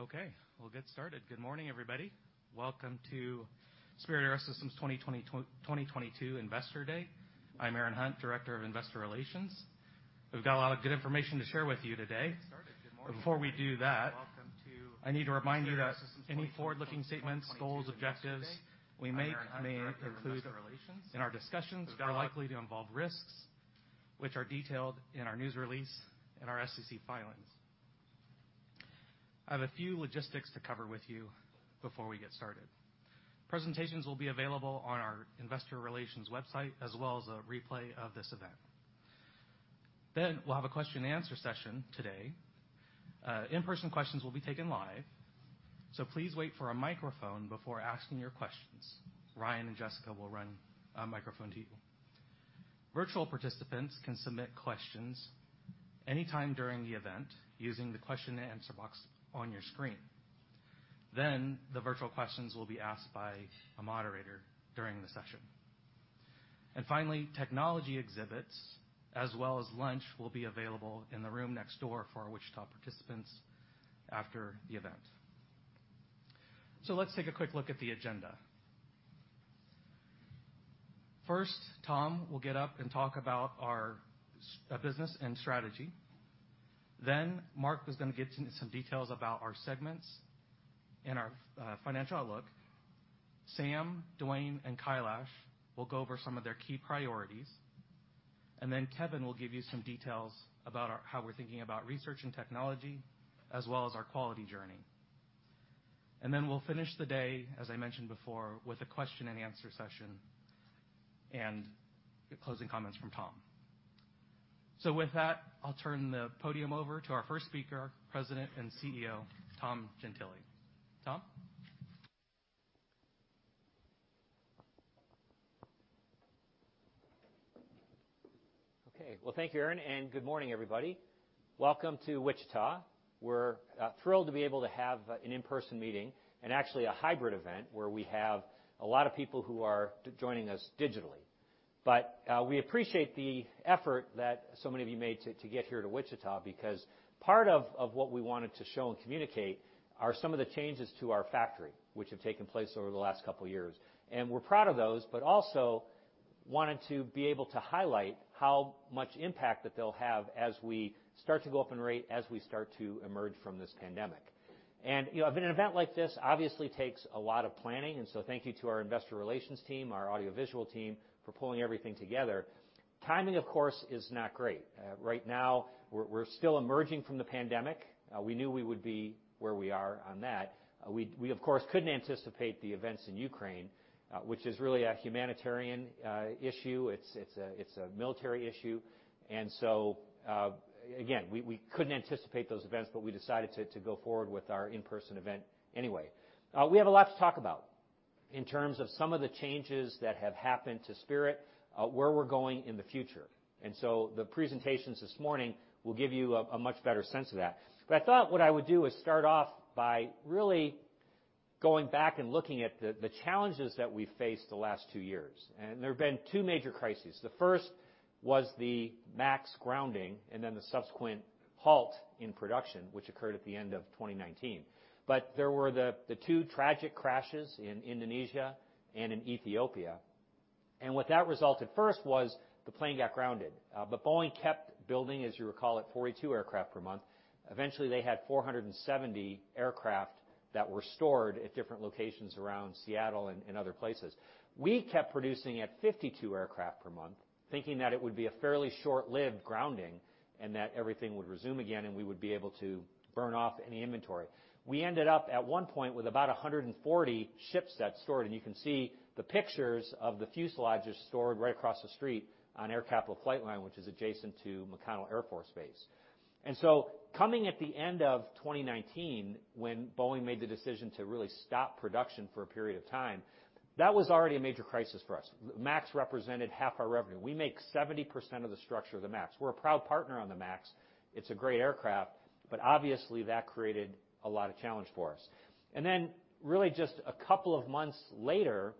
Okay, we'll get started. Good morning, everybody. Welcome to Spirit AeroSystems 2022 Investor Day. I'm Aaron Hunt, Director of Investor Relations. We've got a lot of good information to share with you today. Before we do that, I need to remind you that any forward-looking statements, goals, and objectives we make may include in our discussions are likely to involve risks, which are detailed in our news release and our SEC filings. I have a few logistics to cover with you before we get started. Presentations will be available on our investor relations website, as well as a replay of this event. We'll have a question and answer session today. In-person questions will be taken live, so please wait for a microphone before asking your questions. Ryan and Jessica will run a microphone to you. Virtual participants can submit questions any time during the event using the question and answer box on your screen. The virtual questions will be asked by a moderator during the session. Finally, technology exhibits, as well as lunch, will be available in the room next door for our Wichita participants after the event. Let's take a quick look at the agenda. First, Tom will get up and talk about our business and strategy. Mark is gonna get into some details about our segments and our financial outlook. Sam, Duane, and Kailash will go over some of their key priorities. Kevin will give you some details about how we're thinking about research and technology, as well as our quality journey. We'll finish the day, as I mentioned before, with a question and answer session and closing comments from Tom. With that, I'll turn the podium over to our first speaker, President and CEO, Tom Gentile. Tom. Okay. Well, thank you, Aaron, and good morning, everybody. Welcome to Wichita. We're thrilled to be able to have an in-person meeting and actually a hybrid event where we have a lot of people who are joining us digitally. But we appreciate the effort that so many of you made to get here to Wichita because part of what we wanted to show and communicate are some of the changes to our factory, which have taken place over the last couple years. We're proud of those, but also wanted to be able to highlight how much impact that they'll have as we start to go up and rate as we start to emerge from this pandemic. You know, an event like this obviously takes a lot of planning, and so thank you to our investor relations team, our audiovisual team for pulling everything together. Timing, of course, is not great. Right now we're still emerging from the pandemic. We knew we would be where we are on that. We, of course, couldn't anticipate the events in Ukraine, which is really a humanitarian issue. It's a military issue. We couldn't anticipate those events, but we decided to go forward with our in-person event anyway. We have a lot to talk about in terms of some of the changes that have happened to Spirit, where we're going in the future. The presentations this morning will give you a much better sense of that. I thought what I would do is start off by really going back and looking at the challenges that we faced the last two years. There have been two major crises. The first was the MAX grounding and then the subsequent halt in production, which occurred at the end of 2019. There were the two tragic crashes in Indonesia and in Ethiopia. What that resulted first was the plane got grounded. Boeing kept building, as you recall, at 42 aircraft per month. Eventually, they had 470 aircraft that were stored at different locations around Seattle and other places. We kept producing at 52 aircraft per month, thinking that it would be a fairly short-lived grounding and that everything would resume again and we would be able to burn off any inventory. We ended up at one point with about 140 shipsets that were stored. You can see the pictures of the fuselages stored right across the street on Air Capital Flight Line, which is adjacent to McConnell Air Force Base. Coming at the end of 2019, when Boeing made the decision to really stop production for a period of time, that was already a major crisis for us. MAX represented half our revenue. We make 70% of the structure of the MAX. We're a proud partner on the MAX. It's a great aircraft, but obviously, that created a lot of challenge for us. Really just a couple of months later,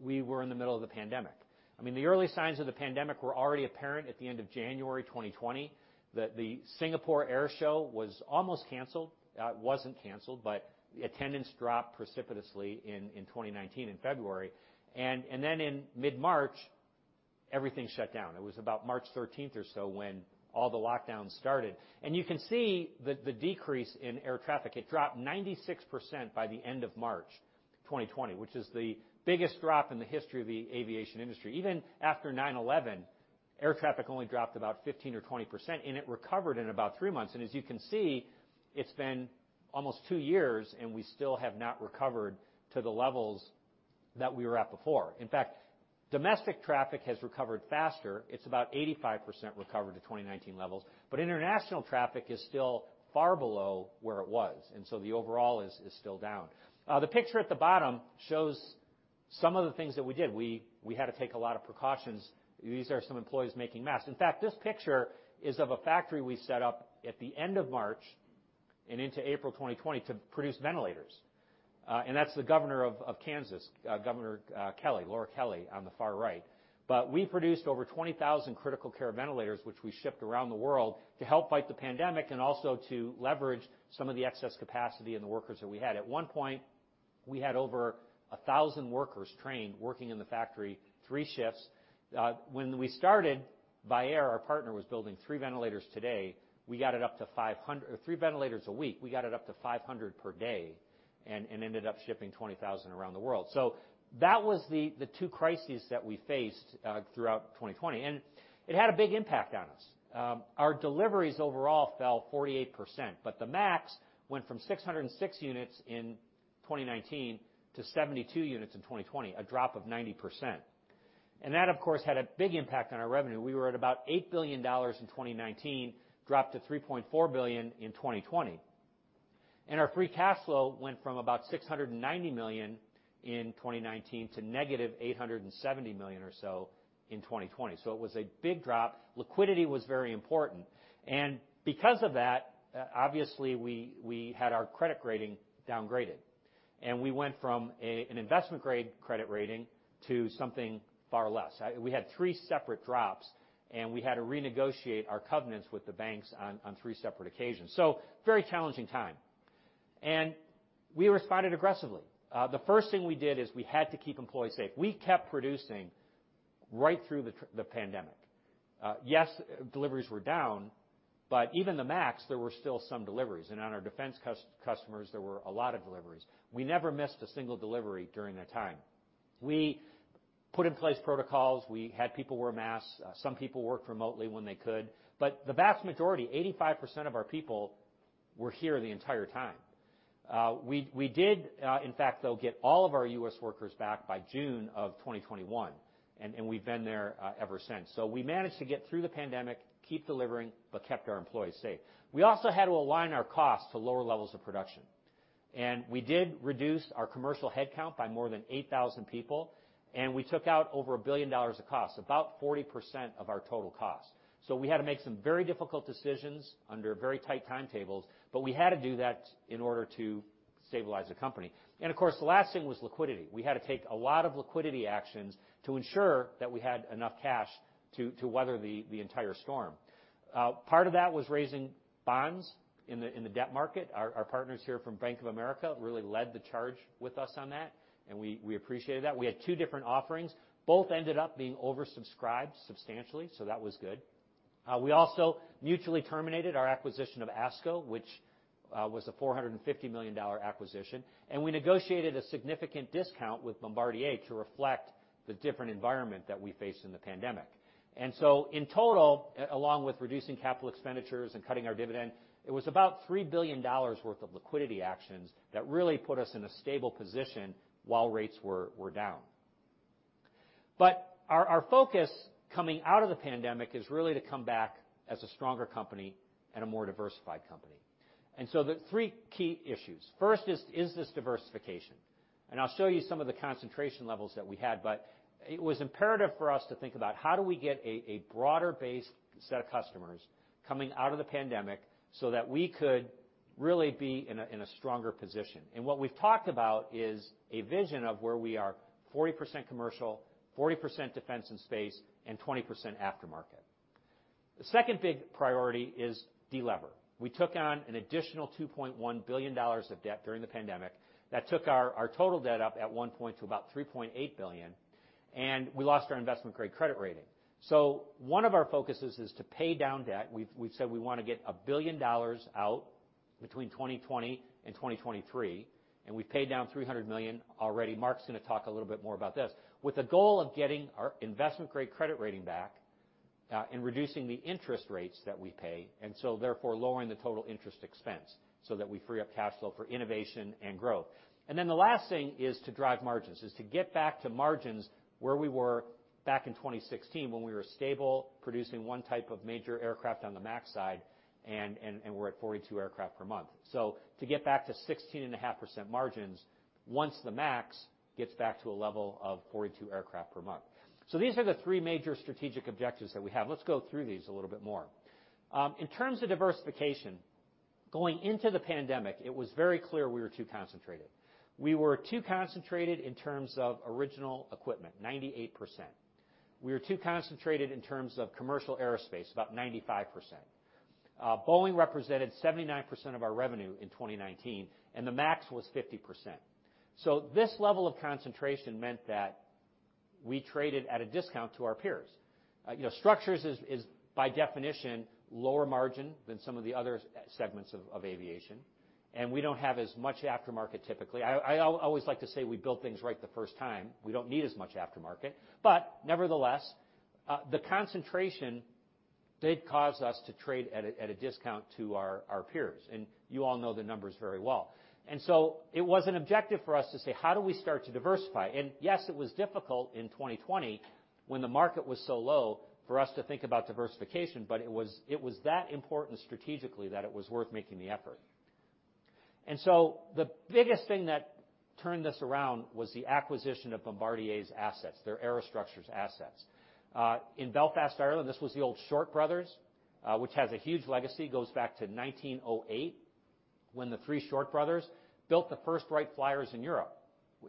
we were in the middle of the pandemic. I mean, the early signs of the pandemic were already apparent at the end of January 2020. The Singapore Airshow was almost canceled. It wasn't canceled, but attendance dropped precipitously in 2019 in February. Then in mid-March, everything shut down. It was about March 13 or so when all the lockdowns started. You can see the decrease in air traffic. It dropped 96% by the end of March 2020, which is the biggest drop in the history of the aviation industry. Even after 9/11, air traffic only dropped about 15 or 20%, and it recovered in about 3 months. As you can see, it's been almost 2 years, and we still have not recovered to the levels that we were at before. In fact, domestic traffic has recovered faster. It's about 85% recovered to 2019 levels. International traffic is still far below where it was. The overall is still down. The picture at the bottom shows some of the things that we did. We had to take a lot of precautions. These are some employees making masks. In fact, this picture is of a factory we set up at the end of March and into April 2020 to produce ventilators. That's Governor Laura Kelly of Kansas on the far right. We produced over 20,000 critical care ventilators, which we shipped around the world to help fight the pandemic and also to leverage some of the excess capacity in the workers that we had. At one point, we had over 1,000 workers trained, working in the factory, three shifts. When we started, Vyaire, our partner, was building 3 ventilators a day. We got it up to 500 or 300 ventilators a week. We got it up to 500 per day and ended up shipping 20,000 around the world. That was the two crises that we faced throughout 2020, and it had a big impact on us. Our deliveries overall fell 48%, but the MAX went from 606 units in 2019 to 72 units in 2020, a drop of 90%. That, of course, had a big impact on our revenue. We were at about $8 billion in 2019, dropped to $3.4 billion in 2020. Our free cash flow went from about $690 million in 2019 to negative $870 million or so in 2020. It was a big drop. Liquidity was very important. Because of that, obviously, we had our credit rating downgraded, and we went from an investment-grade credit rating to something far less. We had three separate drops, and we had to renegotiate our covenants with the banks on three separate occasions. Very challenging time. We responded aggressively. The first thing we did is we had to keep employees safe. We kept producing right through the pandemic. Yes, deliveries were down, but even the MAX, there were still some deliveries, and on our defense customers, there were a lot of deliveries. We never missed a single delivery during that time. We put in place protocols. We had people wear masks. Some people worked remotely when they could, but the vast majority, 85% of our people, were here the entire time. We did in fact get all of our U.S. workers back by June 2021, and we've been there ever since. We managed to get through the pandemic, keep delivering, but kept our employees safe. We also had to align our costs to lower levels of production, and we did reduce our commercial headcount by more than 8,000 people, and we took out over $1 billion of cost, about 40% of our total cost. We had to make some very difficult decisions under very tight timetables, but we had to do that in order to stabilize the company. Of course, the last thing was liquidity. We had to take a lot of liquidity actions to ensure that we had enough cash to weather the entire storm. Part of that was raising bonds in the debt market. Our partners here from Bank of America really led the charge with us on that, and we appreciated that. We had two different offerings, both ended up being oversubscribed substantially, so that was good. We also mutually terminated our acquisition of Asco, which was a $450 million acquisition, and we negotiated a significant discount with Bombardier to reflect the different environment that we faced in the pandemic. In total, along with reducing capital expenditures and cutting our dividend, it was about $3 billion worth of liquidity actions that really put us in a stable position while rates were down. Our focus coming out of the pandemic is really to come back as a stronger company and a more diversified company. The three key issues, first is this diversification. I'll show you some of the concentration levels that we had, but it was imperative for us to think about how do we get a broader base set of customers coming out of the pandemic so that we could really be in stronger position. What we've talked about is a vision of where we are 40% commercial, 40% Defense and Space, and 20% aftermarket. The second big priority is delever. We took on an additional $2.1 billion of debt during the pandemic. That took our total debt up at one point to about $3.8 billion, and we lost our investment-grade credit rating. One of our focuses is to pay down debt. We've said we wanna get $1 billion out between 2020 and 2023, and we've paid down $300 million already. Mark's gonna talk a little bit more about this. With the goal of getting our investment-grade credit rating back and reducing the interest rates that we pay, and so therefore lowering the total interest expense so that we free up cash flow for innovation and growth. The last thing is to drive margins, is to get back to margins where we were back in 2016 when we were stable, producing one type of major aircraft on the MAX side and we're at 42 aircraft per month. To get back to 16.5% margins, once the MAX gets back to a level of 42 aircraft per month. These are the three major strategic objectives that we have. Let's go through these a little bit more. In terms of diversification, going into the pandemic, it was very clear we were too concentrated. We were too concentrated in terms of original equipment, 98%. We were too concentrated in terms of commercial aerospace, about 95%. Boeing represented 79% of our revenue in 2019, and the MAX was 50%. This level of concentration meant that we traded at a discount to our peers. You know, structures is by definition lower margin than some of the other segments of aviation, and we don't have as much aftermarket typically. I always like to say we build things right the first time. We don't need as much aftermarket. Nevertheless, the concentration did cause us to trade at a discount to our peers, and you all know the numbers very well. It was an objective for us to say, how do we start to diversify? Yes, it was difficult in 2020 when the market was so low for us to think about diversification, but it was that important strategically that it was worth making the effort. The biggest thing that turned this around was the acquisition of Bombardier's assets, their aerostructures assets. In Belfast, Ireland, this was the old Short Brothers, which has a huge legacy, goes back to 1908 when the three Short brothers built the first Wright Flyers in Europe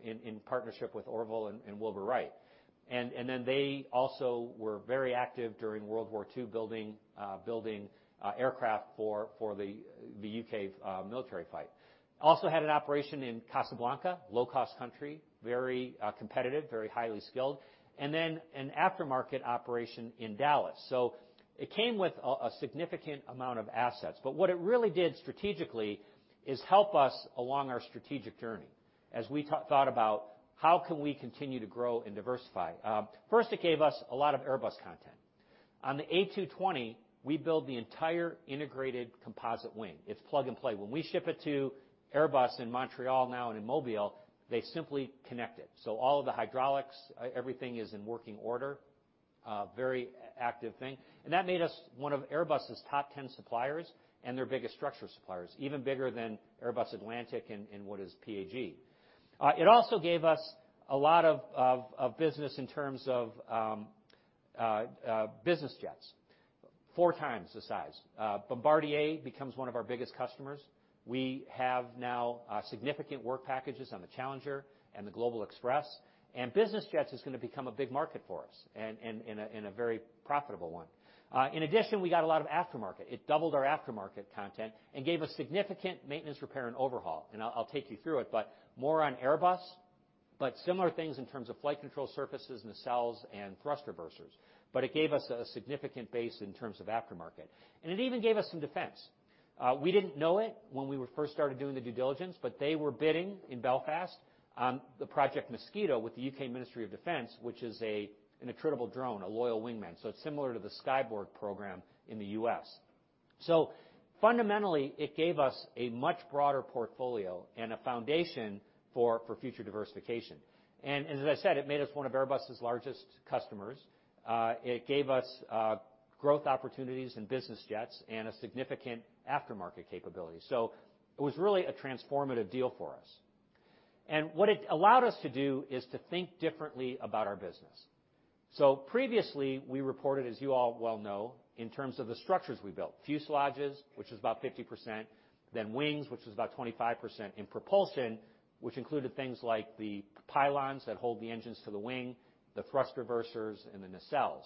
in partnership with Orville and Wilbur Wright. They also were very active during World War II, building aircraft for the U.K. war effort. It also had an operation in Casablanca, a low-cost country, very competitive, very highly skilled, and then an aftermarket operation in Dallas. It came with a significant amount of assets, but what it really did strategically is help us along our strategic journey as we thought about how we can continue to grow and diversify. First, it gave us a lot of Airbus content. On the A220, we build the entire integrated composite wing. It's plug-and-play. When we ship it to Airbus in Montreal now and in Mobile, they simply connect it. All of the hydraulics, everything is in working order, very active thing. That made us one of Airbus's top 10 suppliers and their biggest structure suppliers, even bigger than Airbus Atlantic and PAG. It also gave us a lot of business in terms of business jets, four times the size. Bombardier becomes one of our biggest customers. We have now significant work packages on the Challenger and the Global Express, and business jets is gonna become a big market for us and a very profitable one. In addition, we got a lot of aftermarket. It doubled our aftermarket content and gave us significant maintenance repair and overhaul, and I'll take you through it, but more on Airbus, but similar things in terms of flight control surfaces, nacelles, and thrust reversers.. It gave us a significant base in terms of aftermarket, and it even gave us some defense. We didn't know it when we were first started doing the due diligence, but they were bidding in Belfast, the Project Mosquito with the U.K. Ministry of Defence, which is an attritable drone, a loyal wingman, so it's similar to the Skyborg program in the U.S. Fundamentally, it gave us a much broader portfolio and a foundation for future diversification. As I said, it made us one of Airbus's largest customers. It gave us growth opportunities in business jets and a significant aftermarket capability. It was really a transformative deal for us. What it allowed us to do is to think differently about our business. Previously, we reported, as you all well know, in terms of the structures we built, fuselages, which is about 50%, then wings, which is about 25%, and propulsion, which included things like the pylons that hold the engines to the wing, the thrust reversers, and the nacelles.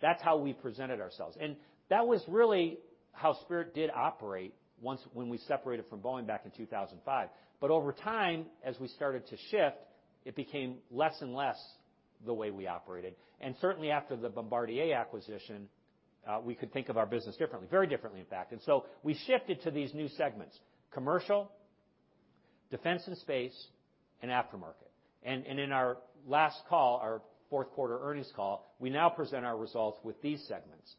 That's how we presented ourselves, and that was really how Spirit did operate once, when we separated from Boeing back in 2005. Over time, as we started to shift, it became less and less the way we operated. Certainly, after the Bombardier acquisition, we could think of our business differently, very differently, in fact. We shifted to these new segments: Commercial, Defense and Space, and Aftermarket. In our last call, our fourth quarter earnings call, we now present our results with these segments.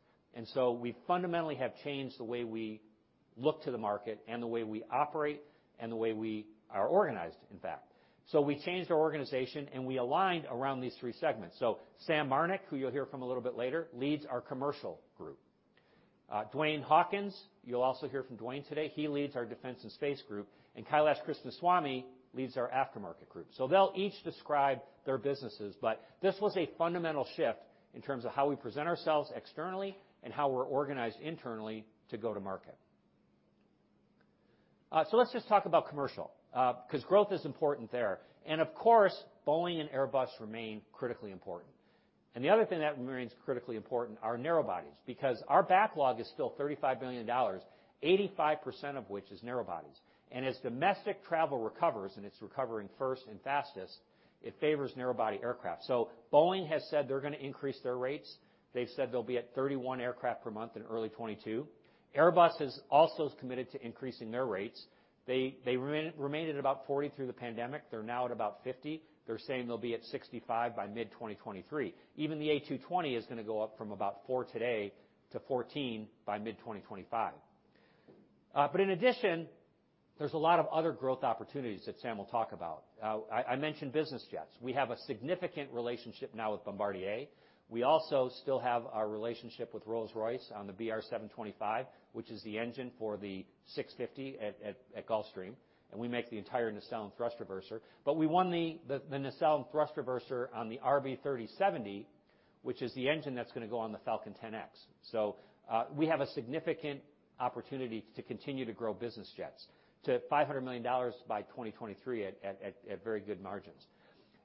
We fundamentally have changed the way we look to the market and the way we operate and the way we are organized, in fact. We changed our organization, and we aligned around these three segments. Sam Marnick, who you'll hear from a little bit later, leads our Commercial group. Duane Hawkins, you'll also hear from Duane today. He leads our Defense and Space group, and Kailash Krishnaswamy leads our Aftermarket group. They'll each describe their businesses, but this was a fundamental shift in terms of how we present ourselves externally and how we're organized internally to go to market. Let's just talk about commercial, because growth is important there. Of course, Boeing and Airbus remain critically important. The other thing that remains critically important are narrow bodies, because our backlog is still $35 billion, 85% of which is narrow bodies. As domestic travel recovers, and it's recovering first and fastest, it favors narrow body aircraft. Boeing has said they're gonna increase their rates. They've said they'll be at 31 aircraft per month in early 2022. Airbus has also committed to increasing their rates. They remained at about 40 through the pandemic. They're now at about 50. They're saying they'll be at 65 by mid-2023. Even the A220 is gonna go up from about 4 today to 14 by mid-2025. But in addition, there's a lot of other growth opportunities that Sam will talk about. I mentioned business jets. We have a significant relationship now with Bombardier. We also still have our relationship with Rolls-Royce on the BR725, which is the engine for the 650 at Gulfstream, and we make the entire nacelle and thrust reverser. We won the nacelle and thrust reverser on the RB3070, which is the engine that's gonna go on the Falcon 10X. We have a significant opportunity to continue to grow business jets to $500 million by 2023 at very good margins.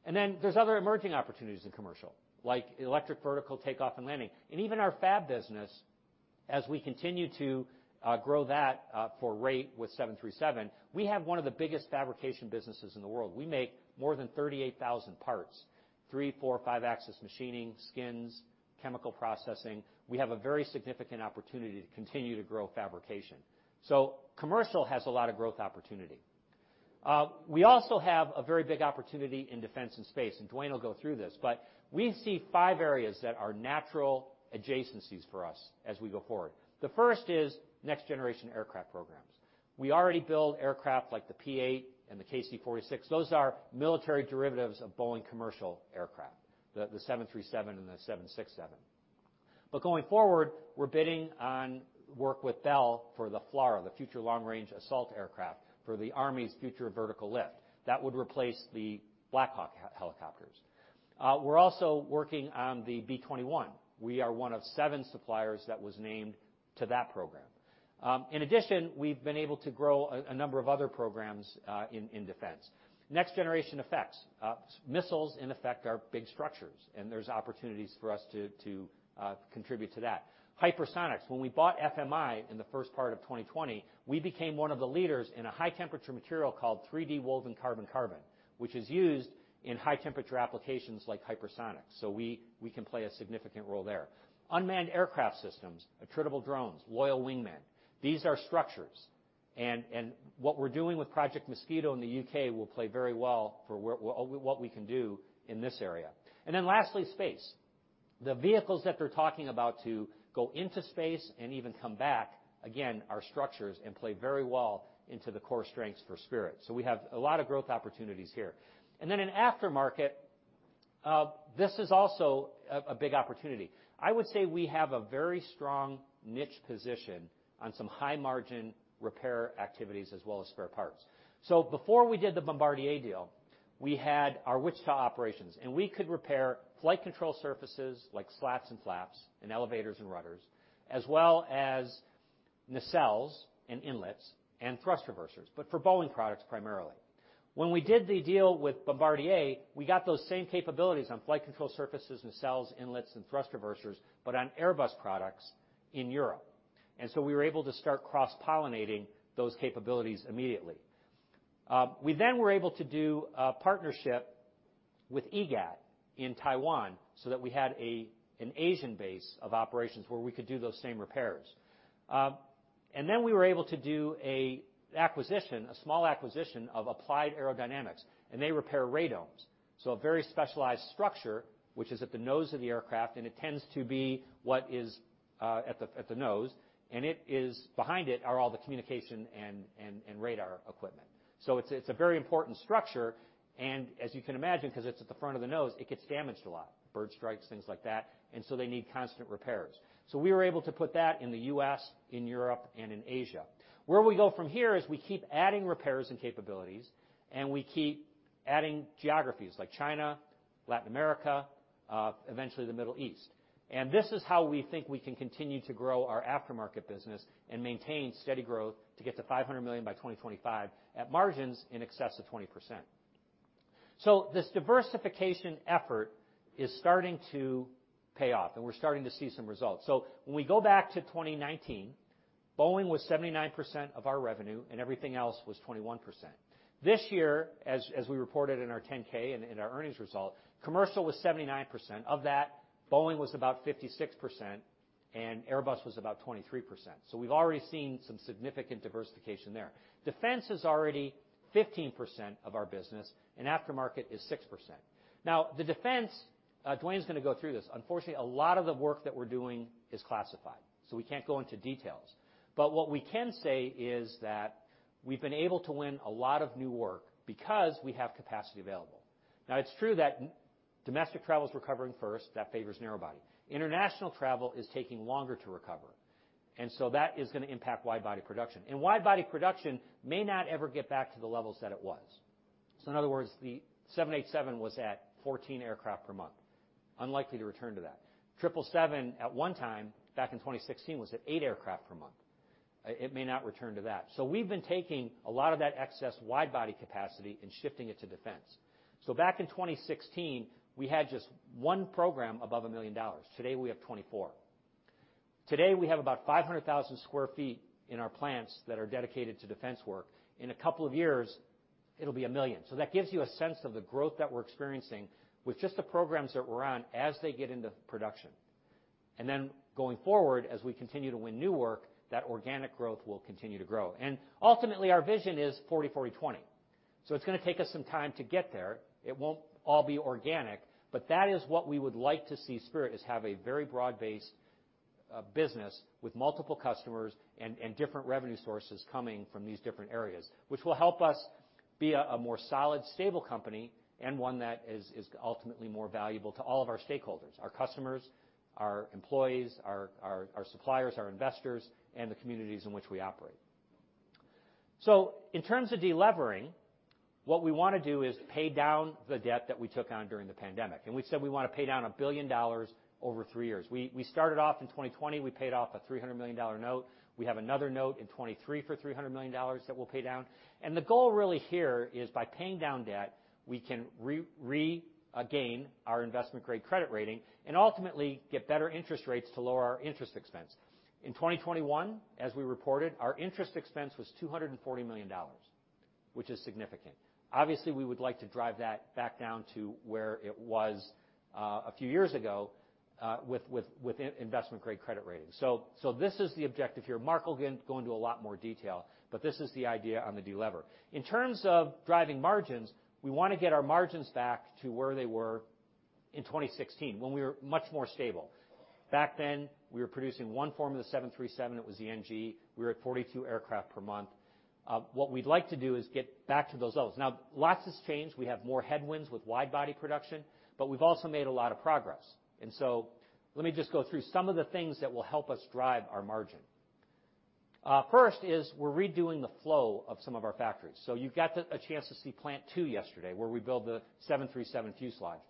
There's other emerging opportunities in commercial, like electric vertical takeoff and landing. Even our fab business, as we continue to grow that for rate with 737, we have one of the biggest fabrication businesses in the world. We make more than 38,000 parts, 3-, 4-, 5-axis machining, skins, chemical processing. We have a very significant opportunity to continue to grow fabrication. Commercial has a lot of growth opportunity. We also have a very big opportunity in defense and space, and DuaneDuane will go through this. We see five areas that are natural adjacencies for us as we go forward. The first is next-generation aircraft programs. We already build aircraft like the P-8 and the KC-46. Those are military derivatives of Boeing commercial aircraft, the 737 and the 767. Going forward, we're bidding on work with Bell for the FLRAA, the Future Long-Range Assault Aircraft, for the Army's future vertical lift. That would replace the Black Hawk helicopters. We're also working on the B-21. We are one of seven suppliers that was named to that program. In addition, we've been able to grow a number of other programs in defense. Next generation effects. Missiles in effect are big structures, and there's opportunities for us to contribute to that. Hypersonics. When we bought FMI in the first part of 2020, we became one of the leaders in a high-temperature material called 3D woven carbon-carbon, which is used in high-temperature applications like hypersonics, so we can play a significant role there. Unmanned aircraft systems, attritable drones, loyal wingmen, these are structures. What we're doing with Project Mosquito in the U.K. will play very well for what we can do in this area. Then lastly, space. The vehicles that they're talking about to go into space and even come back, again, are structures and play very well into the core strengths for Spirit. We have a lot of growth opportunities here. In aftermarket, this is also a big opportunity. I would say we have a very strong niche position on some high-margin repair activities as well as spare parts. Before we did the Bombardier deal, we had our Wichita operations, and we could repair flight control surfaces like slats and flaps and elevators and rudders, as well as nacelles and inlets and thrust reversers, but for Boeing products primarily. When we did the deal with Bombardier, we got those same capabilities on flight control surfaces, nacelles, inlets, and thrust reversers, but on Airbus products in Europe. We were able to start cross-pollinating those capabilities immediately. We then were able to do a partnership with EGAT in Taiwan so that we had an Asian base of operations where we could do those same repairs. We were able to do an acquisition, a small acquisition of Applied Aerodynamics, and they repair radomes. A very specialized structure, which is at the nose of the aircraft, and it tends to be what is at the nose, and behind it are all the communication and radar equipment. It's a very important structure, and as you can imagine, because it's at the front of the nose, it gets damaged a lot, bird strikes, things like that, and they need constant repairs. We were able to put that in the U.S., in Europe, and in Asia. Where we go from here is we keep adding repairs and capabilities, and we keep adding geographies like China, Latin America, eventually the Middle East. This is how we think we can continue to grow our aftermarket business and maintain steady growth to get to $500 million by 2025 at margins in excess of 20%. This diversification effort is starting to pay off, and we're starting to see some results. When we go back to 2019, Boeing was 79% of our revenue, and everything else was 21%. This year, as we reported in our 10-K and in our earnings result, commercial was 79%. Of that, Boeing was about 56%, and Airbus was about 23%. We've already seen some significant diversification there. Defense is already 15% of our business, and aftermarket is 6%. Now, the defense, Duane's gonna go through this. Unfortunately, a lot of the work that we're doing is classified, so we can't go into details. What we can say is that we've been able to win a lot of new work because we have capacity available. Now, it's true that domestic travel is recovering first. That favors narrow body. International travel is taking longer to recover. That is gonna impact wide body production. Wide body production may not ever get back to the levels that it was. In other words, the 787 was at 14 aircraft per month, unlikely to return to that. 777 at one time, back in 2016, was at 8 aircraft per month. It may not return to that. We've been taking a lot of that excess wide body capacity and shifting it to defense. Back in 2016, we had just 1 program above $1 million. Today, we have 24. Today, we have about 500,000 sq ft in our plants that are dedicated to defense work. In a couple of years, it'll be 1 million. That gives you a sense of the growth that we're experiencing with just the programs that we're on as they get into production. Going forward, as we continue to win new work, that organic growth will continue to grow. Ultimately, our vision is 40, 20. It's gonna take us some time to get there. It won't all be organic, but that is what we would like to see Spirit have a very broad-based business with multiple customers and different revenue sources coming from these different areas, which will help us be a more solid, stable company and one that is ultimately more valuable to all of our stakeholders, our customers, our employees, our suppliers, our investors, and the communities in which we operate. In terms of delevering, what we wanna do is pay down the debt that we took on during the pandemic, and we said we want to pay down $1 billion over 3 years. We started off in 2020. We paid off a $300 million note. We have another note in 2023 for $300 million that we'll pay down. The goal really here is by paying down debt, we can re-regain our investment-grade credit rating and ultimately get better interest rates to lower our interest expense. In 2021, as we reported, our interest expense was $240 million, which is significant. Obviously, we would like to drive that back down to where it was a few years ago with investment-grade credit rating. This is the objective here. Mark will go into a lot more detail, but this is the idea on the delever. In terms of driving margins, we wanna get our margins back to where they were in 2016 when we were much more stable. Back then, we were producing one form of the 737. It was the NG. We were at 42 aircraft per month. What we'd like to do is get back to those levels. Now, lots has changed. We have more headwinds with wide-body production, but we've also made a lot of progress. Let me just go through some of the things that will help us drive our margin. First, we're redoing the flow of some of our factories. So you got a chance to see Plant 2 yesterday, where we build the 737 fuselage.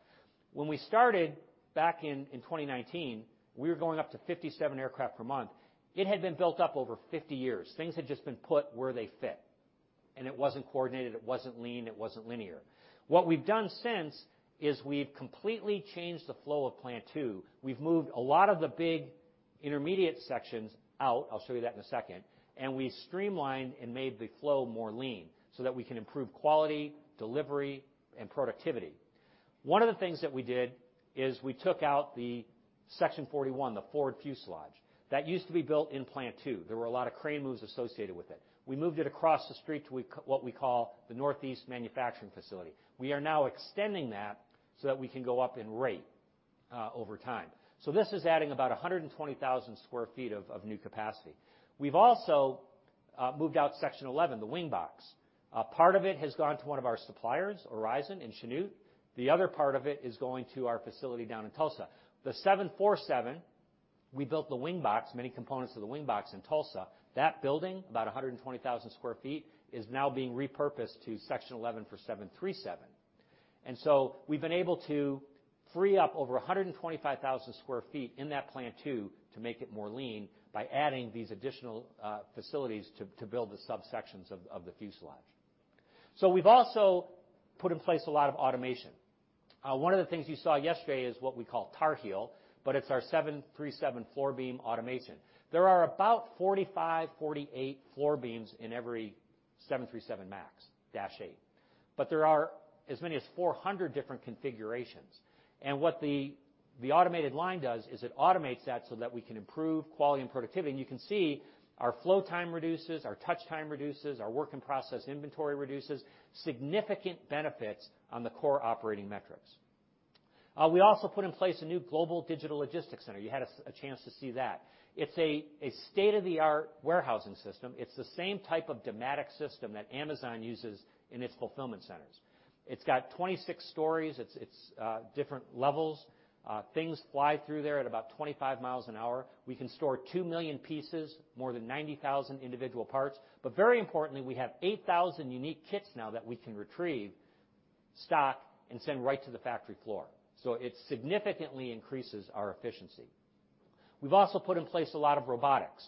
When we started back in 2019, we were going up to 57 aircraft per month. It had been built up over 50 years. Things had just been put where they fit, and it wasn't coordinated, it wasn't lean, it wasn't linear. What we've done since is we've completely changed the flow of Plant 2. We've moved a lot of the big intermediate sections out, I'll show you that in a second, and we streamlined and made the flow more lean so that we can improve quality, delivery, and productivity. One of the things that we did is we took out the Section 41, the forward fuselage, that used to be built in Plant 2. There were a lot of crane moves associated with it. We moved it across the street to what we call the Northeast Manufacturing Facility. We are now extending that so that we can go up in rate over time. This is adding about 120,000 sq ft of new capacity. We've also moved out Section 11, the wing box. A part of it has gone to one of our suppliers, Horsch in Cheney. The other part of it is going to our facility down in Tulsa. The 747, we built the wing box, many components of the wing box in Tulsa. That building, about 120,000 sq ft, is now being repurposed to Section 11 for 737. We've been able to free up over 125,000 sq ft in that Plant 2 to make it more lean by adding these additional facilities to build the subsections of the fuselage. We've also put in place a lot of automation. One of the things you saw yesterday is what we call Tar Heel, but it's our 737 floor beam automation. There are about 45-48 floor beams in every 737 MAX -8. But there are as many as 400 different configurations. What the automated line does is it automates that so that we can improve quality and productivity. You can see our flow time reduces, our touch time reduces, our work in process inventory reduces, significant benefits on the core perating metrics. We also put in place a new global digital logistics center. You had a chance to see that. It's a state-of-the-art warehousing system. It's the same type of Dematic system that Amazon uses in its fulfillment centers. It's got 26 stories. It's different levels. Things fly through there at about 25 miles an hour. We can store 2 million pieces, more than 90,000 individual parts, but very importantly, we have 8,000 unique kits now that we can retrieve, stock, and send right to the factory floor. It significantly increases our efficiency. We've also put in place a lot of robotics.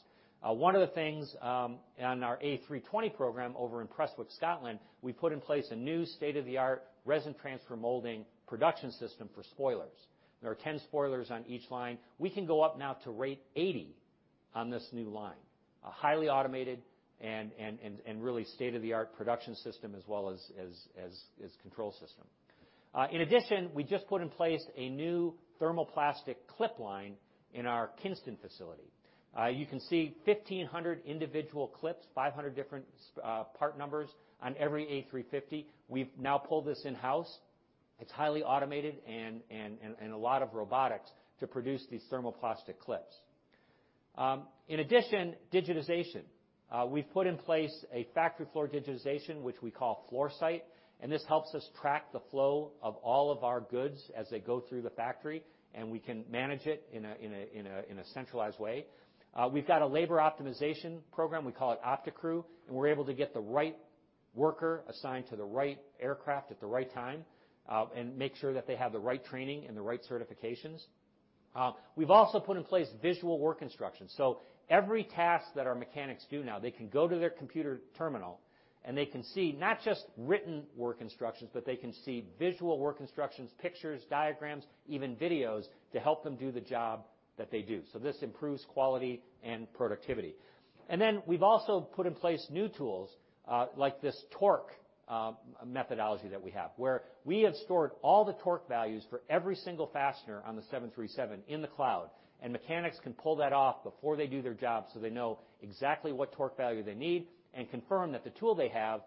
One of the things on our A320 program over in Prestwick, Scotland, we put in place a new state-of-the-art resin transfer molding production system for spoilers. There are 10 spoilers on each line. We can go up now to rate 80 on this new line. A highly automated and really state-of-the-art production system as well as control system. In addition, we just put in place a new thermoplastic clip line in our Kinston facility. You can see 1,500 individual clips, 500 different part numbers on every A350. We've now pulled this in-house. It's highly automated and a lot of robotics to produce these thermoplastic clips. In addition, digitization. We've put in place a factory floor digitization, which we call Floorsight, and this helps us track the flow of all of our goods as they go through the factory, and we can manage it in a centralized way. We've got a labor optimization program, we call it Opticrew, and we're able to get the right worker assigned to the right aircraft at the right time, and make sure that they have the right training and the right certifications. We've also put in place visual work instructions. Every task that our mechanics do now, they can go to their computer terminal, and they can see not just written work instructions, but they can see visual work instructions, pictures, diagrams, even videos to help them do the job that they do. This improves quality and productivity. We've also put in place new tools, like this torque methodology that we have, where we have stored all the torque values for every single fastener on the 737 in the cloud, and mechanics can pull that off before they do their job, so they know exactly what torque value they need and confirm that the tool they have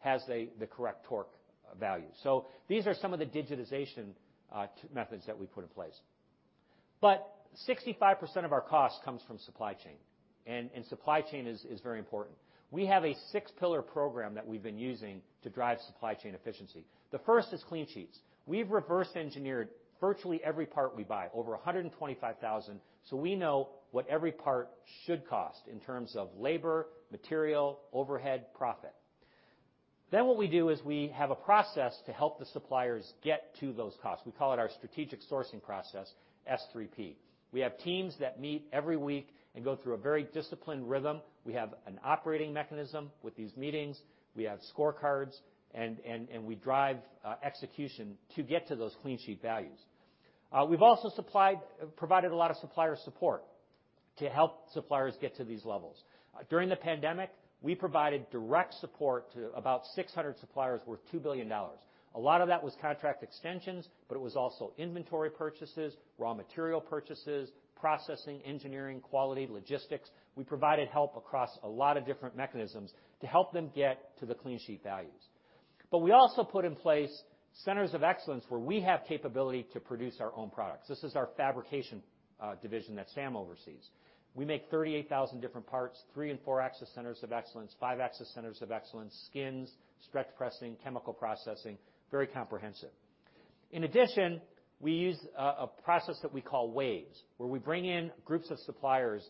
has the correct torque value. These are some of the digitization methods that we put in place. 65% of our cost comes from supply chain, and supply chain is very important. We have a six-pillar program that we've been using to drive supply chain efficiency. The first is clean sheets. We've reverse engineered virtually every part we buy, over 125,000, so we know what every part should cost in terms of labor, material, overhead, profit. What we do is we have a process to help the suppliers get to those costs. We call it our strategic sourcing process, S3P. We have teams that meet every week and go through a very disciplined rhythm. We have an operating mechanism with these meetings. We have scorecards and we drive execution to get to those clean sheet values. We've also provided a lot of supplier support to help suppliers get to these levels. During the pandemic, we provided direct support to about 600 suppliers worth $2 billion. A lot of that was contract extensions, but it was also inventory purchases, raw material purchases, processing, engineering, quality, logistics. We provided help across a lot of different mechanisms to help them get to the clean sheet values. We also put in place centers of excellence where we have capability to produce our own products. This is our fabrication division that Sam oversees. We make 38,000 different parts, 3- and 4-axis centers of excellence, 5-axis centers of excellence, skins, stretch pressing, chemical processing, very comprehensive. In addition, we use a process that we call Waves, where we bring in groups of suppliers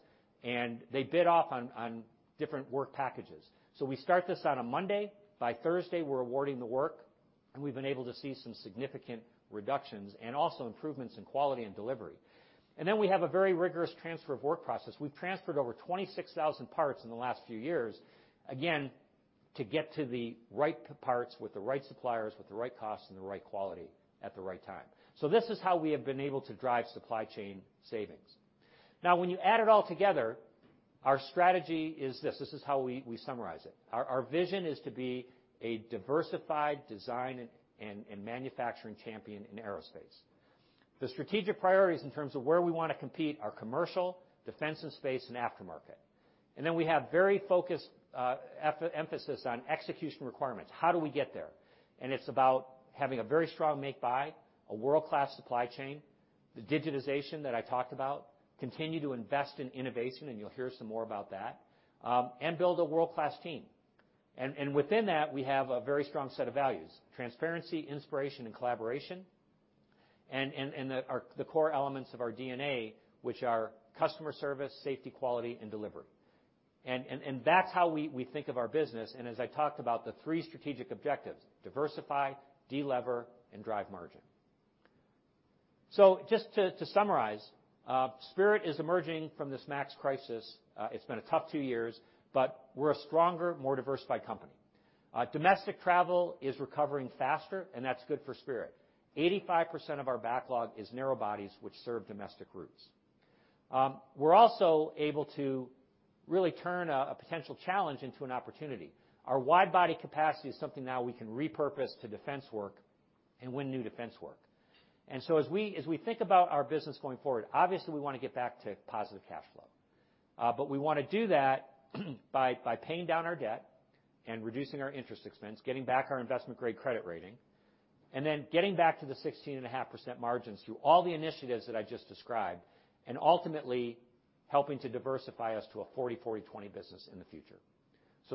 and they bid on different work packages. We start this on a Monday, by Thursday, we're awarding the work, and we've been able to see some significant reductions and also improvements in quality and delivery. We have a very rigorous transfer of work process. We've transferred over 26,000 parts in the last few years, again, to get to the right parts with the right suppliers, with the right cost, and the right quality at the right time. This is how we have been able to drive supply chain savings. Now when you add it all together, our strategy is this. This is how we summarize it. Our vision is to be a diversified design and manufacturing champion in aerospace. The strategic priorities in terms of where we wanna compete are commercial, defense and space, and aftermarket. Then we have very focused emphasis on execution requirements. How do we get there? It's about having a very strong make-buy, a world-class supply chain, the digitization that I talked about, continue to invest in innovation, and you'll hear some more about that, and build a world-class team. Within that, we have a very strong set of values, transparency, inspiration, and collaboration. The core elements of our DNA, which are customer service, safety, quality, and delivery. That's how we think of our business, and as I talked about the three strategic objectives, diversify, delever, and drive margin. Just to summarize, Spirit is emerging from this MAX crisis. It's been a tough two years, but we're a stronger, more diversified company. Domestic travel is recovering faster, and that's good for Spirit. 85% of our backlog is narrow bodies which serve domestic routes. We're also able to really turn a potential challenge into an opportunity. Our wide body capacity is something now we can repurpose to defense work and win new defense work. As we think about our business going forward, obviously, we wanna get back to positive cash flow, but we wanna do that by paying down our debt and reducing our interest expense, getting back our investment-grade credit rating, and then getting back to the 16.5% margins through all the initiatives that I just described, and ultimately helping to diversify us to a 40/40/20 business in the future.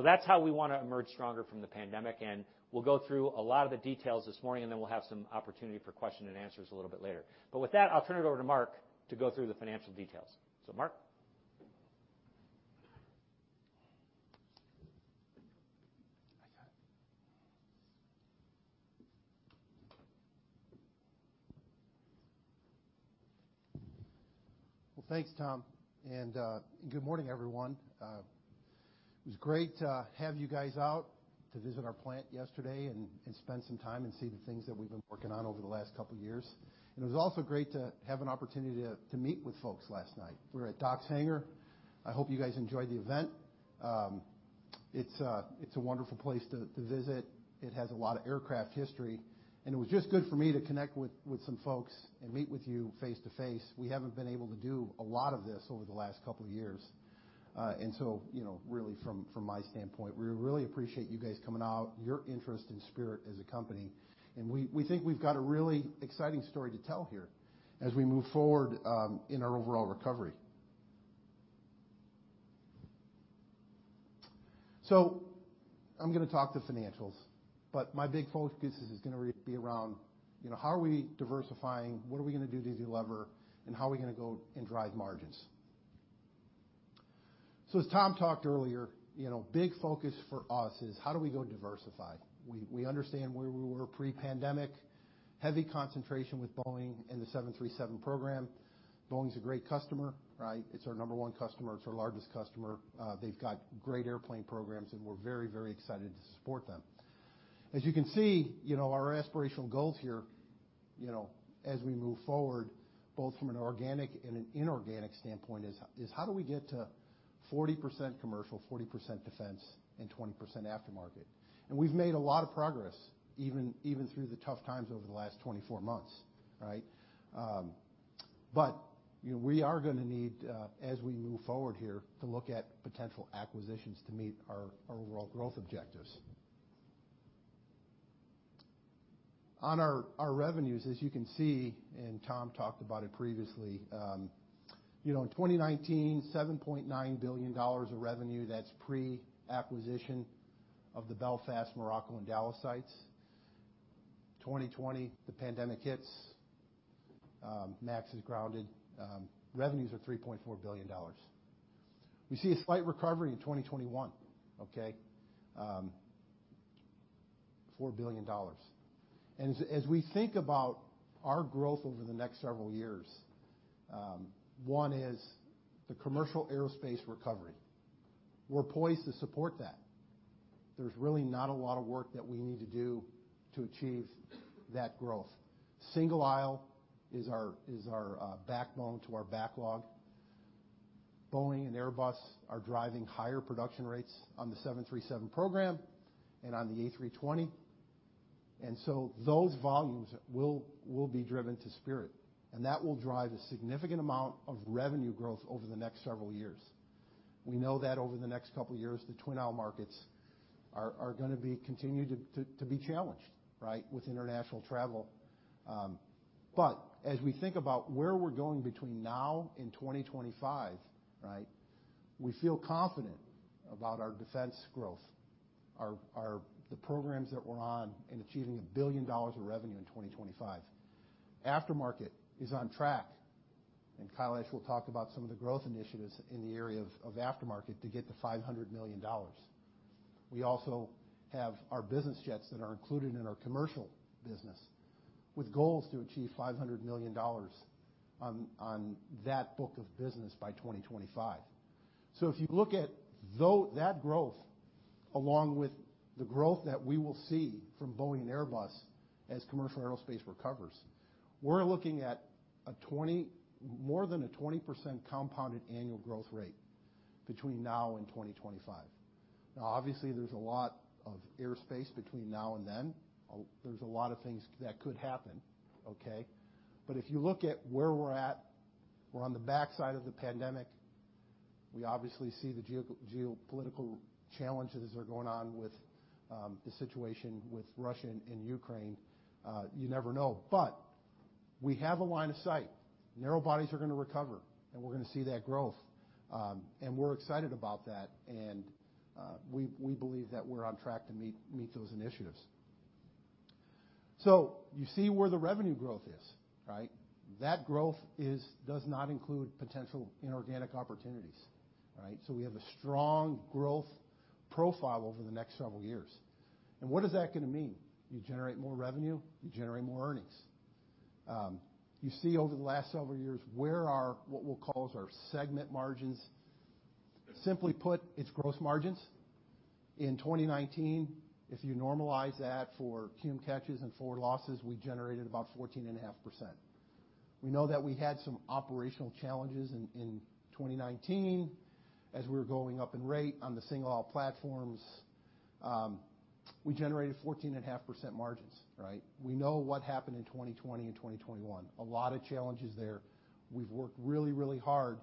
That's how we wanna emerge stronger from the pandemic, and we'll go through a lot of the details this morning, and then we'll have some opportunity for question and answers a little bit later. With that, I'll turn it over to Mark to go through the financial details. Mark? Well, thanks, Tom, and good morning, everyone. It was great to have you guys out to visit our plant yesterday and spend some time and see the things that we've been working on over the last couple years. It was also great to have an opportunity to meet with folks last night. We were at Doc's Hangar. I hope you guys enjoyed the event. It's a wonderful place to visit. It has a lot of aircraft history, and it was just good for me to connect with some folks and meet with you face-to-face. We haven't been able to do a lot of this over the last couple years. You know, really from my standpoint, we really appreciate you guys coming out, your interest in Spirit as a company, and we think we've got a really exciting story to tell here as we move forward in our overall recovery. I'm gonna talk to financials, but my big focus is gonna be around, you know, how are we diversifying, what are we gonna do to delever, and how are we gonna go and drive margins. As Tom talked earlier, you know, big focus for us is how do we go diversify? We understand where we were pre-pandemic, heavy concentration with Boeing and the 737 program. Boeing's a great customer, right? It's our number one customer. It's our largest customer. They've got great airplane programs, and we're very, very excited to support them. As you can see, you know, our aspirational goals here, you know, as we move forward, both from an organic and an inorganic standpoint is how do we get to 40% commercial, 40% defense, and 20% aftermarket? We've made a lot of progress even through the tough times over the last 24 months, right? You know, we are gonna need as we move forward here, to look at potential acquisitions to meet our overall growth objectives. On our revenues, as you can see, and Tom talked about it previously, you know, in 2019, $7.9 billion of revenue, that's pre-acquisition of the Belfast, Morocco, and Dallas sites. 2020, the pandemic hits, MAX is grounded, revenues are $3.4 billion. We see a slight recovery in 2021, okay? $4 billion. As we think about our growth over the next several years, one is the commercial aerospace recovery. We're poised to support that. There's really not a lot of work that we need to do to achieve that growth. Single aisle is our backbone to our backlog. Boeing and Airbus are driving higher production rates on the 737 program and on the A320. Those volumes will be driven to Spirit, and that will drive a significant amount of revenue growth over the next several years. We know that over the next couple years, the twin-aisle markets are gonna continue to be challenged, right, with international travel. As we think about where we're going between now and 2025, right, we feel confident about our Defense growth, the programs that we're on in achieving $1 billion of revenue in 2025. Aftermarket is on track, and Kailash will talk about some of the growth initiatives in the area of Aftermarket to get to $500 million. We also have our business jets that are included in our commercial business with goals to achieve $500 million on that book of business by 2025. If you look at that growth, along with the growth that we will see from Boeing and Airbus as commercial aerospace recovers, we're looking at more than a 20% compounded annual growth rate between now and 2025. Now, obviously, there's a lot of upside between now and then. There's a lot of things that could happen, okay? But if you look at where we're at, we're on the backside of the pandemic. We obviously see the geopolitical challenges that are going on with the situation with Russia and Ukraine. You never know. But we have a line of sight. Narrowbodies are gonna recover, and we're gonna see that growth. And we're excited about that, and we believe that we're on track to meet those initiatives. You see where the revenue growth is, right? That growth does not include potential inorganic opportunities, right? We have a strong growth profile over the next several years. What is that gonna mean? You generate more revenue, you generate more earnings. You see over the last several years where our, what we'll call is our segment margins. Simply put, it's gross margins. In 2019, if you normalize that for cumulative catch-ups and forward losses, we generated about 14.5%. We know that we had some operational challenges in 2019 as we were going up in rate on the single-aisle platforms. We generated 14.5% margins, right? We know what happened in 2020 and 2021. A lot of challenges there. We've worked really hard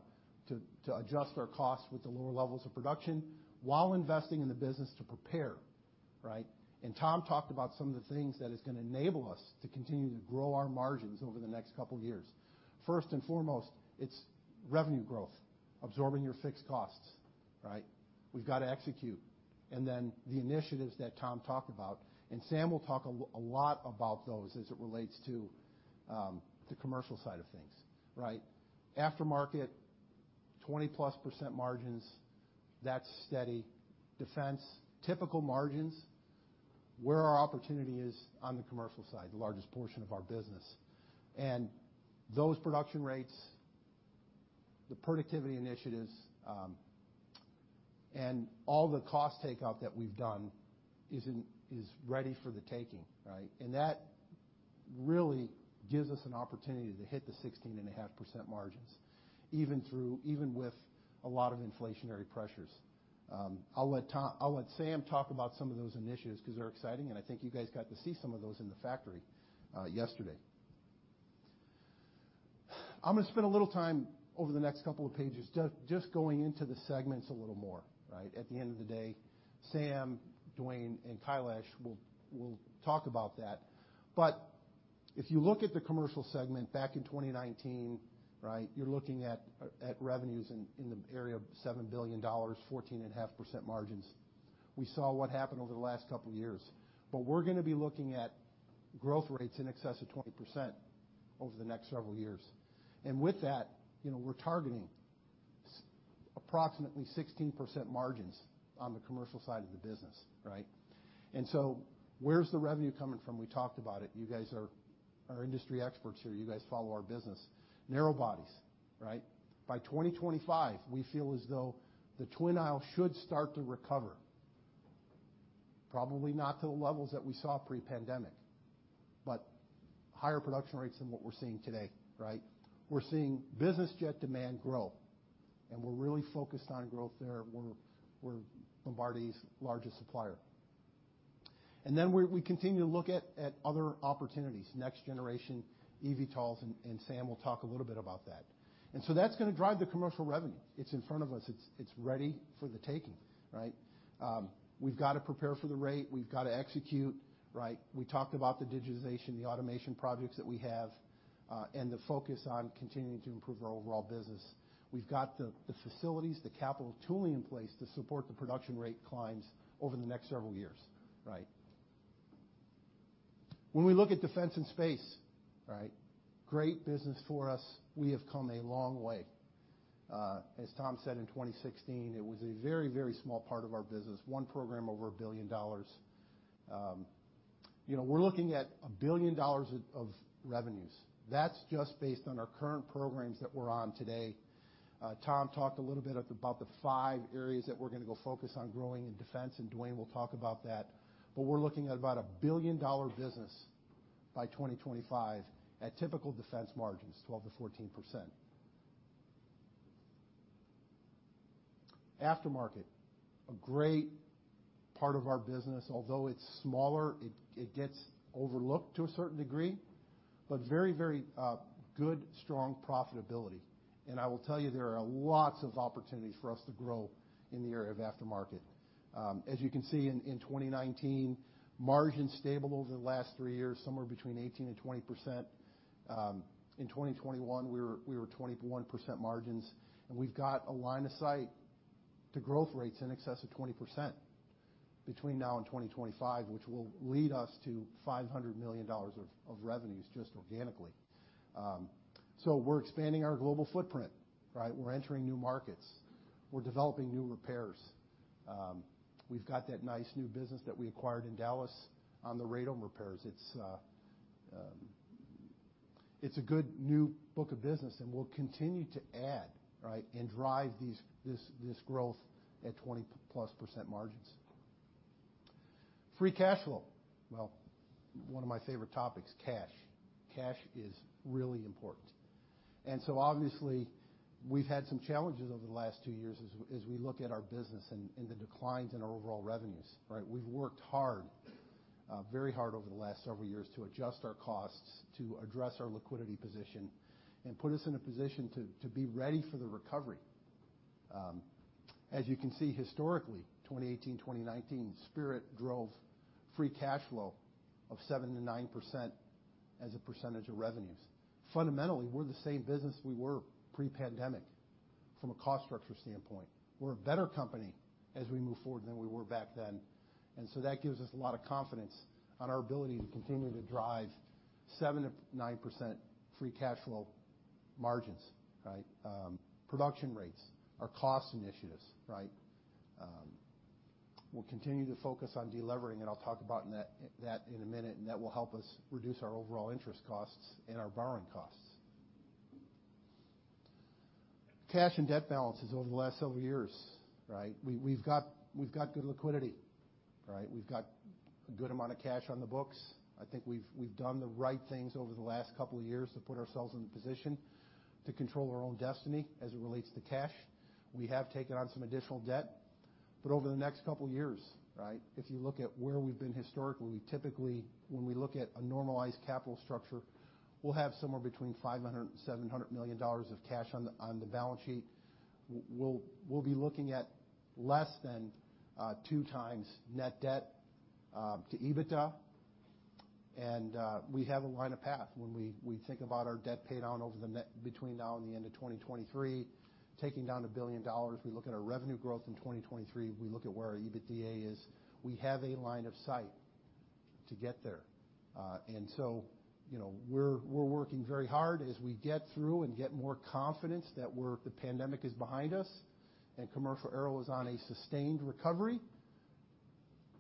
to adjust our costs with the lower levels of production while investing in the business to prepare, right? Tom talked about some of the things that is gonna enable us to continue to grow our margins over the next couple of years. First and foremost, it's revenue growth, absorbing your fixed costs, right? We've got to execute. Then the initiatives that Tom talked about, and Sam will talk a lot about those as it relates to, the commercial side of things, right? Aftermarket, 20+% margins, that's steady. Defense, typical margins. Where our opportunity is on the commercial side, the largest portion of our business. Those production rates, the productivity initiatives, and all the cost takeout that we've done is ready for the taking, right? That really gives us an opportunity to hit the 16.5% margins, even with a lot of inflationary pressures. I'll let Sam talk about some of those initiatives because they're exciting, and I think you guys got to see some of those in the factory yesterday. I'm gonna spend a little time over the next couple of pages just going into the segments a little more, right? At the end of the day, Sam, Duane, and Kailash will talk about that. But if you look at the commercial segment back in 2019, right? You're looking at revenues in the area of $7 billion, 14.5% margins. We saw what happened over the last couple of years. But we're gonna be looking at growth rates in excess of 20% over the next several years. With that, you know, we're targeting approximately 16% margins on the commercial side of the business, right? Where's the revenue coming from? We talked about it. You guys are industry experts here. You guys follow our business. Narrowbodies, right? By 2025, we feel as though the twin aisle should start to recover. Probably not to the levels that we saw pre-pandemic, but higher production rates than what we're seeing today, right? We're seeing business jet demand grow, and we're really focused on growth there. We're Bombardier's largest supplier. We continue to look at other opportunities, next generation EVTOLs, and Sam will talk a little bit about that. That's gonna drive the commercial revenue. It's in front of us. It's ready for the taking, right? We've got to prepare for the rate. We've got to execute, right? We talked about the digitization, the automation projects that we have, and the focus on continuing to improve our overall business. We've got the facilities, the capital tooling in place to support the production rate climbs over the next several years, right? When we look at Defense and Space, right? Great business for us. We have come a long way. As Tom said, in 2016, it was a very, very small part of our business, one program over $1 billion. You know, we're looking at $1 billion of revenues. That's just based on our current programs that we're on today. Tom talked a little bit about the five areas that we're gonna go focus on growing in defense, and Duane will talk about that. We're looking at about a billion-dollar business by 2025 at typical defense margins, 12%-14%. Aftermarket is a great part of our business. Although it's smaller, it gets overlooked to a certain degree, but very good, strong profitability. I will tell you, there are lots of opportunities for us to grow in the area of aftermarket. As you can see in 2019, margin stable over the last three years, somewhere between 18% and 20%. In 2021, we were 21% margins, and we've got a line of sight to growth rates in excess of 20% between now and 2025, which will lead us to $500 million of revenues just organically. We're expanding our global footprint, right? We're entering new markets. We're developing new repairs. We've got that nice new business that we acquired in Dallas on the radome repairs. It's a good new book of business, and we'll continue to add, right, and drive this growth at 20%+ margins. Free cash flow. Well, one of my favorite topics, cash. Cash is really important. Obviously, we've had some challenges over the last two years as we look at our business and the declines in our overall revenues, right? We've worked hard, very hard over the last several years to adjust our costs to address our liquidity position and put us in a position to be ready for the recovery. As you can see, historically, 2018, 2019, Spirit drove free cash flow of 7%-9% as a percentage of revenues. Fundamentally, we're the same business we were pre-pandemic from a cost structure standpoint. We're a better company as we move forward than we were back then. That gives us a lot of confidence on our ability to continue to drive 7%-9% free cash flow margins, right? Production rates, our cost initiatives, right? We'll continue to focus on delevering, and I'll talk about that in a minute, and that will help us reduce our overall interest costs and our borrowing costs. Cash and debt balances over the last several years, right? We've got good liquidity, right? We've got a good amount of cash on the books. I think we've done the right things over the last couple of years to put ourselves in the position to control our own destiny as it relates to cash. We have taken on some additional debt, but over the next couple of years, right, if you look at where we've been historically, we typically, when we look at a normalized capital structure, we'll have somewhere between $500 million and $700 million of cash on the balance sheet. We'll be looking at less than 2x net debt to EBITDA. We have a line of sight when we think about our debt pay down over the next between now and the end of 2023, taking down $1 billion. We look at our revenue growth in 2023, we look at where our EBITDA is. We have a line of sight to get there. you know, we're working very hard as we get through and get more confidence that the pandemic is behind us and commercial aero is on a sustained recovery.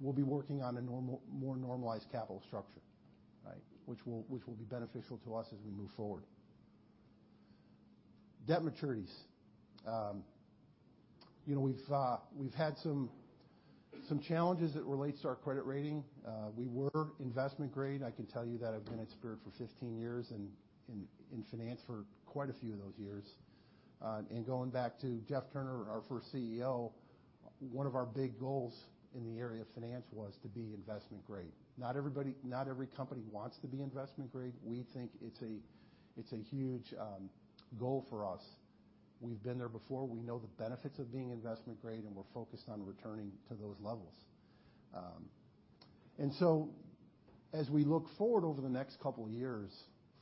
We'll be working on a more normalized capital structure, right? Which will be beneficial to us as we move forward. Debt maturities. You know, we've had some challenges that relates to our credit rating. We were investment grade. I can tell you that I've been at Spirit for 15 years and in finance for quite a few of those years. Going back to Jeff Turner, our first CEO, one of our big goals in the area of finance was to be investment grade. Not every company wants to be investment grade. We think it's a huge goal for us. We've been there before. We know the benefits of being investment grade, and we're focused on returning to those levels. As we look forward over the next couple of years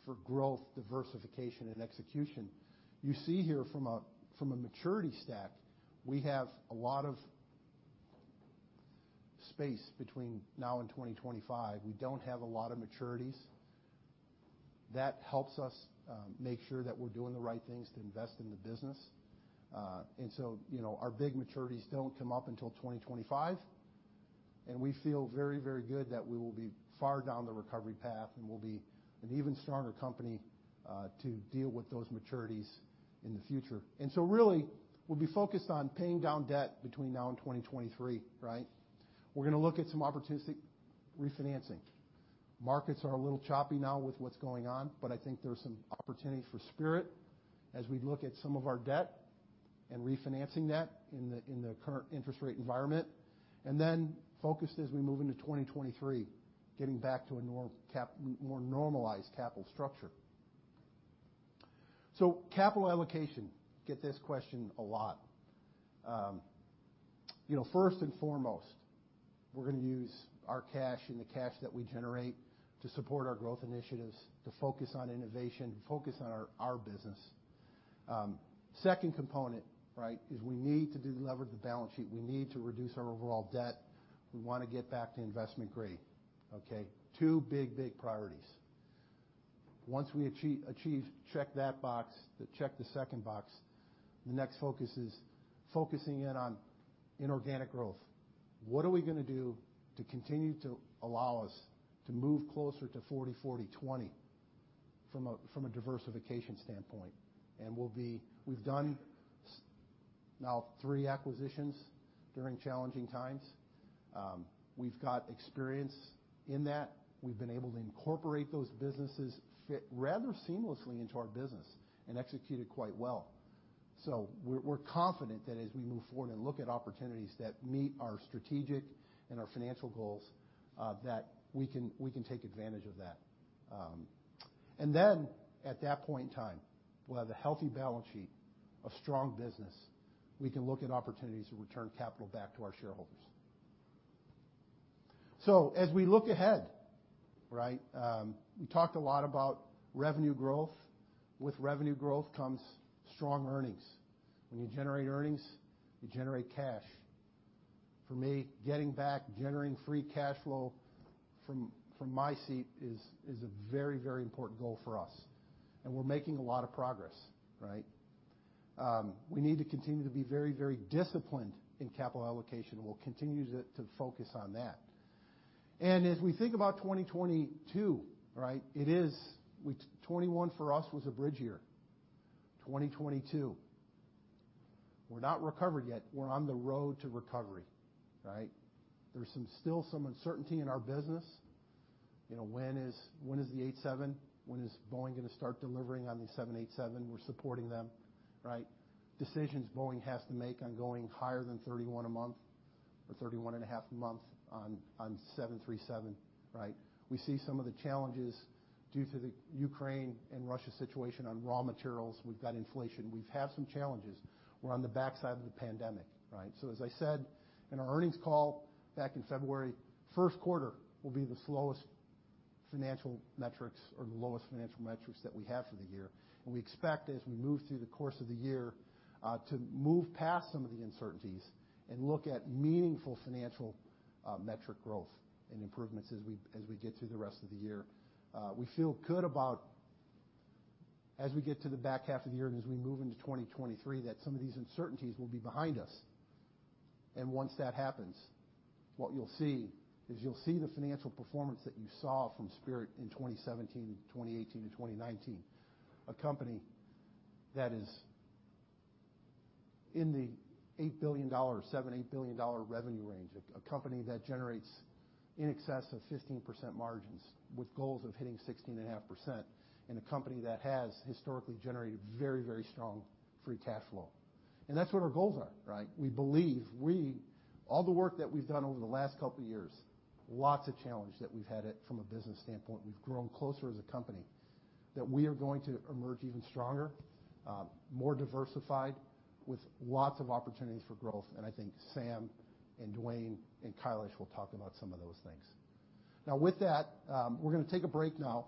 for growth, diversification, and execution, you see here from a maturity stack, we have a lot of space between now and 2025. We don't have a lot of maturities. That helps us make sure that we're doing the right things to invest in the business. You know, our big maturities don't come up until 2025, and we feel very, very good that we will be far down the recovery path, and we'll be an even stronger company to deal with those maturities in the future. Really, we'll be focused on paying down debt between now and 2023, right? We're gonna look at some opportunistic refinancing. Markets are a little choppy now with what's going on, but I think there's some opportunities for Spirit as we look at some of our debt and refinancing that in the current interest rate environment, and then focused as we move into 2023, getting back to a more normalized capital structure. Capital allocation, get this question a lot. You know, first and foremost, we're gonna use our cash and the cash that we generate to support our growth initiatives, to focus on innovation, focus on our business. Second component, right, is we need to delever the balance sheet. We need to reduce our overall debt. We wanna get back to investment grade, okay? Two big priorities. Once we achieve check that box, check the second box, the next focus is focusing in on inorganic growth. What are we gonna do to continue to allow us to move closer to 40/40/20 from a diversification standpoint? We've done 3 acquisitions during challenging times. We've got experience in that. We've been able to incorporate those businesses, fit rather seamlessly into our business and execute it quite well. We're confident that as we move forward and look at opportunities that meet our strategic and our financial goals, that we can take advantage of that. Then at that point in time, we'll have a healthy balance sheet, a strong business. We can look at opportunities to return capital back to our shareholders. As we look ahead, we talked a lot about revenue growth. With revenue growth comes strong earnings. When you generate earnings, you generate cash. For me, getting back, generating free cash flow from my seat is a very, very important goal for us, and we're making a lot of progress, right? We need to continue to be very, very disciplined in capital allocation. We'll continue to focus on that. As we think about 2022, right, it is. 2021 for us was a bridge year. 2022, we're not recovered yet. We're on the road to recovery, right? There's still some uncertainty in our business. You know, when is the 787? When is Boeing gonna start delivering on the 787? We're supporting them, right? Decisions Boeing has to make on going higher than 31 a month or 31.5 a month on 737, right? We see some of the challenges due to the Ukraine and Russia situation on raw materials. We've got inflation. We've had some challenges. We're on the backside of the pandemic, right? As I said in our earnings call back in February, first quarter will be the slowest financial metrics or the lowest financial metrics that we have for the year. We expect, as we move through the course of the year, to move past some of the uncertainties and look at meaningful financial metric growth and improvements as we get through the rest of the year. We feel good about as we get to the back half of the year and as we move into 2023, that some of these uncertainties will be behind us. Once that happens, what you'll see is the financial performance that you saw from Spirit in 2017, 2018, and 2019. A company that is in the $7-$8 billion revenue range. A company that generates in excess of 15% margins, with goals of hitting 16.5%, and a company that has historically generated very, very strong free cash flow. That's what our goals are, right? We believe all the work that we've done over the last couple years, lots of challenge that we've had at, from a business standpoint, we've grown closer as a company, that we are going to emerge even stronger, more diversified, with lots of opportunities for growth. I think Sam and Duane and Kailash will talk about some of those things. Now, with that, we're gonna take a break now.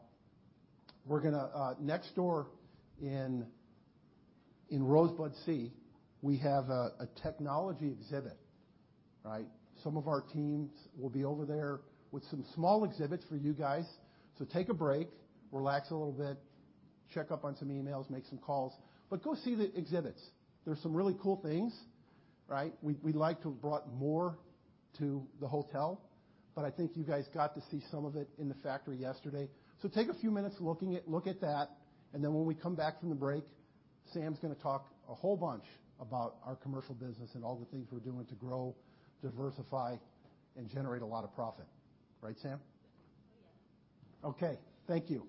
We're gonna next door in Rosebud C, we have a technology exhibit, right? Some of our teams will be over there with some small exhibits for you guys. So take a break, relax a little bit, check up on some emails, make some calls, but go see the exhibits. There's some really cool things, right? We'd like to have brought more to the hotel, but I think you guys got to see some of it in the factory yesterday. So take a few minutes look at that, and then when we come back from the break, Sam's gonna talk a whole bunch about our commercial business and all the things we're doing to grow, diversify, and generate a lot of profit, right, Sam? Oh, yeah. Okay. Thank you.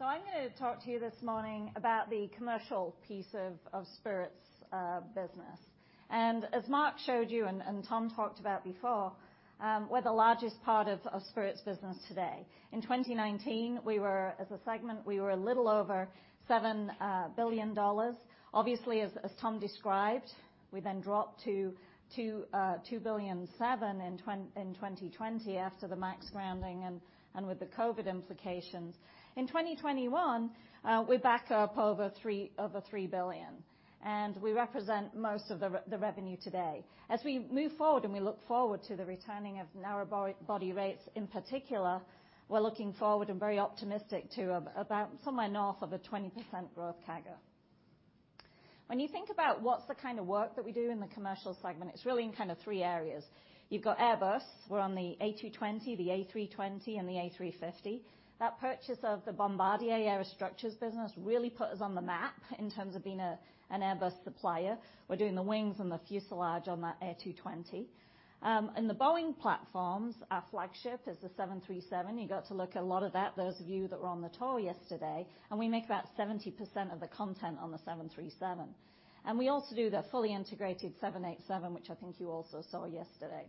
I'm going to talk to you this morning about the commercial piece of Spirit's business. As Mark showed you and Tom talked about before, we're the largest part of Spirit's business today. In 2019, as a segment, we were a little over $7 billion. Obviously, as Tom described, we then dropped to $2.7 billion in 2020 after the MAX grounding and with the COVID implications. In 2021, we're back up over $3 billion, and we represent most of the revenue today. As we move forward and we look forward to the returning of narrow-body rates, in particular, we're looking forward and very optimistic to about somewhere north of a 20% growth CAGR. When you think about what's the kind of work that we do in the commercial segment, it's really in kind of three areas. You've got Airbus, we're on the A220, the A320, and the A350. That purchase of the Bombardier Aerostructures business really put us on the map in terms of being an Airbus supplier. We're doing the wings and the fuselage on that A220. In the Boeing platforms, our flagship is the 737. You got to look at a lot of that, those of you that were on the tour yesterday, and we make about 70% of the content on the 737. We also do the fully integrated 787, which I think you also saw yesterday.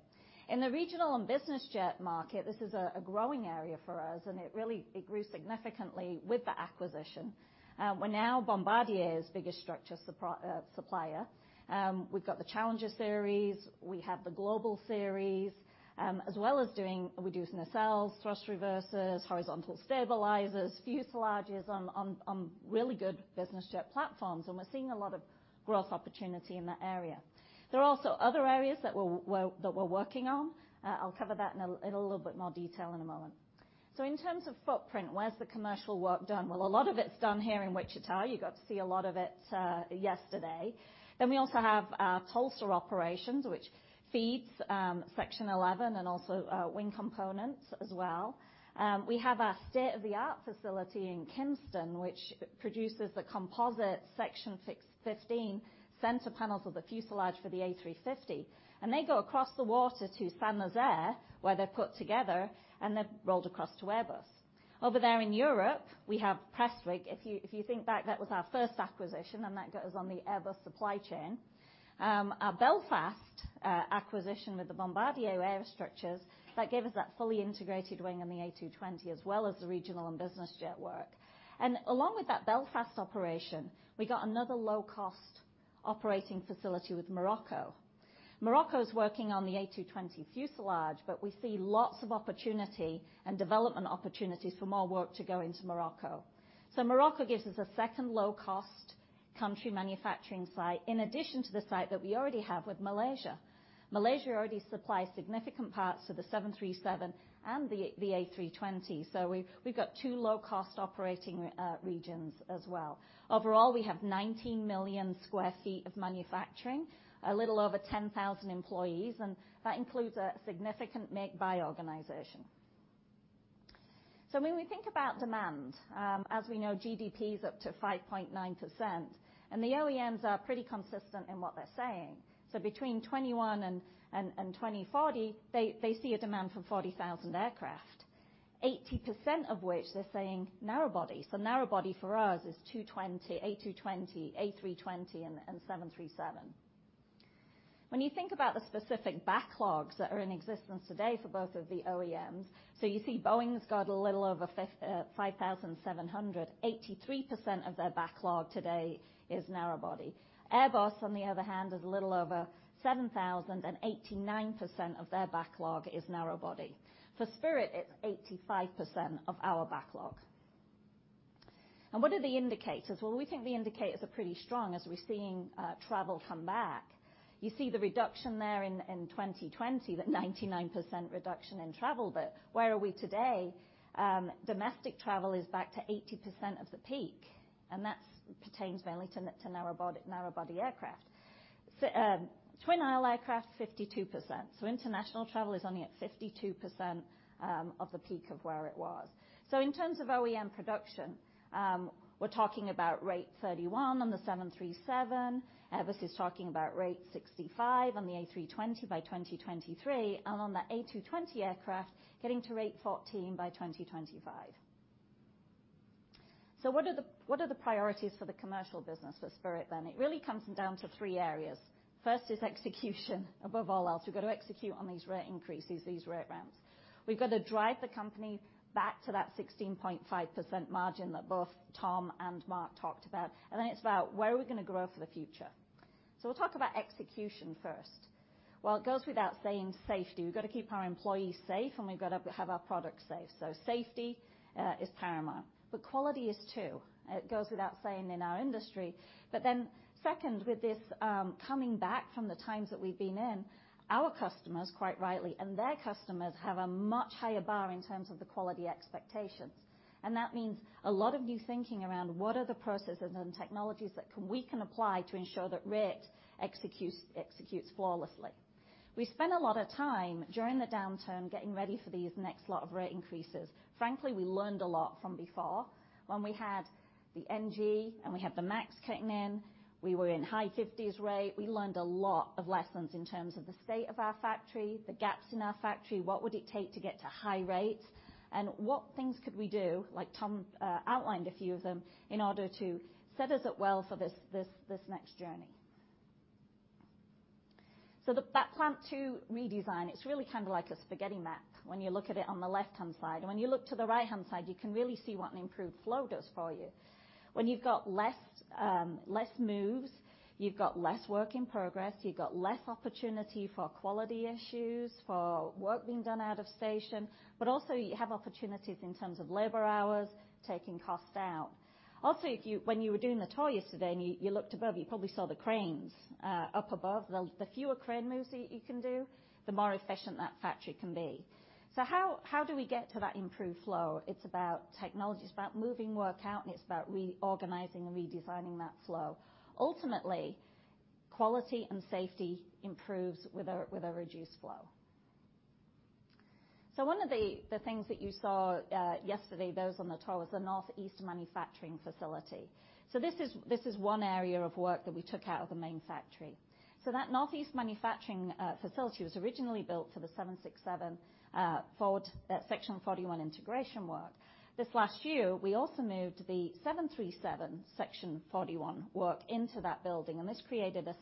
In the regional and business jet market, this is a growing area for us, and it really grew significantly with the acquisition. We're now Bombardier's biggest structure supplier. We've got the Challenger series, we have the Global series, as well as we're doing nacelles, thrust reversers, horizontal stabilizers, fuselages on really good business jet platforms, and we're seeing a lot of growth opportunity in that area. There are also other areas that we're working on. I'll cover that in a little bit more detail in a moment. In terms of footprint, where's the commercial work done? Well, a lot of it's done here in Wichita. You got to see a lot of it yesterday. Then we also have our Tulsa operations, which feeds Section 11 and also wing components as well. We have our state-of-the-art facility in Kinston, which produces the composite Section 15 center panels of the fuselage for the A350. They go across the water to Saint-Nazaire, where they're put together and they're rolled across to Airbus. Over there in Europe, we have Prestwick. If you think back, that was our first acquisition and that got us on the Airbus supply chain. Our Belfast acquisition with the Bombardier Aerostructures, that gave us that fully integrated wing on the A220, as well as the regional and business jet work. Along with that Belfast operation, we got another low-cost operating facility with Morocco. Morocco is working on the A220 fuselage, but we see lots of opportunity and development opportunities for more work to go into Morocco. Morocco gives us a second low-cost country manufacturing site in addition to the site that we already have with Malaysia. Malaysia already supplies significant parts to the 737 and the A320. We have two low-cost operating regions as well. Overall, we have 19 million sq ft of manufacturing, a little over 10,000 employees, and that includes a significant make-buy organization. When we think about demand, as we know, GDP is up to 5.9%, and the OEMs are pretty consistent in what they're saying. Between 2021 and 2040, they see a demand for 40,000 aircraft, 80% of which they're saying narrow body. Narrow body for us is 737, A220, A320, and 737. When you think about the specific backlogs that are in existence today for both of the OEMs, you see Boeing's got a little over 5,700. 83% of their backlog today is narrow body. Airbus, on the other hand, is a little over 7,000, and 89% of their backlog is narrow-body. For Spirit, it's 85% of our backlog. What are the indicators? Well, we think the indicators are pretty strong as we're seeing travel come back. You see the reduction there in 2020, that 99% reduction in travel. Where are we today? Domestic travel is back to 80% of the peak, and that pertains mainly to the narrow-body aircraft. Twin-aisle aircraft, 52%. International travel is only at 52% of the peak of where it was. In terms of OEM production, we're talking about rate 31 on the 737. Airbus is talking about rate 65 on the A320 by 2023. On the A220 aircraft, getting to rate 14 by 2025. What are the priorities for the commercial business for Spirit then? It really comes down to three areas. First is execution above all else. We've got to execute on these rate increases, these rate rounds. We've got to drive the company back to that 16.5% margin that both Tom and Mark talked about. It's about where are we gonna grow for the future? We'll talk about execution first. While it goes without saying safety, we've got to keep our employees safe, and we've got to have our products safe. Safety is paramount, but quality is too. It goes without saying in our industry. Second, with this, coming back from the times that we've been in, our customers, quite rightly, and their customers have a much higher bar in terms of the quality expectations. That means a lot of new thinking around what are the processes and technologies that we can apply to ensure that rate executes flawlessly. We spent a lot of time during the downturn getting ready for these next lot of rate increases. Frankly, we learned a lot from before when we had the NG and we had the MAX cutting in, we were in high 50s rate. We learned a lot of lessons in terms of the state of our factory, the gaps in our factory, what would it take to get to high rate, and what things could we do, like Tom outlined a few of them, in order to set us up well for this next journey. The plant two redesign, it's really kind of like a spaghetti map when you look at it on the left-hand side, and when you look to the right-hand side, you can really see what an improved flow does for you. When you've got less moves, you've got less work in progress, you've got less opportunity for quality issues, for work being done out of station, but also you have opportunities in terms of labor hours, taking costs down. Also, if you when you were doing the tour yesterday and you looked above, you probably saw the cranes up above. The fewer crane moves that you can do, the more efficient that factory can be. How do we get to that improved flow? It's about technology, it's about moving work out, and it's about reorganizing and redesigning that flow. Ultimately, quality and safety improves with a reduced flow. One of the things that you saw yesterday, those on the tour was the Northeast Manufacturing facility. This is one area of work that we took out of the main factory. That Northeast Manufacturing facility was originally built for the 767 forward that Section 41 integration work. This last year, we also moved the 737 Section 41 work into that building, and this created a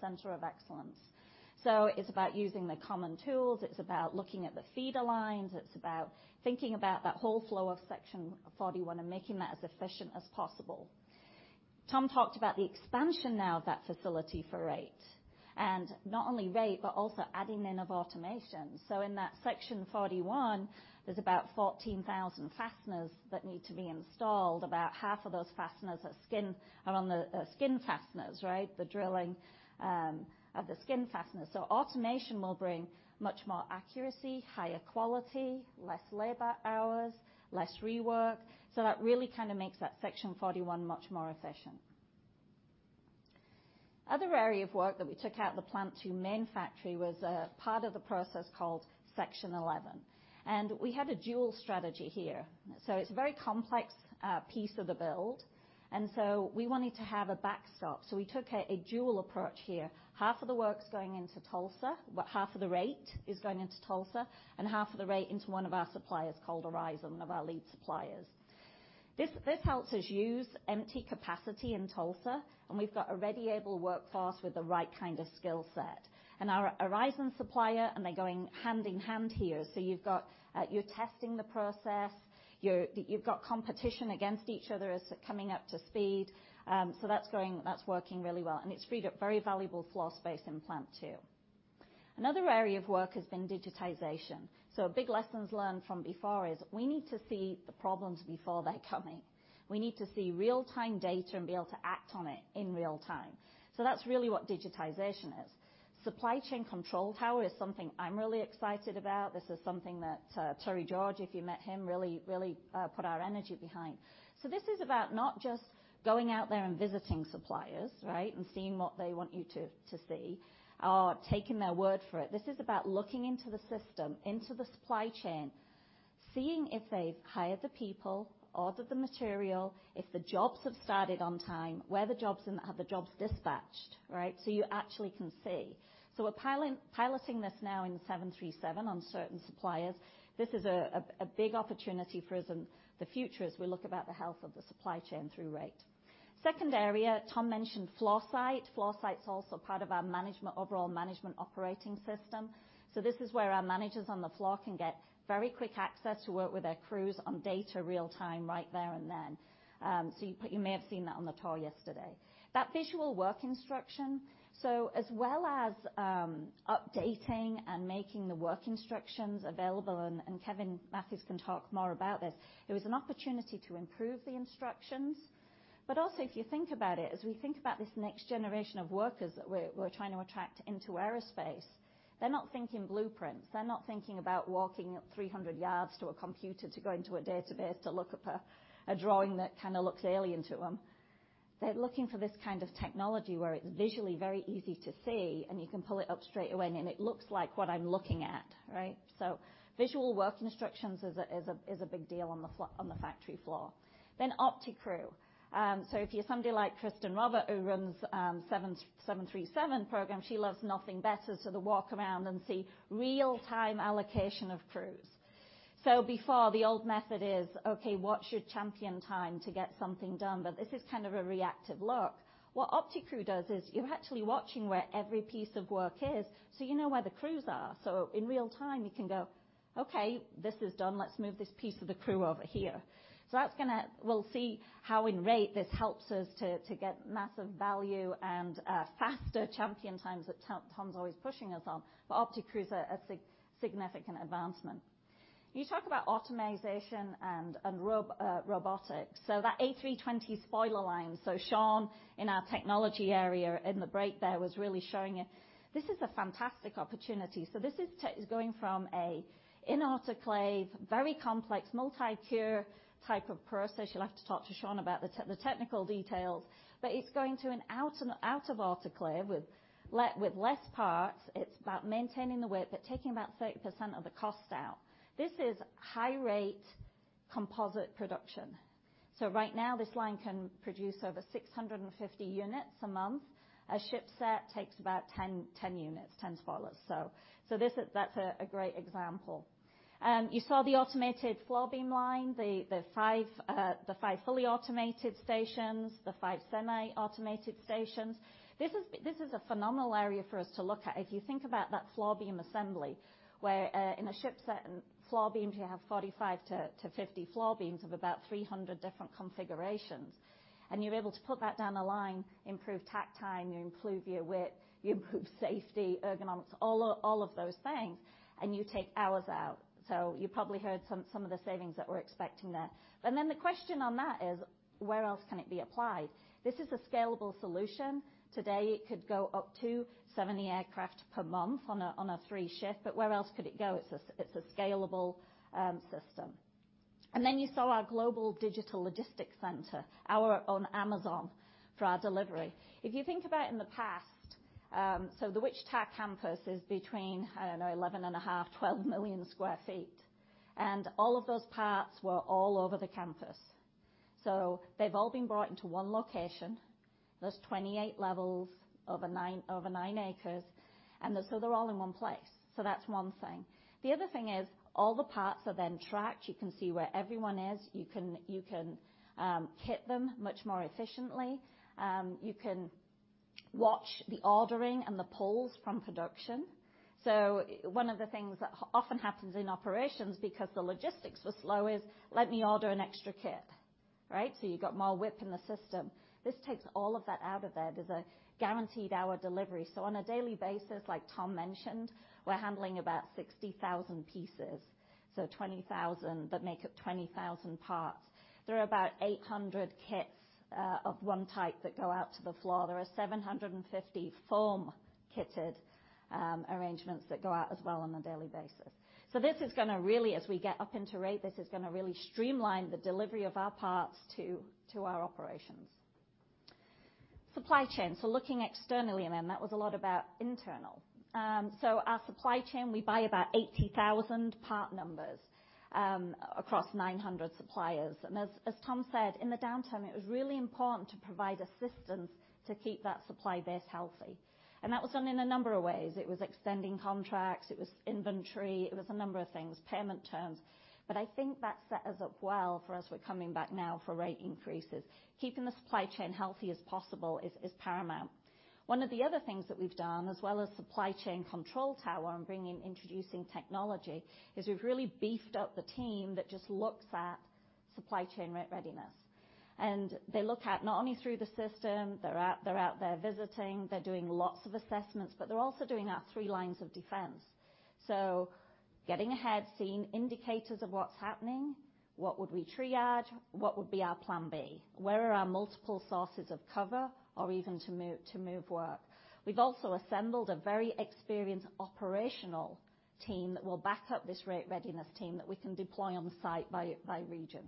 center of excellence. It's about using the common tools. It's about looking at the feeder lines. It's about thinking about that whole flow of Section 41 and making that as efficient as possible. Tom talked about the expansion now of that facility for rate, and not only rate, but also adding in of automation. In that Section 41, there's about 14,000 fasteners that need to be installed. About half of those fasteners are on the skin fasteners, right? The drilling of the skin fasteners. Automation will bring much more accuracy, higher quality, less labor hours, less rework. That really kind of makes that Section 41 much more efficient. Another area of work that we took out of the Plant 2 main factory was a part of the process called Section 11. We had a dual strategy here. It's a very complex piece of the build. We wanted to have a backstop. We took a dual approach here. Half of the work's going into Tulsa, but half of the rate is going into Tulsa and half of the rate into one of our suppliers called Horizon, one of our lead suppliers. This helps us use empty capacity in Tulsa, and we've got a readily available workforce with the right kind of skill set. Our Horizon supplier, and they're going hand in hand here. You've got competition against each other as they're coming up to speed. That's going. That's working really well. It's freed up very valuable floor space in plant 2. Another area of work has been digitization. Big lessons learned from before is we need to see the problems before they're coming. We need to see real-time data and be able to act on it in real time. That's really what digitization is. Supply chain control tower is something I'm really excited about. This is something that, Terry George, if you met him, really put our energy behind. This is about not just going out there and visiting suppliers, right, and seeing what they want you to see or taking their word for it. This is about looking into the system, into the supply chain, seeing if they've hired the people, ordered the material, if the jobs have started on time, where are the jobs and have the jobs dispatched, right? You actually can see. We're piloting this now in 737 on certain suppliers. This is a big opportunity for us in the future as we look about the health of the supply chain through rate. Second area, Tom mentioned Floorsight. Floorsight's also part of our management, overall management operating system. This is where our managers on the floor can get very quick access to work with their crews on data real time right there and then. You may have seen that on the tour yesterday. That visual work instruction, so as well as updating and making the work instructions available, and Kevin Matthies can talk more about this, it was an opportunity to improve the instructions. Also, if you think about it, as we think about this next generation of workers that we're trying to attract into aerospace, they're not thinking blueprints. They're not thinking about walking up 300 yards to a computer to go into a database to look up a drawing that kind of looks alien to them. They're looking for this kind of technology where it's visually very easy to see and you can pull it up straight away and it looks like what I'm looking at, right? Visual work instructions is a big deal on the factory floor. Opticrew. If you're somebody like Kristin Robert, who runs the 737 program, she loves nothing better than to sort of walk around and see real-time allocation of crews. Before, the old method is, okay, what's your champion time to get something done? But this is kind of a reactive look. What Opticrew does is you're actually watching where every piece of work is, so you know where the crews are. In real time you can go, "Okay, this is done. Let's move this piece of the crew over here." That's gonna. We'll see how this helps us to get massive value and faster champion times that Tom's always pushing us on, but Opticrew are a significant advancement. You talk about automation and robotics. That A320 spoiler line, Sean in our technology area in the break there was really showing it. This is a fantastic opportunity. This is going from a in autoclave, very complex, multi-cure type of process. You'll have to talk to Sean about the technical details. But it's going to an out of autoclave with less parts. It's about maintaining the width, but taking about 30% of the costs out. This is high rate composite production. Right now, this line can produce over 650 units a month. A ship set takes about 10 units, 10 spoilers. That's a great example. You saw the automated floor beam line, the 5 fully automated stations, the 5 semi-automated stations. This is a phenomenal area for us to look at. If you think about that floor beam assembly, where in a ship set and floor beam, you have 45 to 50 floor beams of about 300 different configurations, and you're able to put that down a line, improve takt time, you improve your width, you improve safety, ergonomics, all of those things, and you take hours out. You probably heard some of the savings that we're expecting there. The question on that is where else can it be applied? This is a scalable solution. Today, it could go up to 70 aircraft per month on a three shift, but where else could it go? It's a scalable system. You saw our global digital logistics center, our own Amazon for our delivery. If you think about in the past, the Wichita campus is between, I don't know, 11.5-12 million sq ft, and all of those parts were all over the campus. They've all been brought into one location. There's 28 levels over 9 acres, and they're all in one place. That's one thing. The other thing is all the parts are then tracked. You can see where everyone is. You can hit them much more efficiently. You can watch the ordering and the pulls from production. One of the things that often happens in operations because the logistics were slow is, "Let me order an extra kit," right? You got more width in the system. This takes all of that out of it. There's a guaranteed hour delivery. On a daily basis, like Tom mentioned, we're handling about 60,000 pieces. 20,000 that make up 20,000 parts. There are about 800 kits of one type that go out to the floor. There are 750 firm kitted arrangements that go out as well on a daily basis. This is gonna really, as we get up into rate, streamline the delivery of our parts to our operations. Supply chain. Looking externally, that was a lot about internal. Our supply chain, we buy about 80,000 part numbers across 900 suppliers. As Tom said, in the downtime, it was really important to provide assistance to keep that supply base healthy. That was done in a number of ways. It was extending contracts. It was inventory. It was a number of things, payment terms. I think that set us up well for as we're coming back now for rate increases. Keeping the supply chain healthy as possible is paramount. One of the other things that we've done, as well as supply chain control tower and bringing, introducing technology, is we've really beefed up the team that just looks at supply chain re-readiness. They look at not only through the system, they're out there visiting, they're doing lots of assessments, but they're also doing our three lines of defense. Getting ahead, seeing indicators of what's happening, what would we triage, what would be our plan B? Where are our multiple sources of cover or even to move work? We've also assembled a very experienced operational team that will back up this rate readiness team that we can deploy on the site by region.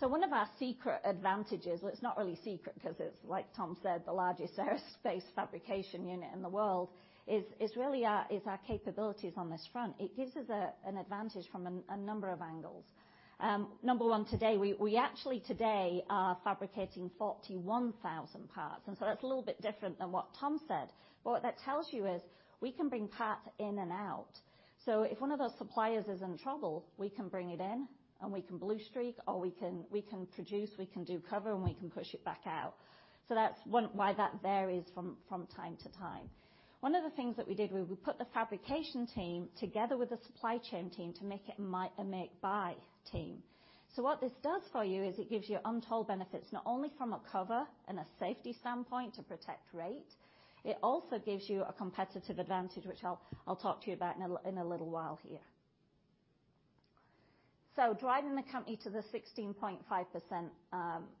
One of our secret advantages, it's not really secret because it's, like Tom said, the largest aerospace fabrication unit in the world, is really our capabilities on this front. It gives us an advantage from a number of angles. Number one, today we actually are fabricating 41,000 parts, and that's a little bit different than what Tom said. What that tells you is we can bring parts in and out. If one of those suppliers is in trouble, we can bring it in, and we can blue streak, or we can produce, we can do cover, and we can push it back out. That's one. Why that varies from time to time. One of the things that we did, we put the fabrication team together with the supply chain team to make it a make-buy team. What this does for you is it gives you untold benefits, not only from a cover and a safety standpoint to protect rate, it also gives you a competitive advantage, which I'll talk to you about in a little while here. Driving the company to the 16.5%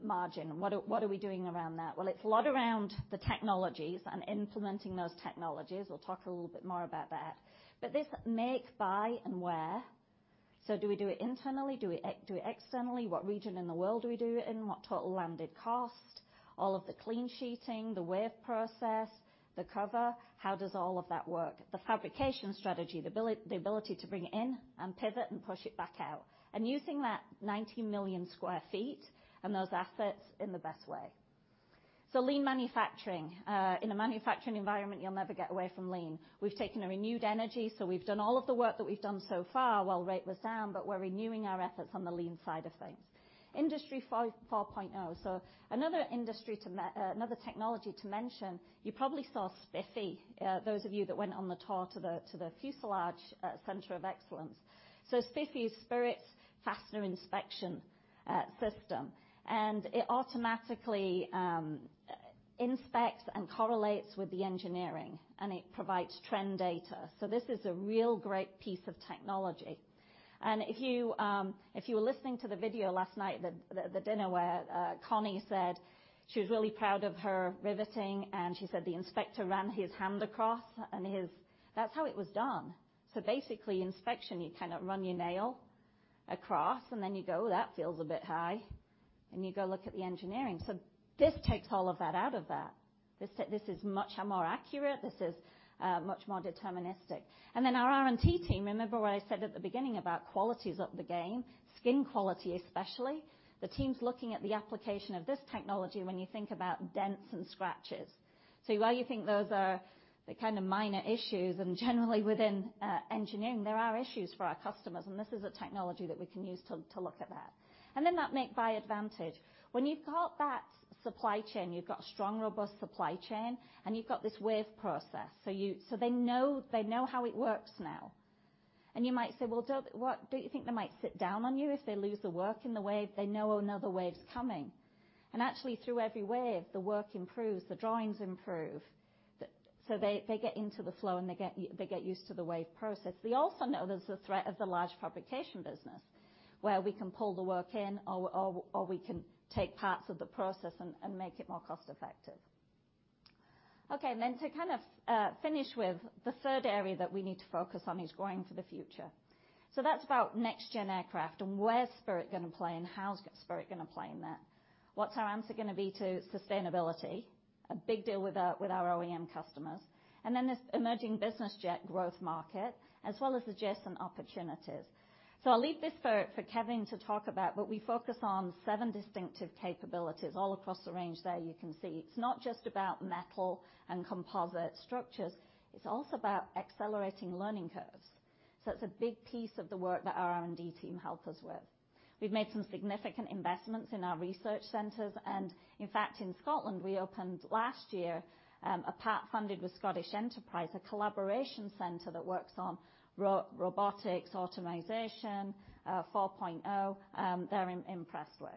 margin, what are we doing around that? Well, it's a lot around the technologies and implementing those technologies. We'll talk a little bit more about that. This make-buy and where, so do we do it internally? Do we do it externally? What region in the world do we do it in? What total landed cost? All of the clean sheeting, the Waves process, the cover, how does all of that work? The fabrication strategy, the ability to bring it in and pivot and push it back out, and using that 90 million sq ft and those assets in the best way. Lean manufacturing, in a manufacturing environment, you'll never get away from lean. We've taken a renewed energy, so we've done all of the work that we've done so far while rate was down, but we're renewing our efforts on the lean side of things. Industry 4.0. Another technology to mention, you probably saw SPIFFI, those of you that went on the tour to the Fuselage Center of Excellence. SPIFFI is Spirit's Fastener Inspection System, and it automatically inspects and correlates with the engineering, and it provides trend data. This is a real great piece of technology. If you were listening to the video last night at the dinner where Connie said she was really proud of her riveting, and she said the inspector ran his hand across. That's how it was done. Basically, inspection, you kind of run your nail across, and then you go, "That feels a bit high," and you go look at the engineering. This takes all of that out of that. This is much more accurate. This is much more deterministic. Then our R&T team, remember what I said at the beginning about quality is up the game, skin quality especially. The team's looking at the application of this technology when you think about dents and scratches. While you think those are the kind of minor issues, and generally within engineering, they are issues for our customers, and this is a technology that we can use to look at that. That make-buy advantage. When you've got that supply chain, you've got strong, robust supply chain, and you've got this Waves process, so they know how it works now. You might say, "Well, don't you think they might sit down on you if they lose the work in the wave?" They know another wave's coming. Actually, through every wave, the work improves, the drawings improve. They get into the flow, and they get used to the Waves process. They also know there's the threat of the large fabrication business, where we can pull the work in or we can take parts of the process and make it more cost-effective. Okay, to kind of finish with the third area that we need to focus on is growing for the future. That's about next-gen aircraft and where's Spirit gonna play and how's Spirit gonna play in that. What's our answer gonna be to sustainability? A big deal with our OEM customers. This emerging business jet growth market, as well as adjacent opportunities. I'll leave this for Kevin to talk about, but we focus on seven distinctive capabilities all across the range there you can see. It's not just about metal and composite structures. It's also about accelerating learning curves. It's a big piece of the work that our R&D team help us with. We've made some significant investments in our research centers, and in fact, in Scotland, we opened last year a part funded with Scottish Enterprise, a collaboration center that works on robotics, automation, 4.0 there in Prestwick.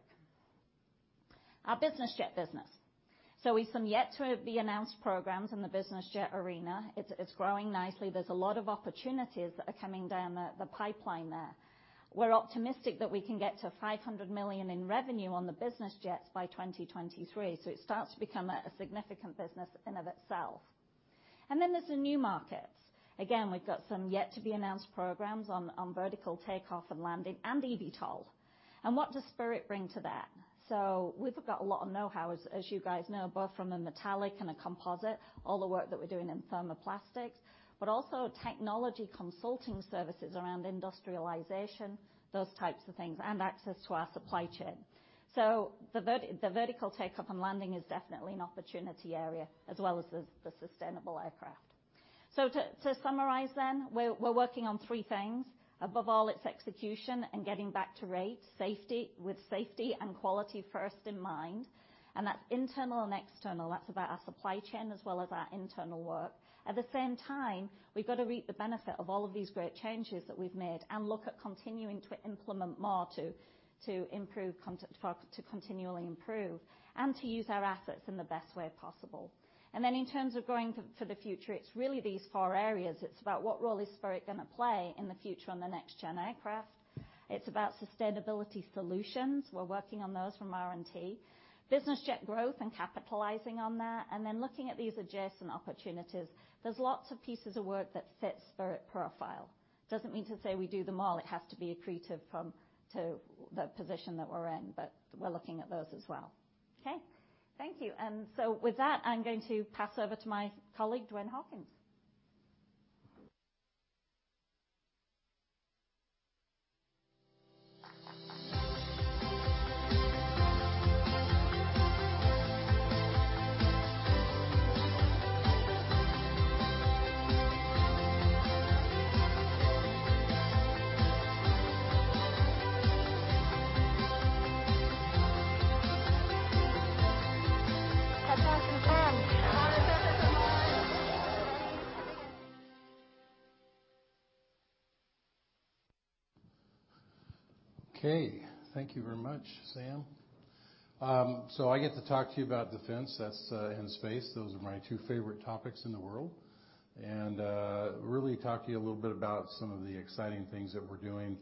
Our business jet business. We've some yet to be announced programs in the business jet arena. It's growing nicely. There's a lot of opportunities that are coming down the pipeline there. We're optimistic that we can get to $500 million in revenue on the business jets by 2023, so it starts to become a significant business in and of itself. Then there's the new markets. Again, we've got some yet to be announced programs on vertical takeoff and landing and EVTOL. What does Spirit bring to that? We've got a lot of know-how, as you guys know, both from a metallic and a composite, all the work that we're doing in thermoplastics, but also technology consulting services around industrialization, those types of things, and access to our supply chain. The vertical takeoff and landing is definitely an opportunity area, as well as the sustainable aircraft. To summarize then, we're working on three things. Above all, it's execution and getting back to rate, safety, with safety and quality first in mind, and that's internal and external. That's about our supply chain as well as our internal work. At the same time, we've got to reap the benefit of all of these great changes that we've made and look at continuing to implement more to continually improve and to use our assets in the best way possible. Then in terms of growing for the future, it's really these four areas. It's about what role is Spirit gonna play in the future on the next-gen aircraft. It's about sustainability solutions. We're working on those from R&T. Business jet growth and capitalizing on that, and then looking at these adjacent opportunities. There's lots of pieces of work that fit Spirit profile. Doesn't mean to say we do them all. It has to be accretive from to the position that we're in, but we're looking at those as well. Okay. Thank you. With that, I'm going to pass over to my colleague, Duane Hawkins. Touchdown confirmed. Touchdown confirmed. Okay. Thank you very much, Sam. I get to talk to you about defense. That's and space. Those are my two favorite topics in the world. Really talk to you a little bit about some of the exciting things that we're doing.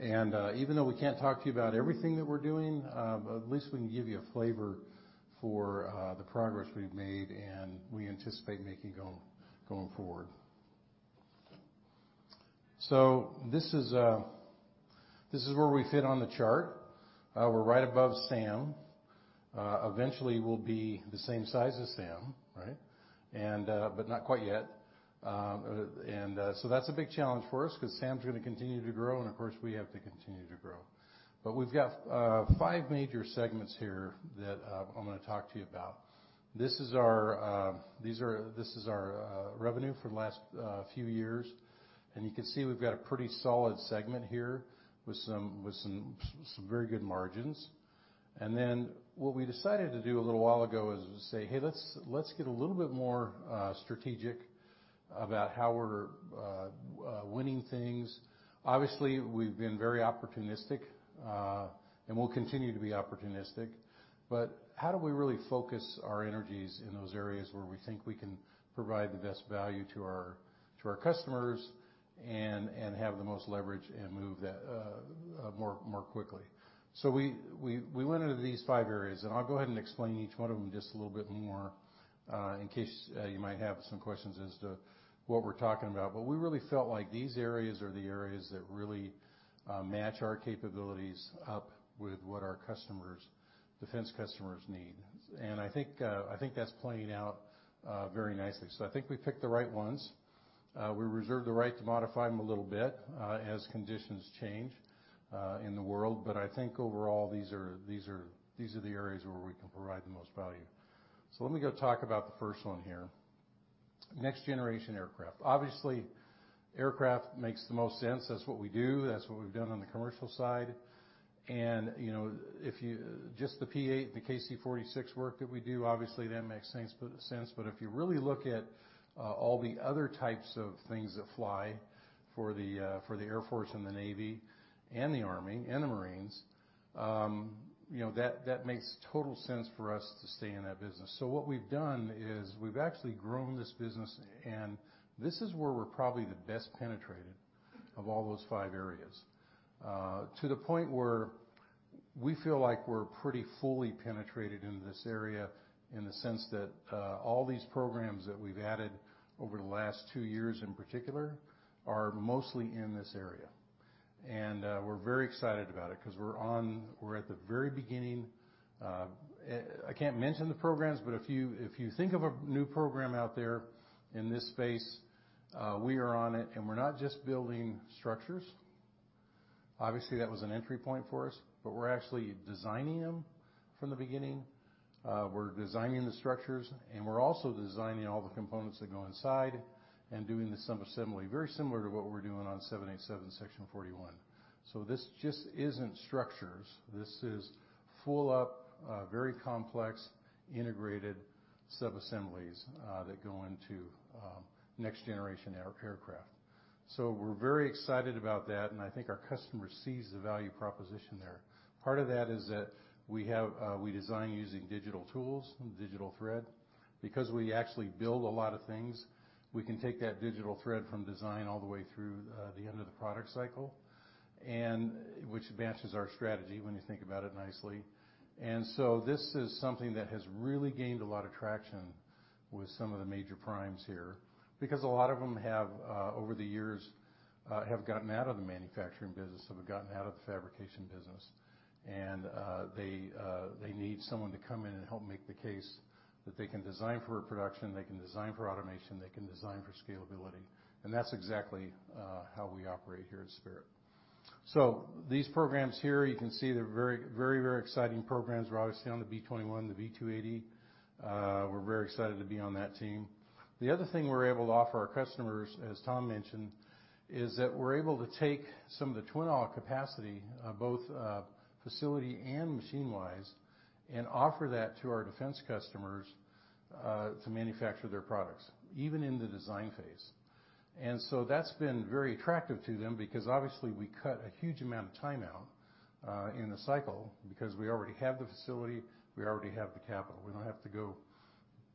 Even though we can't talk to you about everything that we're doing, at least we can give you a flavor for the progress we've made and we anticipate making going forward. This is where we fit on the chart. We're right above SAM. Eventually we'll be the same size as SAM, right? But not quite yet. That's a big challenge for us 'cause SAM's gonna continue to grow, and of course, we have to continue to grow. We've got five major segments here that I'm gonna talk to you about. This is our revenue for the last few years. You can see we've got a pretty solid segment here with some very good margins. Then what we decided to do a little while ago is say, "Hey, let's get a little bit more strategic about how we're winning things. Obviously, we've been very opportunistic, and we'll continue to be opportunistic. How do we really focus our energies in those areas where we think we can provide the best value to our customers and have the most leverage and move that more quickly? We went into these five areas, and I'll go ahead and explain each one of them just a little bit more, in case you might have some questions as to what we're talking about. We really felt like these areas are the areas that really match our capabilities up with what our customers, defense customers need. I think that's playing out very nicely. I think we picked the right ones. We reserve the right to modify them a little bit, as conditions change in the world. I think overall, these are the areas where we can provide the most value. Let me go talk about the first one here. Next-generation aircraft. Obviously, aircraft makes the most sense. That's what we do. That's what we've done on the commercial side. You know, if you just the P-8, the KC-46 work that we do, obviously that makes sense, but if you really look at all the other types of things that fly for the Air Force and the Navy and the Army and the Marines, you know, that makes total sense for us to stay in that business. What we've done is we've actually grown this business, and this is where we're probably the best penetrated of all those five areas, to the point where we feel like we're pretty fully penetrated in this area in the sense that all these programs that we've added over the last two years in particular are mostly in this area. We're very excited about it because we're at the very beginning. I can't mention the programs, but if you think of a new program out there in this space, we are on it. We're not just building structures. Obviously, that was an entry point for us, but we're actually designing them from the beginning. We're designing the structures, and we're also designing all the components that go inside and doing the subassembly, very similar to what we're doing on 787 Section 41. This just isn't structures. This is full up, very complex, integrated subassemblies that go into next-generation aircraft. We're very excited about that, and I think our customer sees the value proposition there. Part of that is that we design using digital tools and digital thread. Because we actually build a lot of things, we can take that digital thread from design all the way through the end of the product cycle, and which advances our strategy when you think about it nicely. This is something that has really gained a lot of traction with some of the major primes here because a lot of them have over the years gotten out of the manufacturing business, have gotten out of the fabrication business. They need someone to come in and help make the case that they can design for production, they can design for automation, they can design for scalability. That's exactly how we operate here at Spirit. These programs here, you can see they're very exciting programs. We're obviously on the B-21, the V-280. We're very excited to be on that team. The other thing we're able to offer our customers, as Tom mentioned, is that we're able to take some of the Twin Aisle capacity, both facility and machine-wise, and offer that to our defense customers, to manufacture their products, even in the design phase. That's been very attractive to them because obviously we cut a huge amount of time out in the cycle because we already have the facility, we already have the capital. We don't have to go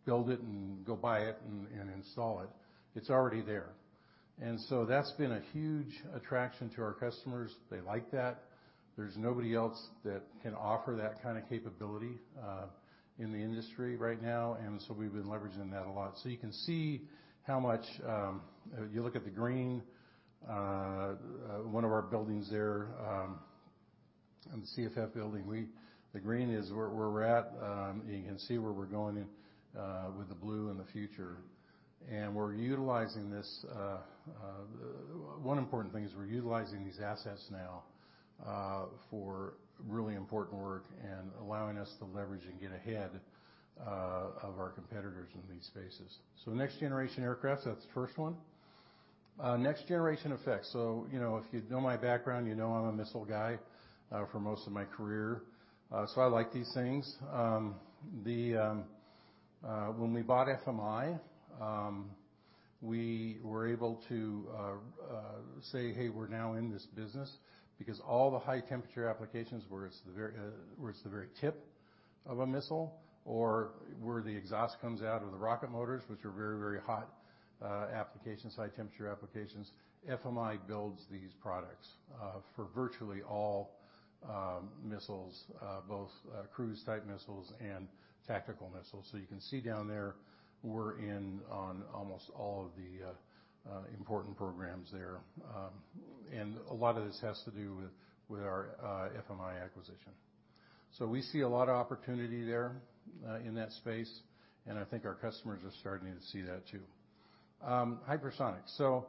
build it and go buy it and install it. It's already there. That's been a huge attraction to our customers. They like that. There's nobody else that can offer that kind of capability in the industry right now. We've been leveraging that a lot. You can see how much. You look at the green, one of our buildings there, the CFF building. The green is where we're at. You can see where we're going, with the blue in the future. We're utilizing this. One important thing is we're utilizing these assets now, for really important work and allowing us to leverage and get ahead, of our competitors in these spaces. Next-generation aircraft, that's the first one. Next-generation effects. You know, if you know my background, you know I'm a missile guy, for most of my career. I like these things. When we bought FMI, we were able to say, "Hey, we're now in this business," because all the high-temperature applications where it's the very tip of a missile or where the exhaust comes out of the rocket motors, which are very, very hot applications, high-temperature applications, FMI builds these products for virtually all missiles, both cruise type missiles and tactical missiles. You can see down there, we're in on almost all of the important programs there. A lot of this has to do with our FMI acquisition. We see a lot of opportunity there in that space, and I think our customers are starting to see that too. Hypersonic.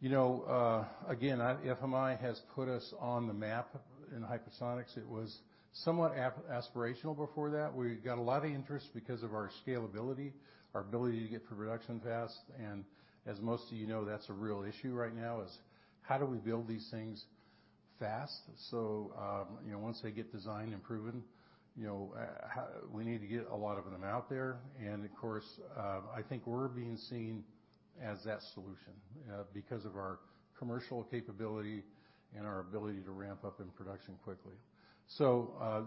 You know, again, FMI has put us on the map in hypersonics. It was somewhat aspirational before that. We got a lot of interest because of our scalability, our ability to get to production fast. As most of you know, that's a real issue right now, is how do we build these things fast. Once they get designed and proven, we need to get a lot of them out there. Of course, I think we're being seen as that solution because of our commercial capability and our ability to ramp up in production quickly.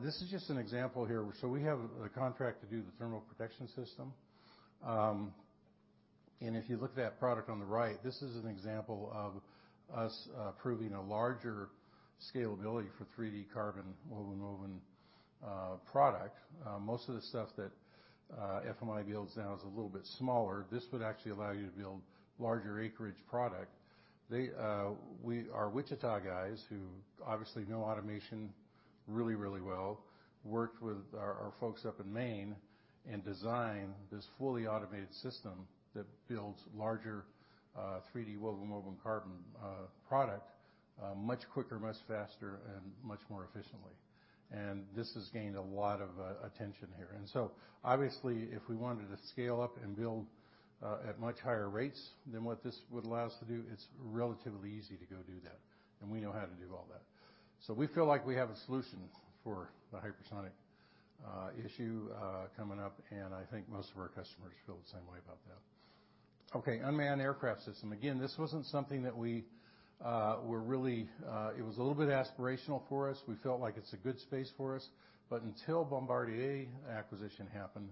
This is just an example here. We have a contract to do the thermal protection system. If you look at that product on the right, this is an example of us proving a larger scalability for 3D woven carbon-carbon product. Most of the stuff that FMI builds now is a little bit smaller. This would actually allow you to build larger acreage product. They, our Wichita guys, who obviously know automation really well, worked with our folks up in Maine and designed this fully automated system that builds larger 3D woven carbon-carbon product much quicker, much faster, and much more efficiently. This has gained a lot of attention here. Obviously, if we wanted to scale up and build at much higher rates than what this would allow us to do, it's relatively easy to go do that, and we know how to do all that. We feel like we have a solution for the hypersonic issue coming up, and I think most of our customers feel the same way about that. Okay, unmanned aircraft system. Again, this wasn't something that we were really it was a little bit aspirational for us. We felt like it's a good space for us. Until Bombardier acquisition happened,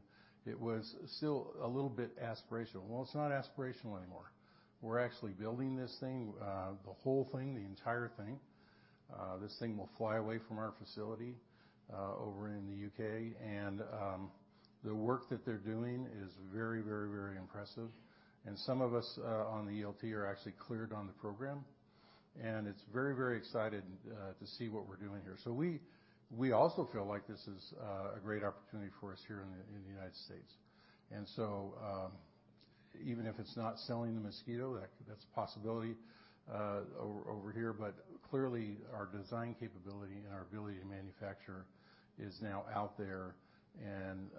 it was still a little bit aspirational. Well, it's not aspirational anymore. We're actually building this thing, the whole thing, the entire thing. This thing will fly away from our facility over in the U.K. The work that they're doing is very impressive. Some of us on the ELT are actually cleared on the program, and it's very exciting to see what we're doing here. We also feel like this is a great opportunity for us here in the United States. Even if it's not selling the Mosquito, that's a possibility over here, but clearly, our design capability and our ability to manufacture is now out there, and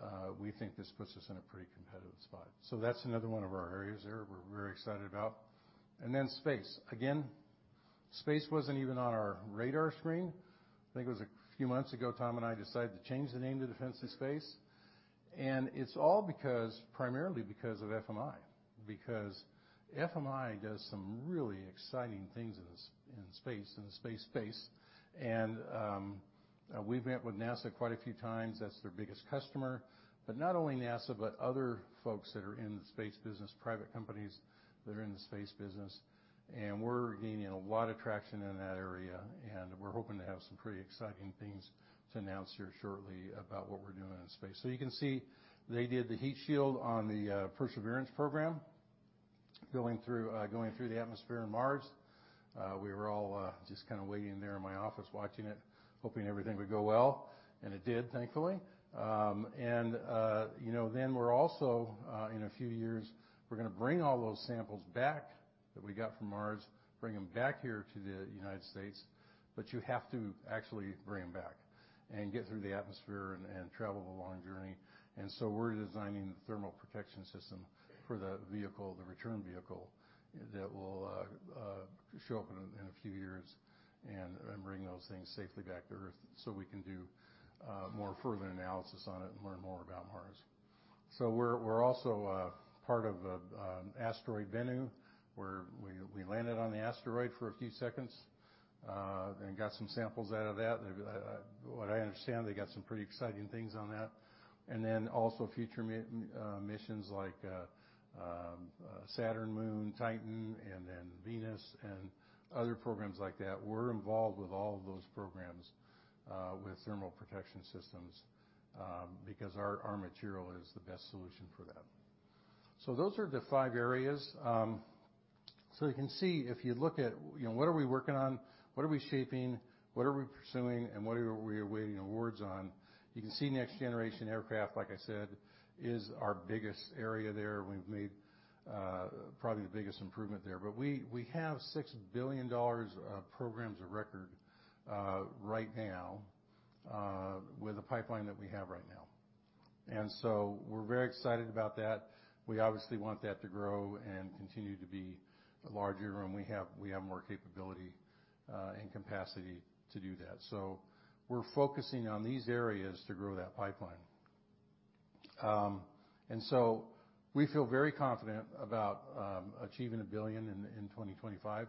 we think this puts us in a pretty competitive spot. That's another one of our areas there we're very excited about. Then space. Again, space wasn't even on our radar screen. I think it was a few months ago, Tom and I decided to change the name to defense and space. It's all because, primarily because of FMI, because FMI does some really exciting things in in space, in the space space. We've met with NASA quite a few times. That's their biggest customer. But not only NASA, but other folks that are in the space business, private companies that are in the space business. We're gaining a lot of traction in that area, and we're hoping to have some pretty exciting things to announce here shortly about what we're doing in space. You can see they did the heat shield on the Perseverance program, going through the atmosphere on Mars. We were all just kinda waiting there in my office watching it, hoping everything would go well, and it did, thankfully. You know, then we're also in a few years, we're gonna bring all those samples back that we got from Mars, bring them back here to the United States, but you have to actually bring them back and get through the atmosphere and travel the long journey. We're designing the thermal protection system for the vehicle, the return vehicle, that will show up in a few years and bring those things safely back to Earth, so we can do more further analysis on it and learn more about Mars. We're also part of Asteroid Bennu, where we landed on the asteroid for a few seconds and got some samples out of that. From what I understand, they got some pretty exciting things on that. Future missions like Saturn moon, Titan, and then Venus and other programs like that. We're involved with all of those programs with thermal protection systems because our material is the best solution for that. Those are the five areas. You can see, if you look at, you know, what are we working on, what are we shaping, what are we pursuing, and what are we awaiting awards on, you can see next generation aircraft, like I said, is our biggest area there. We've made probably the biggest improvement there. But we have $6 billion of programs of record right now with the pipeline that we have right now. We're very excited about that. We obviously want that to grow and continue to be a larger, and we have more capability and capacity to do that. We're focusing on these areas to grow that pipeline. We feel very confident about achieving $1 billion in 2025.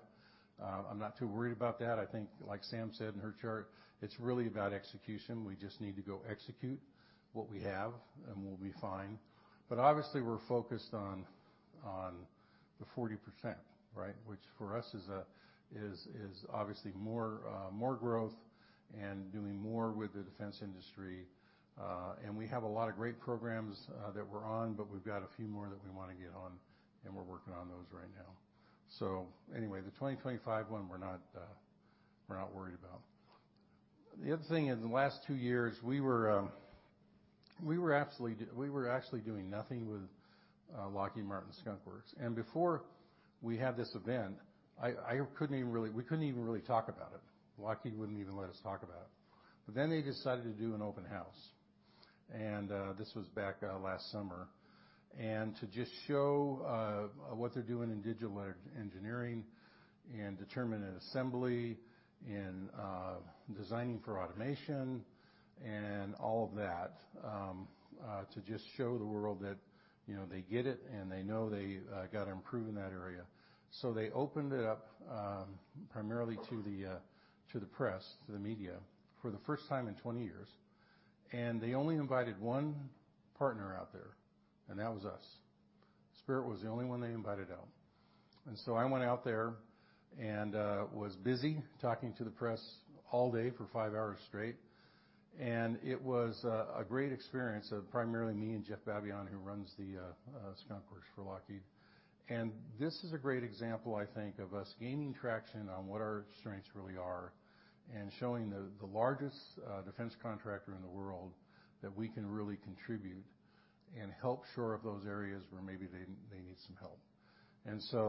I'm not too worried about that. I think, like Sam said in her chart, it's really about execution. We just need to go execute what we have, and we'll be fine. Obviously, we're focused on the 40%, right? Which for us is obviously more growth and doing more with the defense industry. We have a lot of great programs that we're on, but we've got a few more that we wanna get on, and we're working on those right now. Anyway, the 2025 one, we're not worried about. The other thing is, in the last two years, we were actually doing nothing with Lockheed Martin's Skunk Works. Before we had this event, we couldn't even really talk about it. Lockheed wouldn't even let us talk about it. Then they decided to do an open house. This was back last summer to just show what they're doing in digital engineering and determinate assembly and designing for automation and all of that to just show the world that, you know, they get it and they know they gotta improve in that area. They opened it up primarily to the press, to the media, for the first time in 20 years. They only invited one partner out there, and that was us. Spirit was the only one they invited out. I went out there and was busy talking to the press all day for 5 hours straight. It was a great experience of primarily me and Jeff Babione, who runs the Skunk Works for Lockheed. This is a great example, I think, of us gaining traction on what our strengths really are and showing the largest defense contractor in the world that we can really contribute and help shore up those areas where maybe they need some help.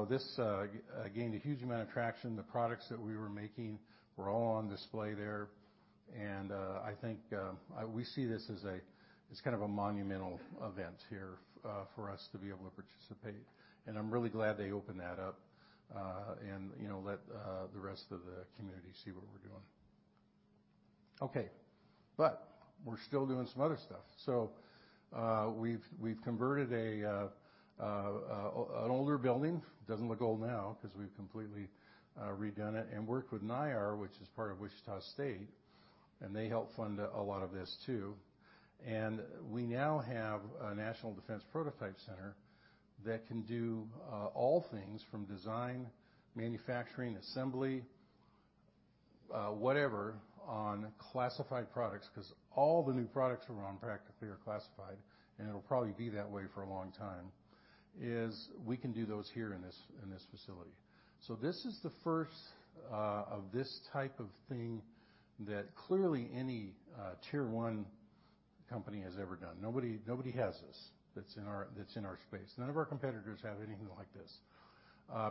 This gained a huge amount of traction. The products that we were making were all on display there. I think we see this as kind of a monumental event here for us to be able to participate. I'm really glad they opened that up, and you know, let the rest of the community see what we're doing. Okay. We're still doing some other stuff. We've converted an older building. It doesn't look old now because we've completely redone it and worked with NIAR, which is part of Wichita State, and they helped fund a lot of this too. We now have a National Defense Prototype Center that can do all things from design, manufacturing, assembly, whatever, on classified products, because all the new products are practically all classified, and it'll probably be that way for a long time. We can do those here in this facility. This is the first of this type of thing that clearly any tier one company has ever done. Nobody has this that's in our space. None of our competitors have anything like this.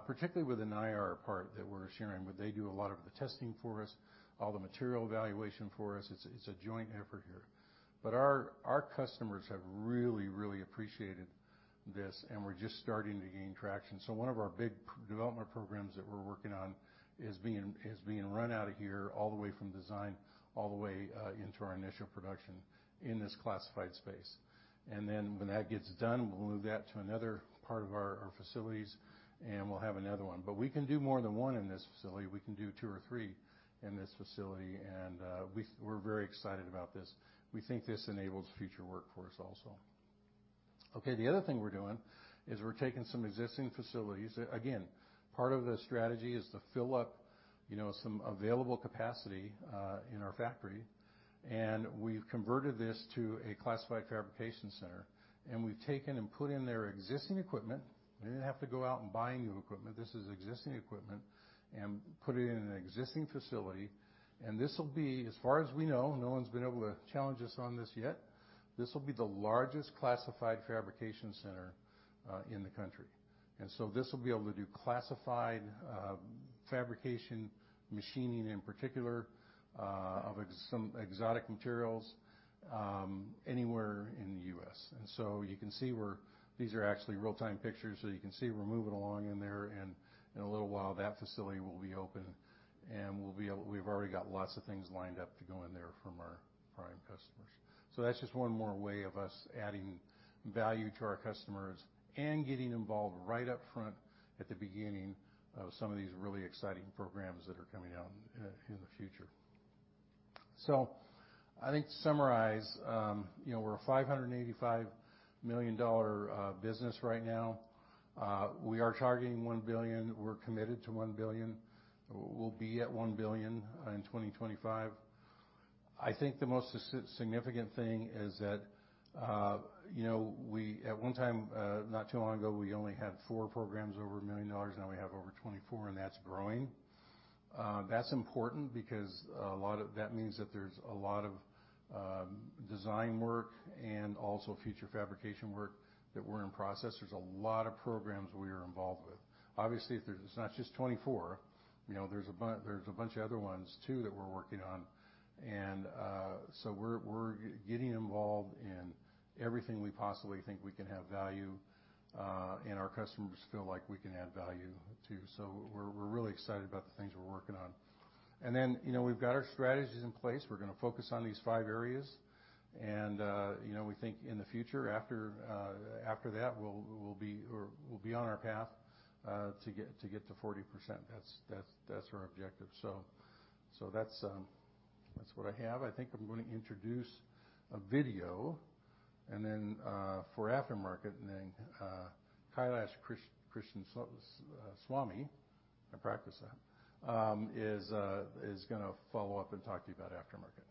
Particularly with the NIAR part that we're sharing, where they do a lot of the testing for us, all the material evaluation for us. It's a joint effort here. Our customers have really appreciated this, and we're just starting to gain traction. One of our big development programs that we're working on is being run out of here all the way from design all the way into our initial production in this classified space. Then when that gets done, we'll move that to another part of our facilities, and we'll have another one. We can do more than one in this facility. We can do two or three in this facility. We're very excited about this. We think this enables future workforce also. Okay, the other thing we're doing is we're taking some existing facilities. Again, part of the strategy is to fill up, you know, some available capacity in our factory. We've converted this to a classified fabrication center. We've taken and put in their existing equipment. We didn't have to go out and buy new equipment. This is existing equipment and put it in an existing facility. This will be, as far as we know, no one's been able to challenge us on this yet. This will be the largest classified fabrication center in the country. This will be able to do classified fabrication, machining in particular, of some exotic materials anywhere in the U.S. You can see these are actually real-time pictures. You can see we're moving along in there. In a little while, that facility will be open, and we'll be able to, we've already got lots of things lined up to go in there from our prime customers. That's just one more way of us adding value to our customers and getting involved right up front at the beginning of some of these really exciting programs that are coming out in the future. I think to summarize, you know, we're a $585 million business right now. We are targeting $1 billion. We're committed to $1 billion. We'll be at $1 billion in 2025. I think the most significant thing is that, you know, we at one time, not too long ago, we only had 4 programs over $1 million. Now we have over 24, and that's growing. That's important because a lot of that means that there's a lot of design work and also future fabrication work that we're in process. There's a lot of programs we are involved with. Obviously, there's not just 24. You know, there's a bunch of other ones too that we're working on. We're getting involved in everything we possibly think we can have value, and our customers feel like we can add value too. We're really excited about the things we're working on. You know, we've got our strategies in place. We're gonna focus on these five areas. You know, we think in the future after that, we'll be on our path to get to 40%. That's our objective. That's what I have. I think I'm gonna introduce a video. For aftermarket, Kailash Krishnaswamy, I practiced that, is gonna follow up and talk to you about aftermarket.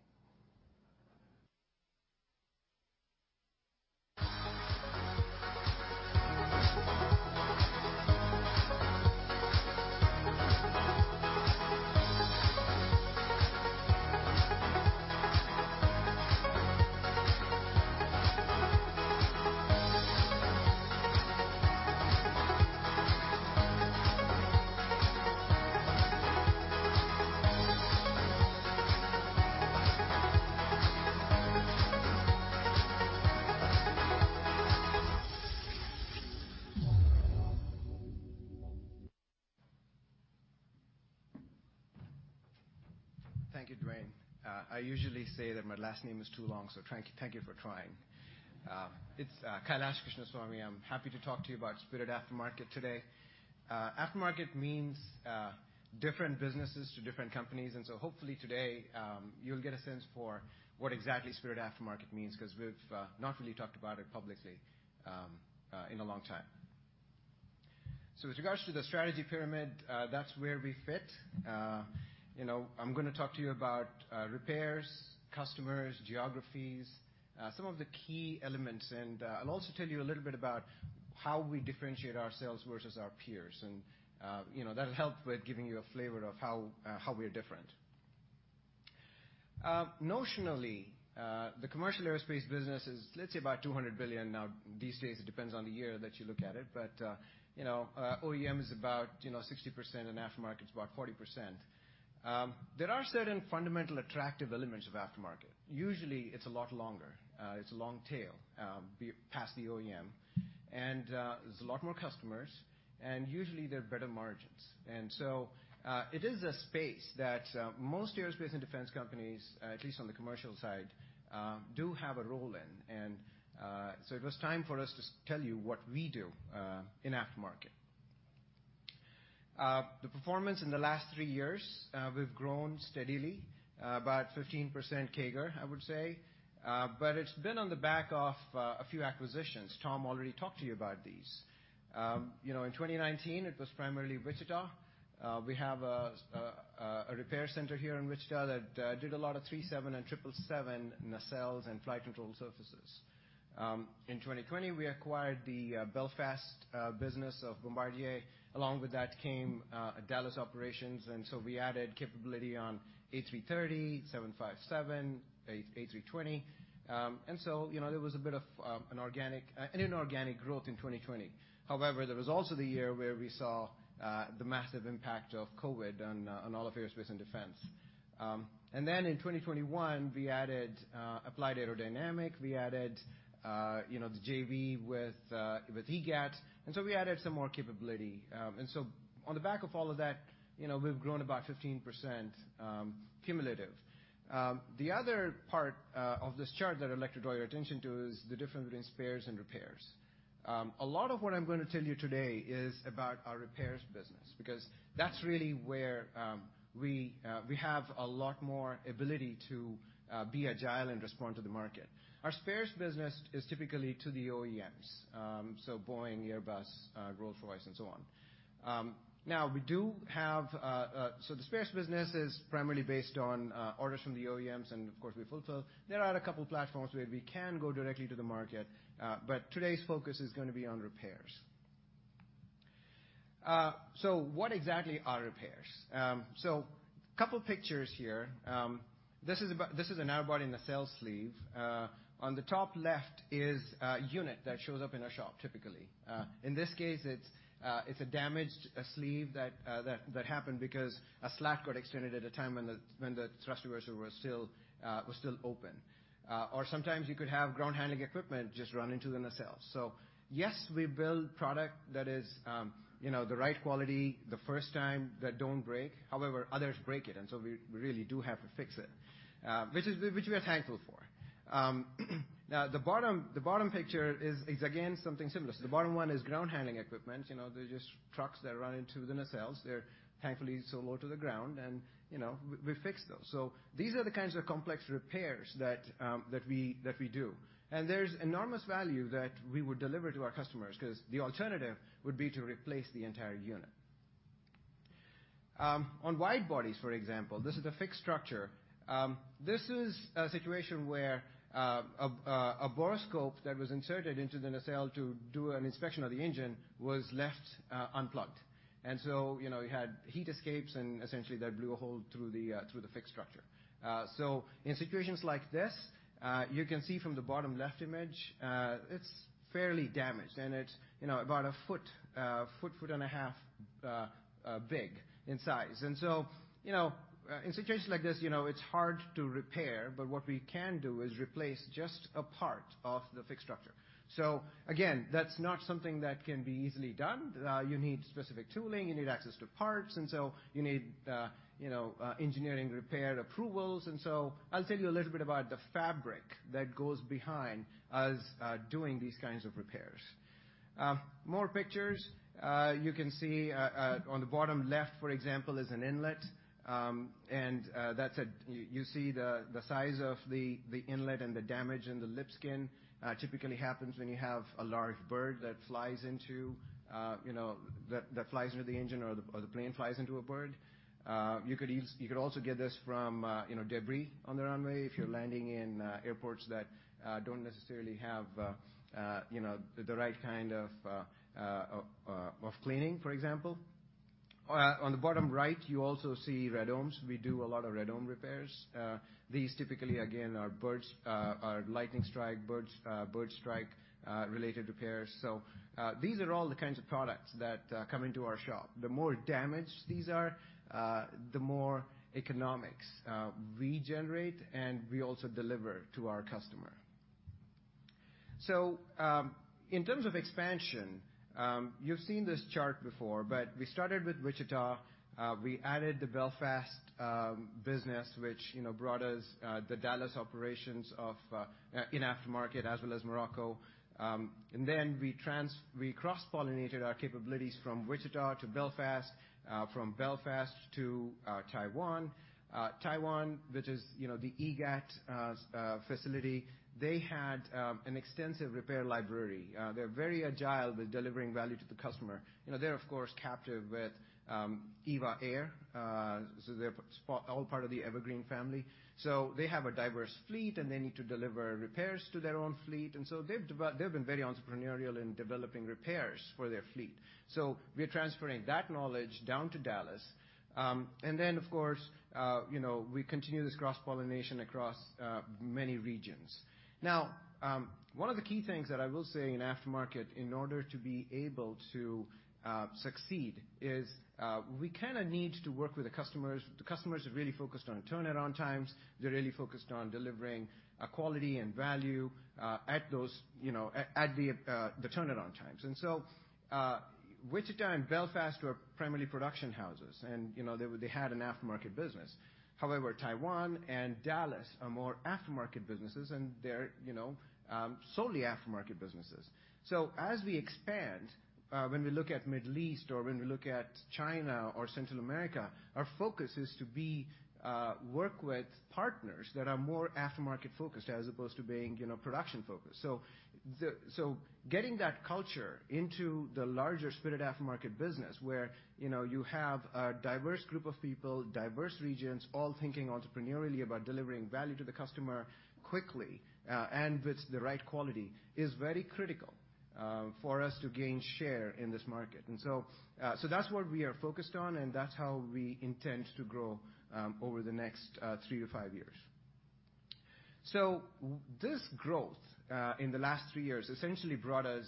Thank you, Duane. I usually say that my last name is too long, so thank you for trying. It's Kailash Krishnaswamy. I'm happy to talk to you about Spirit Aftermarket today. Aftermarket means different businesses to different companies, and so hopefully today, you'll get a sense for what exactly Spirit Aftermarket means, 'cause we've not really talked about it publicly in a long time. With regards to the strategy pyramid, that's where we fit. You know, I'm gonna talk to you about repairs, customers, geographies, some of the key elements, and I'll also tell you a little bit about how we differentiate ourselves versus our peers and, you know, that'll help with giving you a flavor of how we're different. Notionally, the commercial aerospace business is, let's say, about $200 billion. Now these days it depends on the year that you look at it, but, you know, OEM is about, you know, 60% and aftermarket's about 40%. There are certain fundamental attractive elements of aftermarket. Usually it's a lot longer, it's a long tail past the OEM and, there's a lot more customers, and usually there are better margins. It is a space that most aerospace and defense companies, at least on the commercial side, do have a role in. So it was time for us to tell you what we do in aftermarket. The performance in the last 3 years, we've grown steadily about 15% CAGR I would say. It's been on the back of a few acquisitions. Tom already talked to you about these. You know, in 2019 it was primarily Wichita. We have a repair center here in Wichita that did a lot of 737 and 777 nacelles and flight control surfaces. In 2020 we acquired the Belfast business of Bombardier. Along with that came a Dallas operations, and we added capability on A330, 757, A320. You know, there was a bit of an organic and inorganic growth in 2020. However, that was also the year where we saw the massive impact of COVID on all of aerospace and defense. In 2021 we added Applied Aerodynamics. We added, you know, the JV with EGAT, and we added some more capability. On the back of all of that, you know, we've grown about 15% cumulative. The other part of this chart that I'd like to draw your attention to is the difference between spares and repairs. A lot of what I'm going to tell you today is about our repairs business, because that's really where we have a lot more ability to be agile and respond to the market. Our spares business is typically to the OEMs, so Boeing, Airbus, Rolls-Royce and so on. The spares business is primarily based on orders from the OEMs and of course we fulfill. There are a couple platforms where we can go directly to the market, but today's focus is gonna be on repairs. What exactly are repairs? Couple pictures here. This is a narrow-body nacelle sleeve. On the top left is a unit that shows up in a shop, typically. In this case it's a damaged sleeve that happened because a slat got extended at a time when the thrust reverser was still open. Sometimes you could have ground handling equipment just run into the nacelle. Yes, we build product that is, you know, the right quality the first time that don't break, however, others break it, and we really do have to fix it, which we are thankful for. Now, the bottom picture is again something similar. The bottom one is ground handling equipment. You know, they're just trucks that run into the nacelles. They're thankfully so low to the ground and, you know, we fix those. These are the kinds of complex repairs that we do. There's enormous value that we would deliver to our customers, 'cause the alternative would be to replace the entire unit. On wide bodies, for example, this is a fixed structure. This is a situation where a borescope that was inserted into the nacelle to do an inspection of the engine was left unplugged. You know, you had heat escapes and essentially that blew a hole through the fixed structure. In situations like this, you can see from the bottom left image, it's fairly damaged and it's, you know, about a foot and a half big in size. You know, in situations like this, you know, it's hard to repair, but what we can do is replace just a part of the fixed structure. Again, that's not something that can be easily done. You need specific tooling, you need access to parts, and so you need, you know, engineering repair approvals. I'll tell you a little bit about the fabric that goes behind us doing these kinds of repairs. More pictures. You can see on the bottom left, for example, is an inlet. You see the size of the inlet and the damage in the lip skin typically happens when you have a large bird that flies into, you know, the engine or the plane flies into a bird. You could also get this from, you know, debris on the runway if you're landing in airports that don't necessarily have the right kind of cleaning, for example. On the bottom right, you also see radomes. We do a lot of radome repairs. These typically again are birds, lightning strike, bird strike related repairs. These are all the kinds of products that come into our shop. The more damaged these are, the more economics we generate and we also deliver to our customer. In terms of expansion, you've seen this chart before, but we started with Wichita. We added the Belfast business, which, you know, brought us the Dallas operations in aftermarket as well as Morocco. We cross-pollinated our capabilities from Wichita to Belfast, from Belfast to Taiwan. Taiwan, which is, you know, the EGAT facility, they had an extensive repair library. They're very agile with delivering value to the customer. You know, they're of course captive with EVA Air, so they're all part of the Evergreen family. They have a diverse fleet, and they need to deliver repairs to their own fleet, and they've been very entrepreneurial in developing repairs for their fleet. We're transferring that knowledge down to Dallas. And then of course, you know, we continue this cross-pollination across many regions. Now, one of the key things that I will say in aftermarket in order to be able to succeed is we kind of need to work with the customers. The customers are really focused on turnaround times. They're really focused on delivering quality and value at those, you know, at the turnaround times. Wichita and Belfast were primarily production houses and, you know, they had an aftermarket business. However, Taiwan and Dallas are more aftermarket businesses, and they're, you know, solely aftermarket businesses. As we expand, when we look at Middle East or when we look at China or Central America, our focus is to be work with partners that are more aftermarket-focused as opposed to being, you know, production-focused. Getting that culture into the larger Spirit aftermarket business where, you know, you have a diverse group of people, diverse regions, all thinking entrepreneurially about delivering value to the customer quickly and with the right quality, is very critical for us to gain share in this market. That's what we are focused on, and that's how we intend to grow over the next 3-5 years. This growth in the last 3 years essentially brought us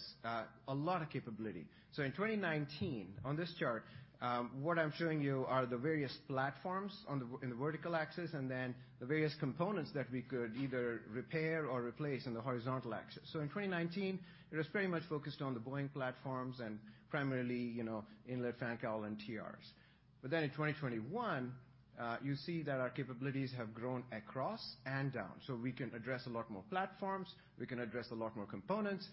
a lot of capability. In 2019, on this chart, what I'm showing you are the various platforms on the vertical axis and then the various components that we could either repair or replace in the horizontal axis. In 2019, it was pretty much focused on the Boeing platforms and primarily, you know, inlet fan cowl and TRs. In 2021, you see that our capabilities have grown across and down. We can address a lot more platforms, we can address a lot more components.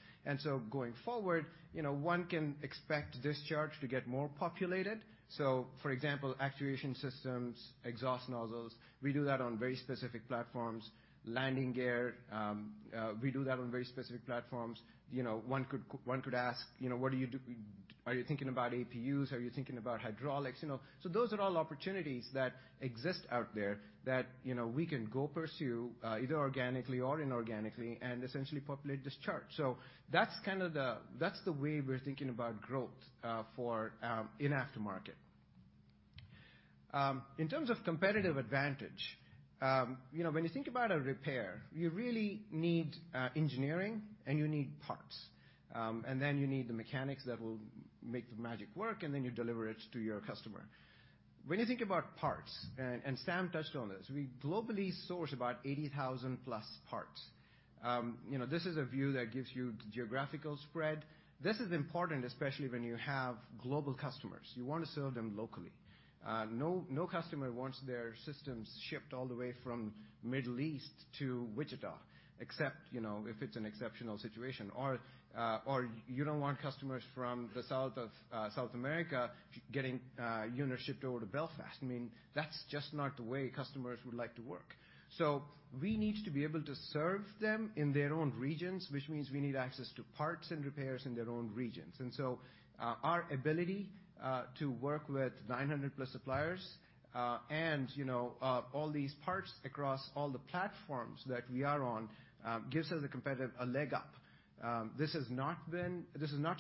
Going forward, you know, one can expect this chart to get more populated. For example, actuation systems, exhaust nozzles, we do that on very specific platforms. Landing gear, we do that on very specific platforms. You know, one could ask, you know, "What do you do? Are you thinking about APUs? Are you thinking about hydraulics?" You know. Those are all opportunities that exist out there that, you know, we can go pursue, either organically or inorganically and essentially populate this chart. That's kind of the. That's the way we're thinking about growth, for, in aftermarket. In terms of competitive advantage, you know, when you think about a repair, you really need, engineering and you need parts. Then you need the mechanics that will make the magic work, and then you deliver it to your customer. When you think about parts, and, Sam touched on this, we globally source about 80,000-plus parts. You know, this is a view that gives you geographical spread. This is important, especially when you have global customers. You want to serve them locally. No customer wants their systems shipped all the way from Middle East to Wichita, except, you know, if it's an exceptional situation. Or you don't want customers from the south of South America getting units shipped over to Belfast. I mean, that's just not the way customers would like to work. So we need to be able to serve them in their own regions, which means we need access to parts and repairs in their own regions. Our ability to work with 900+ suppliers, you know, and all these parts across all the platforms that we are on, gives us a competitive leg up. This is not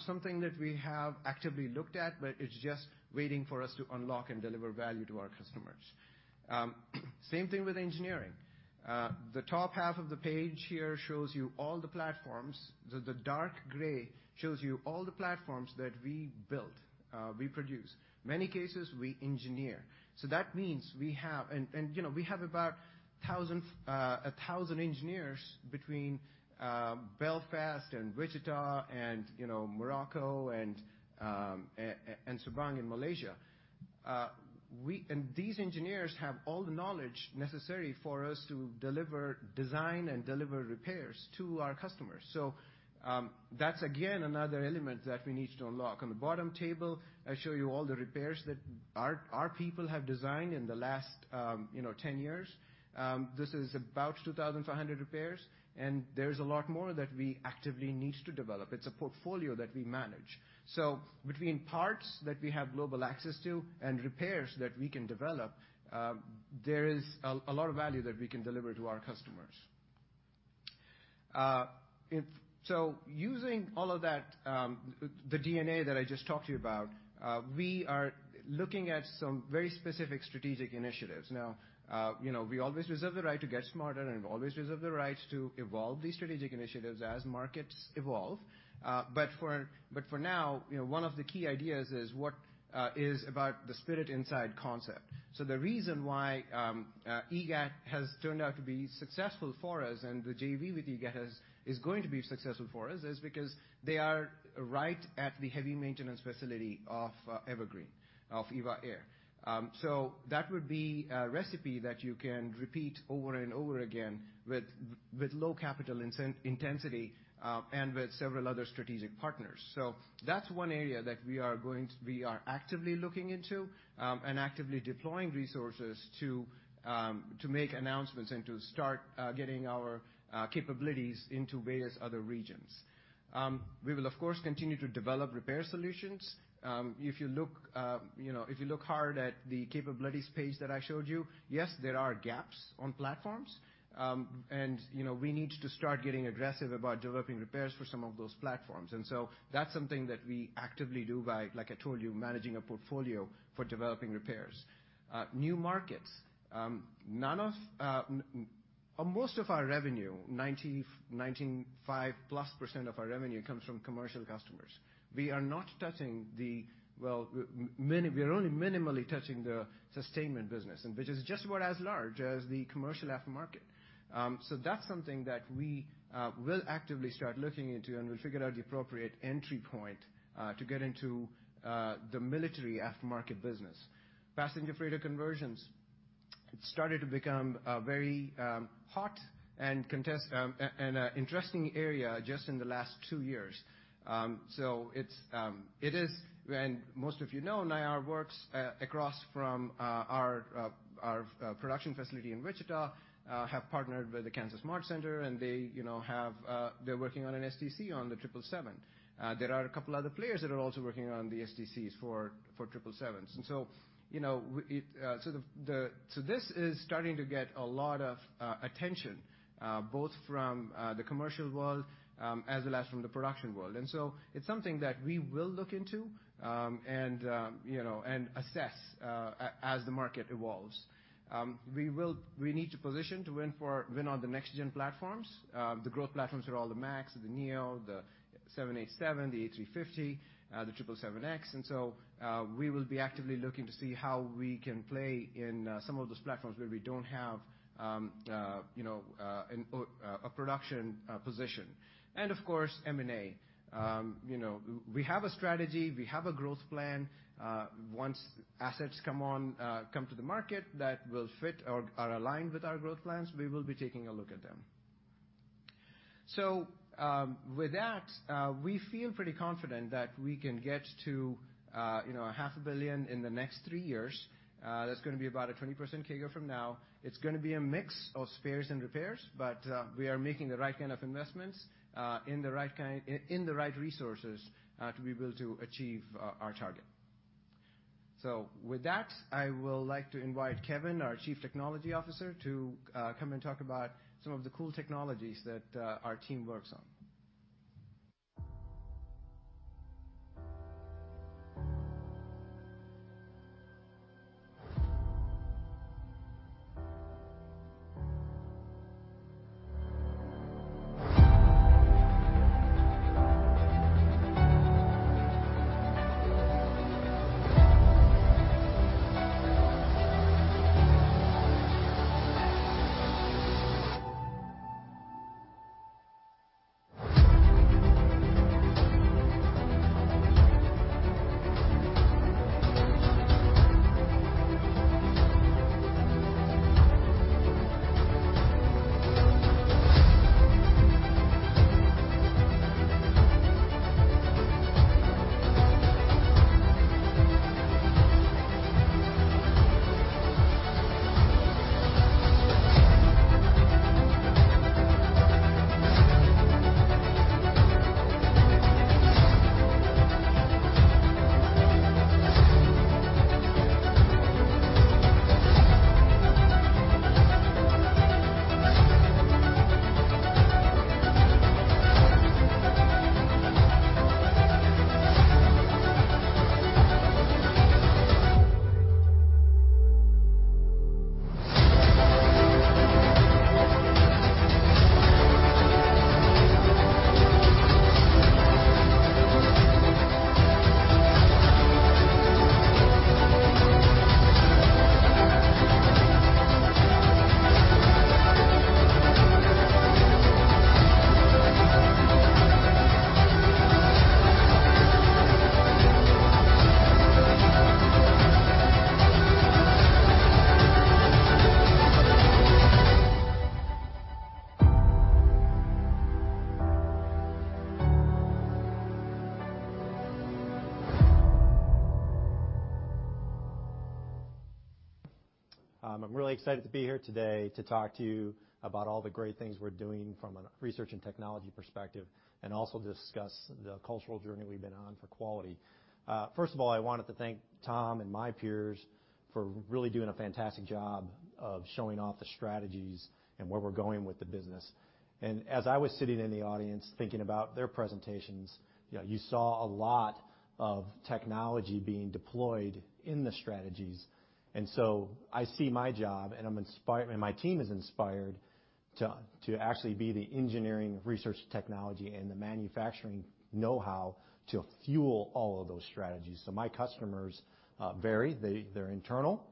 something that we have actively looked at, but it's just waiting for us to unlock and deliver value to our customers. Same thing with engineering. The top half of the page here shows you all the platforms. The dark gray shows you all the platforms that we build, we produce. Many cases, we engineer. That means we have about 1,000 engineers between Belfast and Wichita and, you know, Morocco and Subang in Malaysia. These engineers have all the knowledge necessary for us to deliver design and deliver repairs to our customers. That's again another element that we need to unlock. On the bottom table, I show you all the repairs that our people have designed in the last, you know, 10 years. This is about 2,400 repairs, and there's a lot more that we actively need to develop. It's a portfolio that we manage. Between parts that we have global access to and repairs that we can develop, there is a lot of value that we can deliver to our customers. Using all of that, the DNA that I just talked to you about, we are looking at some very specific strategic initiatives. Now, you know, we always reserve the right to get smarter and always reserve the right to evolve these strategic initiatives as markets evolve. But for now, you know, one of the key ideas is what is about the Spirit Inside concept. The reason why EGAT has turned out to be successful for us and the JV with EGAT is going to be successful for us is because they are right at the heavy maintenance facility of Evergreen of EVA Air. That would be a recipe that you can repeat over and over again with low capital intensity and with several other strategic partners. That's one area that we are actively looking into and actively deploying resources to make announcements and to start getting our capabilities into various other regions. We will of course continue to develop repair solutions. If you look, you know, hard at the capabilities page that I showed you, yes, there are gaps on platforms. You know, we need to start getting aggressive about developing repairs for some of those platforms. That's something that we actively do by, like I told you, managing a portfolio for developing repairs. New markets. Most of our revenue, 95%+ of our revenue comes from commercial customers. We are only minimally touching the sustainment business, which is just about as large as the commercial aftermarket. That's something that we will actively start looking into, and we'll figure out the appropriate entry point to get into the military aftermarket business. Passenger freighter conversions. It started to become very hot and contested, and an interesting area just in the last 2 years. Most of you know NIAR works across from our production facility in Wichita. We have partnered with the Kansas Smart Center, and they, you know, have, they're working on an STC on the 777. There are a couple other players that are also working on the STCs for 777s. You know, this is starting to get a lot of attention both from the commercial world as well as from the production world. It's something that we will look into, and, you know, and assess as the market evolves. We need to position to win on the next-gen platforms. The growth platforms are all the MAX, the Neo, the 787, the A350, the 777X. We will be actively looking to see how we can play in some of those platforms where we don't have, you know, a production position. Of course, M&A. You know, we have a strategy, we have a growth plan. Once assets come to the market that will fit or are aligned with our growth plans, we will be taking a look at them. With that, we feel pretty confident that we can get to, you know, a half a billion in the next three years. That's gonna be about a 20% CAGR from now. It's gonna be a mix of spares and repairs, but we are making the right kind of investments in the right resources to be able to achieve our target. With that, I will like to invite Kevin, our Chief Technology Officer, to come and talk about some of the cool technologies that our team works on. I'm really excited to be here today to talk to you about all the great things we're doing from a research and technology perspective, and also discuss the cultural journey we've been on for quality. First of all, I wanted to thank Tom and my peers for really doing a fantastic job of showing off the strategies and where we're going with the business. As I was sitting in the audience thinking about their presentations, you know, you saw a lot of technology being deployed in the strategies. I see my job, and my team is inspired to actually be the engineering, research, technology, and the manufacturing know-how to fuel all of those strategies. My customers vary. They, they're internal,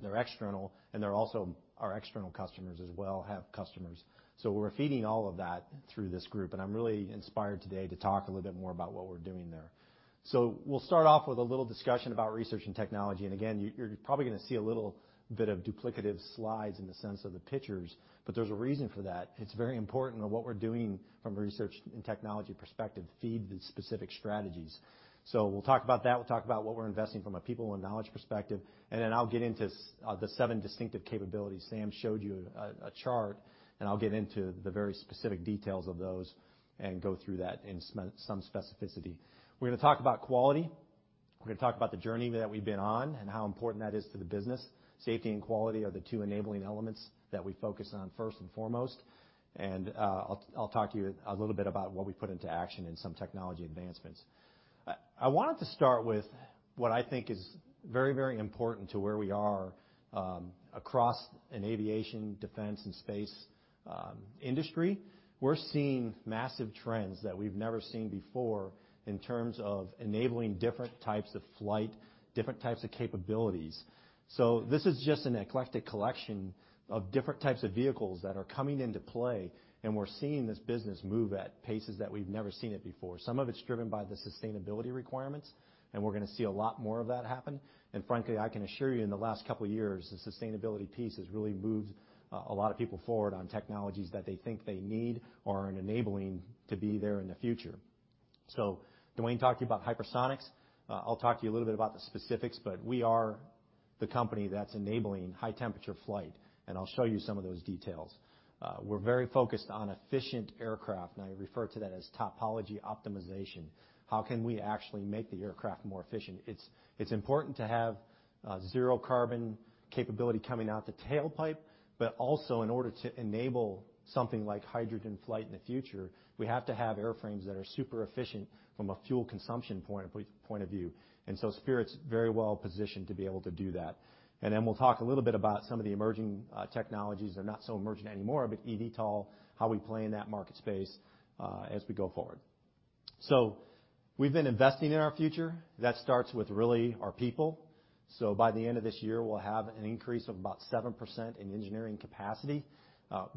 they're external, and they're also our external customers as well have customers. We're feeding all of that through this group, and I'm really inspired today to talk a little bit more about what we're doing there. We'll start off with a little discussion about research and technology. Again, you're probably gonna see a little bit of duplicative slides in the sense of the pictures, but there's a reason for that. It's very important that what we're doing from a research and technology perspective feed the specific strategies. We'll talk about that. We'll talk about what we're investing from a people and knowledge perspective, and then I'll get into the seven distinctive capabilities. Sam showed you a chart, and I'll get into the very specific details of those and go through that in some specificity. We're gonna talk about quality. We're gonna talk about the journey that we've been on and how important that is to the business. Safety and quality are the two enabling elements that we focus on first and foremost, and I'll talk to you a little bit about what we put into action and some technology advancements. I wanted to start with what I think is very, very important to where we are across an aviation, defense, and space industry. We're seeing massive trends that we've never seen before in terms of enabling different types of flight, different types of capabilities. This is just an eclectic collection of different types of vehicles that are coming into play, and we're seeing this business move at paces that we've never seen it before. Some of it's driven by the sustainability requirements, and we're gonna see a lot more of that happen. Frankly, I can assure you in the last couple years, the sustainability piece has really moved a lot of people forward on technologies that they think they need or are enabling to be there in the future. Duane talked to you about hypersonics. I'll talk to you a little bit about the specifics, but we are the company that's enabling high-temperature flight, and I'll show you some of those details. We're very focused on efficient aircraft, and I refer to that as topology optimization. How can we actually make the aircraft more efficient? It's important to have zero carbon capability coming out the tailpipe, but also in order to enable something like hydrogen flight in the future, we have to have airframes that are super efficient from a fuel consumption point of view. Spirit's very well positioned to be able to do that. We'll talk a little bit about some of the emerging technologies. They're not so emerging anymore, but eVTOL, how we play in that market space, as we go forward. We've been investing in our future. That starts with really our people. By the end of this year, we'll have an increase of about 7% in engineering capacity.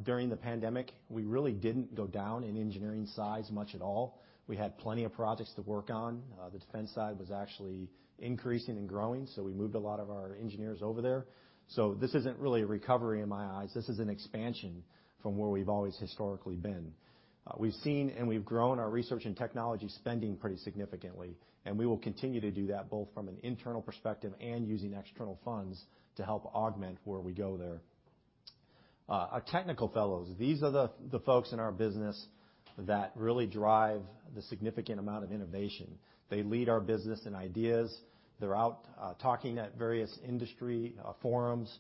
During the pandemic, we really didn't go down in engineering size much at all. We had plenty of projects to work on. The defense side was actually increasing and growing, so we moved a lot of our engineers over there. This isn't really a recovery in my eyes. This is an expansion from where we've always historically been. We've seen and we've grown our research and technology spending pretty significantly, and we will continue to do that both from an internal perspective and using external funds to help augment where we go there. Our technical fellows, these are the folks in our business that really drive the significant amount of innovation. They lead our business and ideas. They're out, talking at various industry, forums,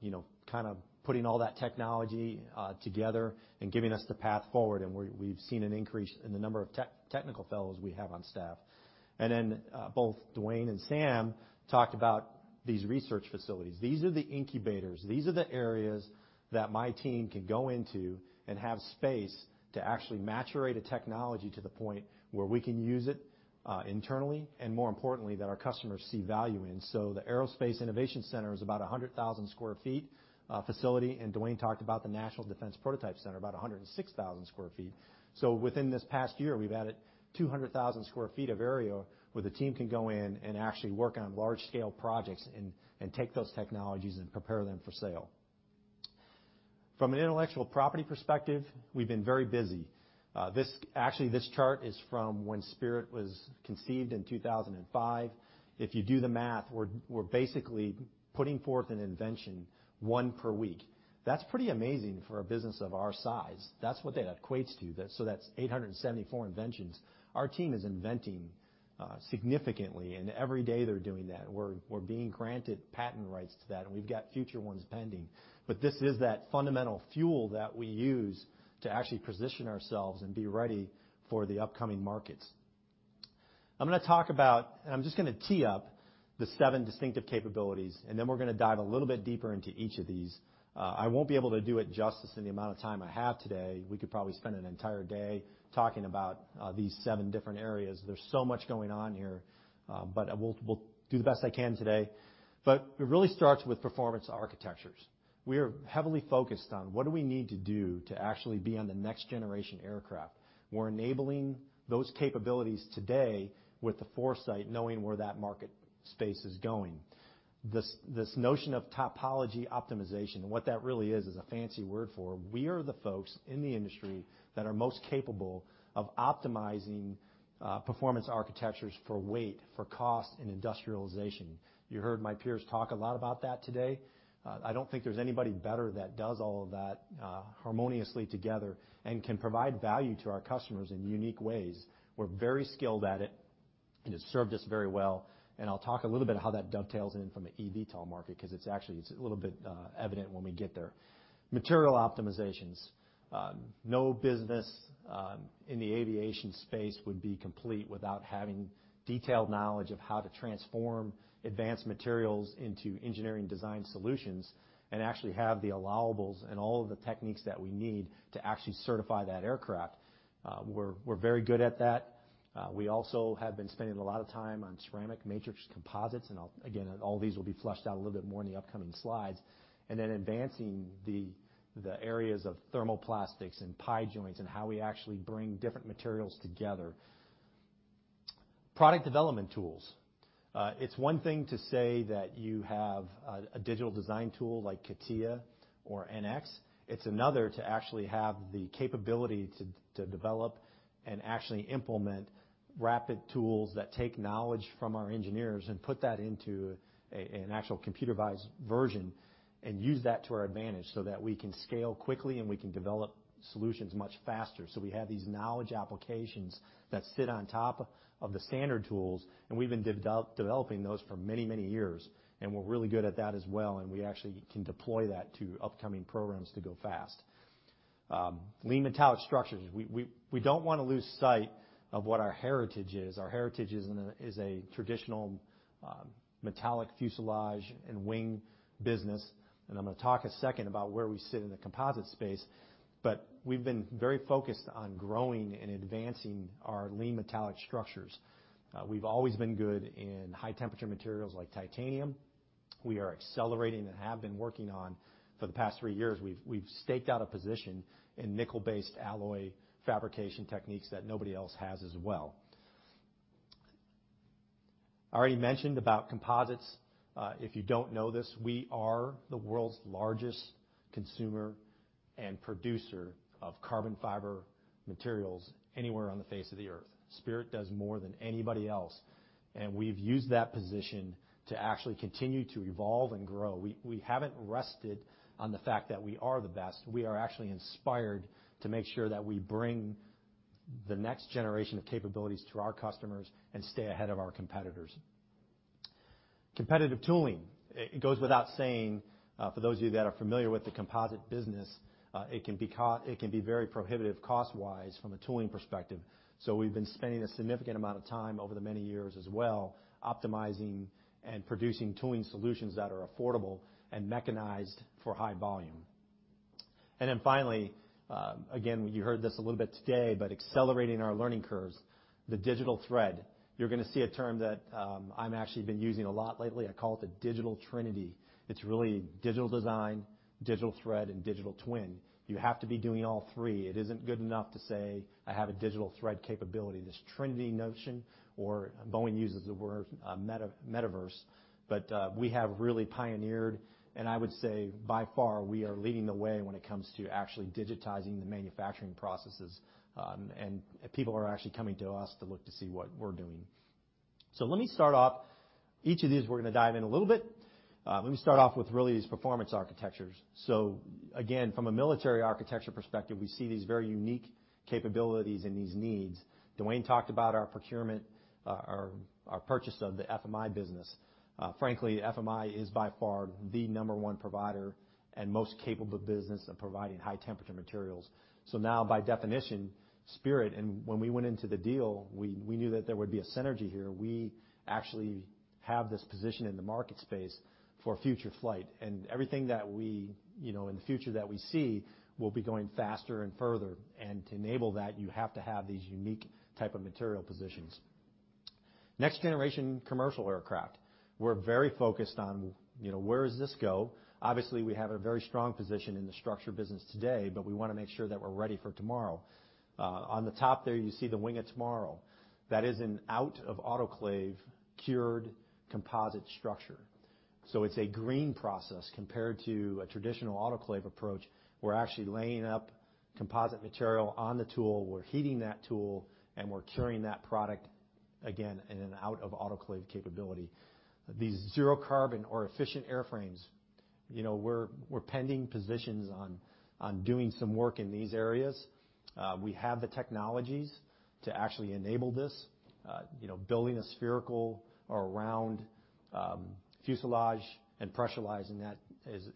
you know, kind of putting all that technology, together and giving us the path forward, and we've seen an increase in the number of technical fellows we have on staff. Both Duane and Sam talked about these research facilities. These are the incubators. These are the areas that my team can go into and have space to actually maturate a technology to the point where we can use it internally, and more importantly, that our customers see value in. The Aerospace Innovation Center is about 100,000 sq ft facility, and Duane talked about the National Defense Prototype Center, about 106,000 sq ft. Within this past year, we've added 200,000 sq ft of area where the team can go in and actually work on large-scale projects and take those technologies and prepare them for sale. From an intellectual property perspective, we've been very busy. Actually, this chart is from when Spirit was conceived in 2005. If you do the math, we're basically putting forth an invention one per week. That's pretty amazing for a business of our size. That's what that equates to. That's 874 inventions. Our team is inventing significantly, and every day they're doing that. We're being granted patent rights to that, and we've got future ones pending. This is that fundamental fuel that we use to actually position ourselves and be ready for the upcoming markets. I'm just gonna tee up the seven distinctive capabilities, and then we're gonna dive a little bit deeper into each of these. I won't be able to do it justice in the amount of time I have today. We could probably spend an entire day talking about these seven different areas. There's so much going on here, but I will do the best I can today. It really starts with performance architectures. We are heavily focused on what we need to do to actually be on the next generation aircraft. We're enabling those capabilities today with the foresight knowing where that market space is going. This notion of topology optimization, what that really is a fancy word for we are the folks in the industry that are most capable of optimizing performance architectures for weight, for cost, and industrialization. You heard my peers talk a lot about that today. I don't think there's anybody better that does all of that harmoniously together and can provide value to our customers in unique ways. We're very skilled at it. It has served us very well, and I'll talk a little bit how that dovetails in from the EVTOL market because it's actually a little bit evident when we get there. Material optimizations. No business in the aviation space would be complete without having detailed knowledge of how to transform advanced materials into engineering design solutions and actually have the allowables and all of the techniques that we need to actually certify that aircraft. We're very good at that. We also have been spending a lot of time on ceramic matrix composites, and again, all these will be fleshed out a little bit more in the upcoming slides. Then advancing the areas of thermoplastics and pi-joints and how we actually bring different materials together. Product development tools. It's one thing to say that you have a digital design tool like CATIA or NX. It's another to actually have the capability to develop and actually implement rapid tools that take knowledge from our engineers and put that into an actual computer-wise version and use that to our advantage so that we can scale quickly, and we can develop solutions much faster. We have these knowledge applications that sit on top of the standard tools, and we've been developing those for many, many years, and we're really good at that as well, and we actually can deploy that to upcoming programs to go fast. Lean metallic structures. We don't wanna lose sight of what our heritage is. Our heritage is in a traditional metallic fuselage and wing business, and I'm gonna talk a second about where we sit in the composite space. We've been very focused on growing and advancing our lean metallic structures. We've always been good in high-temperature materials like titanium. We are accelerating and have been working on, for the past three years, we've staked out a position in nickel-based alloy fabrication techniques that nobody else has as well. I already mentioned about composites. If you don't know this, we are the world's largest consumer and producer of carbon fiber materials anywhere on the face of the earth. Spirit does more than anybody else, and we've used that position to actually continue to evolve and grow. We haven't rested on the fact that we are the best. We are actually inspired to make sure that we bring the next generation of capabilities to our customers and stay ahead of our competitors. Competitive tooling. It goes without saying, for those of you that are familiar with the composite business, it can be very prohibitive cost-wise from a tooling perspective. We've been spending a significant amount of time over the many years as well, optimizing and producing tooling solutions that are affordable and mechanized for high volume. Finally, again, you heard this a little bit today, but accelerating our learning curves, the digital thread. You're gonna see a term that, I'm actually been using a lot lately. I call it the digital trinity. It's really digital design, digital thread, and digital twin. You have to be doing all three. It isn't good enough to say, "I have a digital thread capability." This trinity notion, or Boeing uses the word, metaverse, but we have really pioneered, and I would say by far, we are leading the way when it comes to actually digitizing the manufacturing processes, and people are actually coming to us to look to see what we're doing. Let me start off, each of these, we're gonna dive in a little bit. Let me start off with really these performance architectures. Again, from a military architecture perspective, we see these very unique capabilities and these needs. Duane talked about our procurement, our purchase of the FMI business. Frankly, FMI is by far the number one provider and most capable business of providing high-temperature materials. Now, by definition, Spirit, and when we went into the deal, we knew that there would be a synergy here. We actually have this position in the market space for future flight. Everything that we, you know, in the future that we see, will be going faster and further. To enable that, you have to have these unique type of material positions. Next-generation commercial aircraft. We're very focused on, you know, where does this go? Obviously, we have a very strong position in the structure business today, but we wanna make sure that we're ready for tomorrow. On the top there, you see the Wing of Tomorrow. That is an out-of-autoclave cured composite structure. It's a green process compared to a traditional autoclave approach. We're actually laying up composite material on the tool, we're heating that tool, and we're curing that product, again, in an out-of-autoclave capability. These zero carbon or efficient airframes, we're positioned on doing some work in these areas. We have the technologies to actually enable this. Building a spherical or a round fuselage and pressurizing that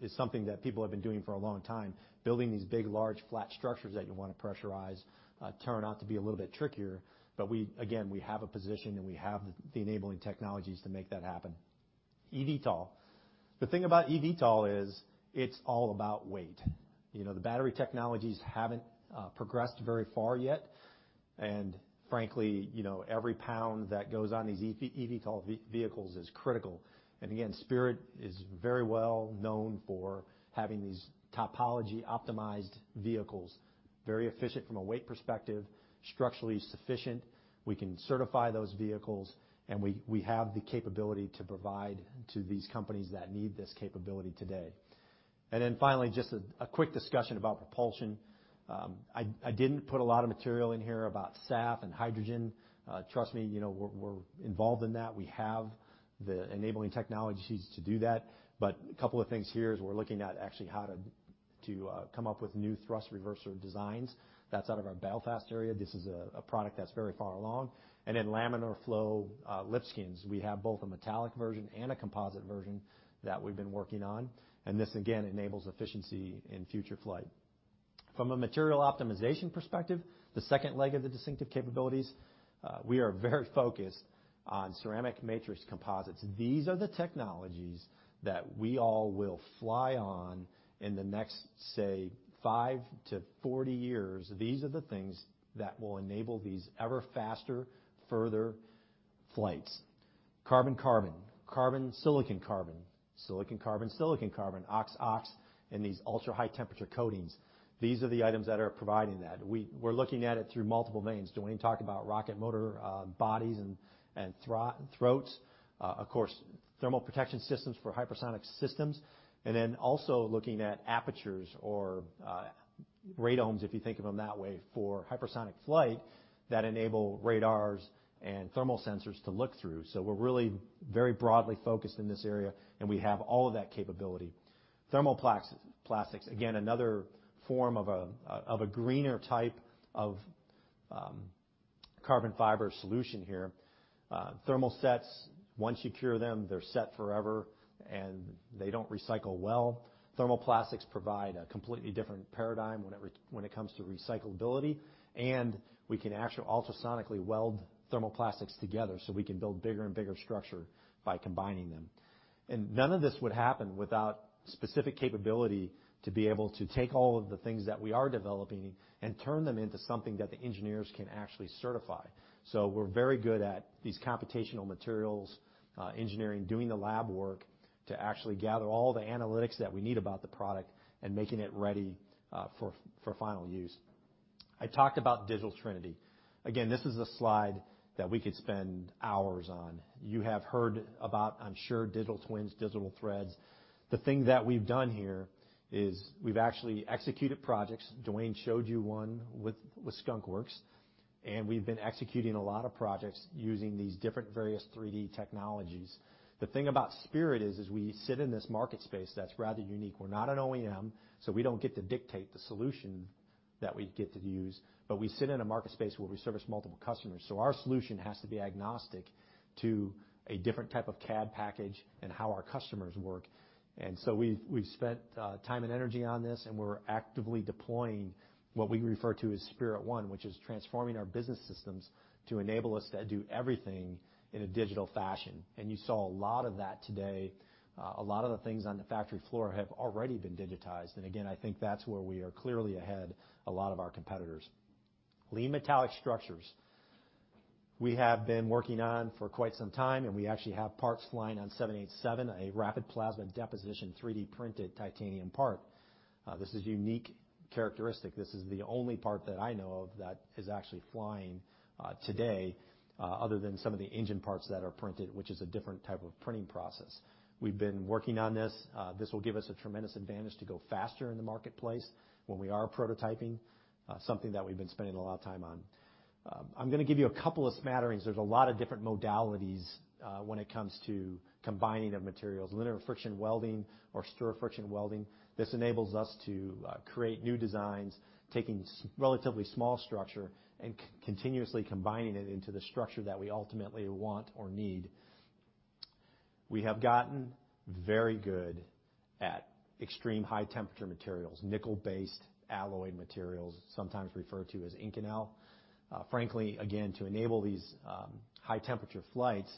is something that people have been doing for a long time. Building these big, large, flat structures that you wanna pressurize turn out to be a little bit trickier. We again have a position, and we have the enabling technologies to make that happen. eVTOL. The thing about eVTOL is it's all about weight. The battery technologies haven't progressed very far yet. Frankly, every pound that goes on these eVTOL vehicles is critical. Again, Spirit is very well known for having these topology-optimized vehicles, very efficient from a weight perspective, structurally sufficient. We can certify those vehicles, and we have the capability to provide to these companies that need this capability today. Then finally, just a quick discussion about propulsion. I didn't put a lot of material in here about SAF and hydrogen. Trust me, you know, we're involved in that. We have the enabling technologies to do that. But a couple of things here is we're looking at actually how to come up with new thrust reverser designs that's out of our Belfast area. This is a product that's very far along. Then laminar flow lip skins. We have both a metallic version and a composite version that we've been working on. And this, again, enables efficiency in future flight. From a material optimization perspective, the second leg of the distinctive capabilities, we are very focused on ceramic matrix composites. These are the technologies that we all will fly on in the next, say, 5-40 years. These are the things that will enable these ever faster, further flights. Carbon-carbon, carbon, silicon-carbon, Ox-Ox, and these ultra-high temperature coatings. These are the items that are providing that. We're looking at it through multiple veins. Duane talked about rocket motor bodies and throats. Of course, thermal protection systems for hypersonic systems. Also looking at apertures or radomes, if you think of them that way, for hypersonic flight that enable radars and thermal sensors to look through. We're really very broadly focused in this area, and we have all of that capability. Thermoplastics. Again, another form of a greener type of carbon fiber solution here. Thermosets, once you cure them, they're set forever, and they don't recycle well. Thermoplastics provide a completely different paradigm when it comes to recyclability. We can actually ultrasonically weld thermoplastics together, so we can build bigger and bigger structure by combining them. None of this would happen without specific capability to be able to take all of the things that we are developing and turn them into something that the engineers can actually certify. We're very good at these computational materials engineering, doing the lab work to actually gather all the analytics that we need about the product and making it ready for final use. I talked about digital trinity. Again, this is a slide that we could spend hours on. You have heard about, I'm sure, digital twins, digital threads. The thing that we've done here is we've actually executed projects. Duane showed you one with Skunk Works. We've been executing a lot of projects using these different various 3D technologies. The thing about Spirit is we sit in this market space that's rather unique. We're not an OEM, so we don't get to dictate the solution that we get to use, but we sit in a market space where we service multiple customers. Our solution has to be agnostic to a different type of CAD package and how our customers work. We've spent time and energy on this, and we're actively deploying what we refer to as Spirit One, which is transforming our business systems to enable us to do everything in a digital fashion. You saw a lot of that today. A lot of the things on the factory floor have already been digitized. Again, I think that's where we are clearly ahead of a lot of our competitors. We have been working on lean metallic structures for quite some time, and we actually have parts flying on 787, a Rapid Plasma Deposition, 3D printed titanium part. This is unique characteristic. This is the only part that I know of that is actually flying today, other than some of the engine parts that are printed, which is a different type of printing process. We've been working on this. This will give us a tremendous advantage to go faster in the marketplace when we are prototyping. Something that we've been spending a lot of time on. I'm gonna give you a couple of smatterings. There's a lot of different modalities when it comes to combining of materials. Linear friction welding or friction stir welding, this enables us to create new designs, taking relatively small structure and continuously combining it into the structure that we ultimately want or need. We have gotten very good at extreme high temperature materials, nickel-based alloy materials, sometimes referred to as Inconel. Frankly, again, to enable these high temperature flights,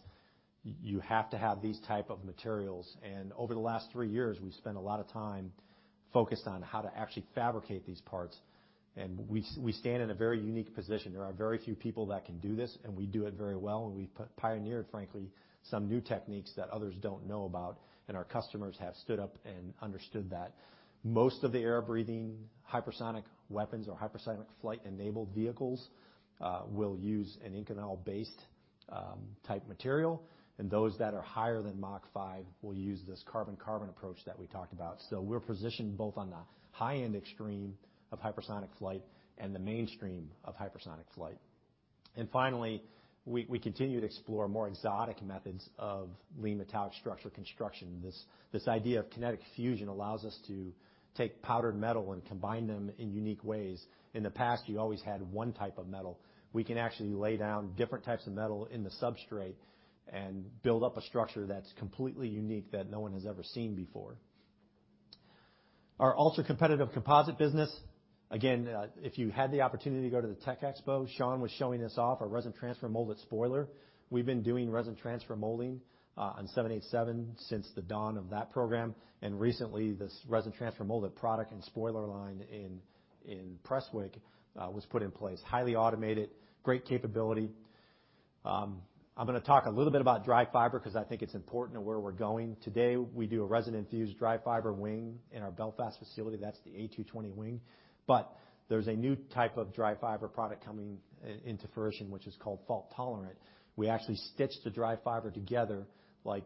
you have to have these type of materials. Over the last three years, we've spent a lot of time focused on how to actually fabricate these parts. We stand in a very unique position. There are very few people that can do this, and we do it very well. We've pioneered, frankly, some new techniques that others don't know about, and our customers have stood up and understood that. Most of the air-breathing hypersonic weapons or hypersonic flight-enabled vehicles will use an Inconel-based type material, and those that are higher than Mach Five will use this carbon-carbon approach that we talked about. We're positioned both on the high-end extreme of hypersonic flight and the mainstream of hypersonic flight. Finally, we continue to explore more exotic methods of lean metallic structure construction. This idea of kinetic fusion allows us to take powdered metal and combine them in unique ways. In the past, you always had one type of metal. We can actually lay down different types of metal in the substrate and build up a structure that's completely unique that no one has ever seen before. Our ultra-competitive composite business. Again, if you had the opportunity to go to the Tech Expo, Sean was showing this off, our resin transfer molded spoiler. We've been doing resin transfer molding on 787 since the dawn of that program, and recently this resin transfer molded product and spoiler line in Prestwick was put in place. Highly automated, great capability. I'm gonna talk a little bit about dry fiber because I think it's important to where we're going. Today, we do a resin infused dry fiber wing in our Belfast facility. That's the A220 wing. There's a new type of dry fiber product coming into fruition, which is called fault tolerant. We actually stitch the dry fiber together like,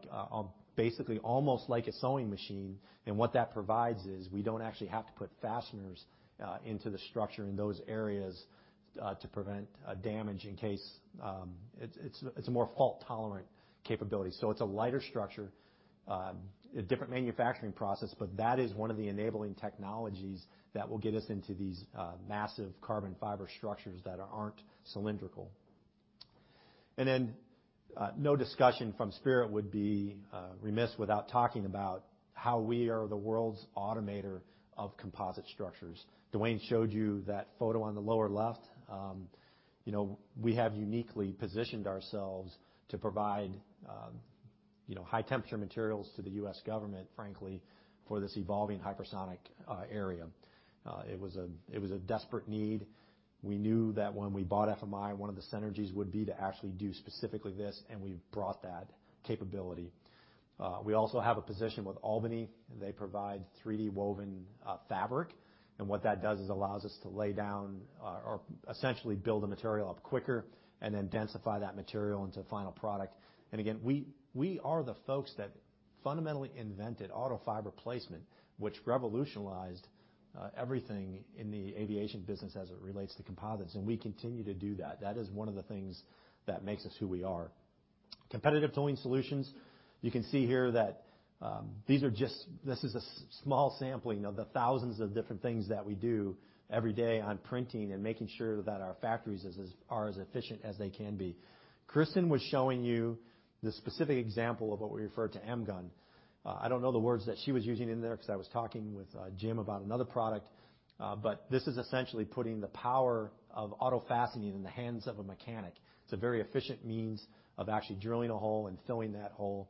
basically almost like a sewing machine. What that provides is we don't actually have to put fasteners into the structure in those areas to prevent damage in case. It's a more fault tolerant capability. It's a lighter structure. A different manufacturing process, but that is one of the enabling technologies that will get us into these, massive carbon fiber structures that aren't cylindrical. No discussion from Spirit would be remiss without talking about how we are the world's automator of composite structures. Duane showed you that photo on the lower left. You know, we have uniquely positioned ourselves to provide, you know, high temperature materials to the U.S. government, frankly, for this evolving hypersonic area. It was a desperate need. We knew that when we bought FMI, one of the synergies would be to actually do specifically this, and we've brought that capability. We also have a position with Albany. They provide 3-D woven fabric. What that does is allows us to lay down or essentially build the material up quicker and then densify that material into a final product. Again, we are the folks that fundamentally invented automated fiber placement, which revolutionized everything in the aviation business as it relates to composites, and we continue to do that. That is one of the things that makes us who we are. Competitive towing solutions. You can see here that this is a small sampling of the thousands of different things that we do every day on printing and making sure that our factories are as efficient as they can be. Kristen was showing you the specific example of what we refer to MGun. I don't know the words that she was using in there because I was talking with Jim about another product, but this is essentially putting the power of auto fastening in the hands of a mechanic. It's a very efficient means of actually drilling a hole and filling that hole.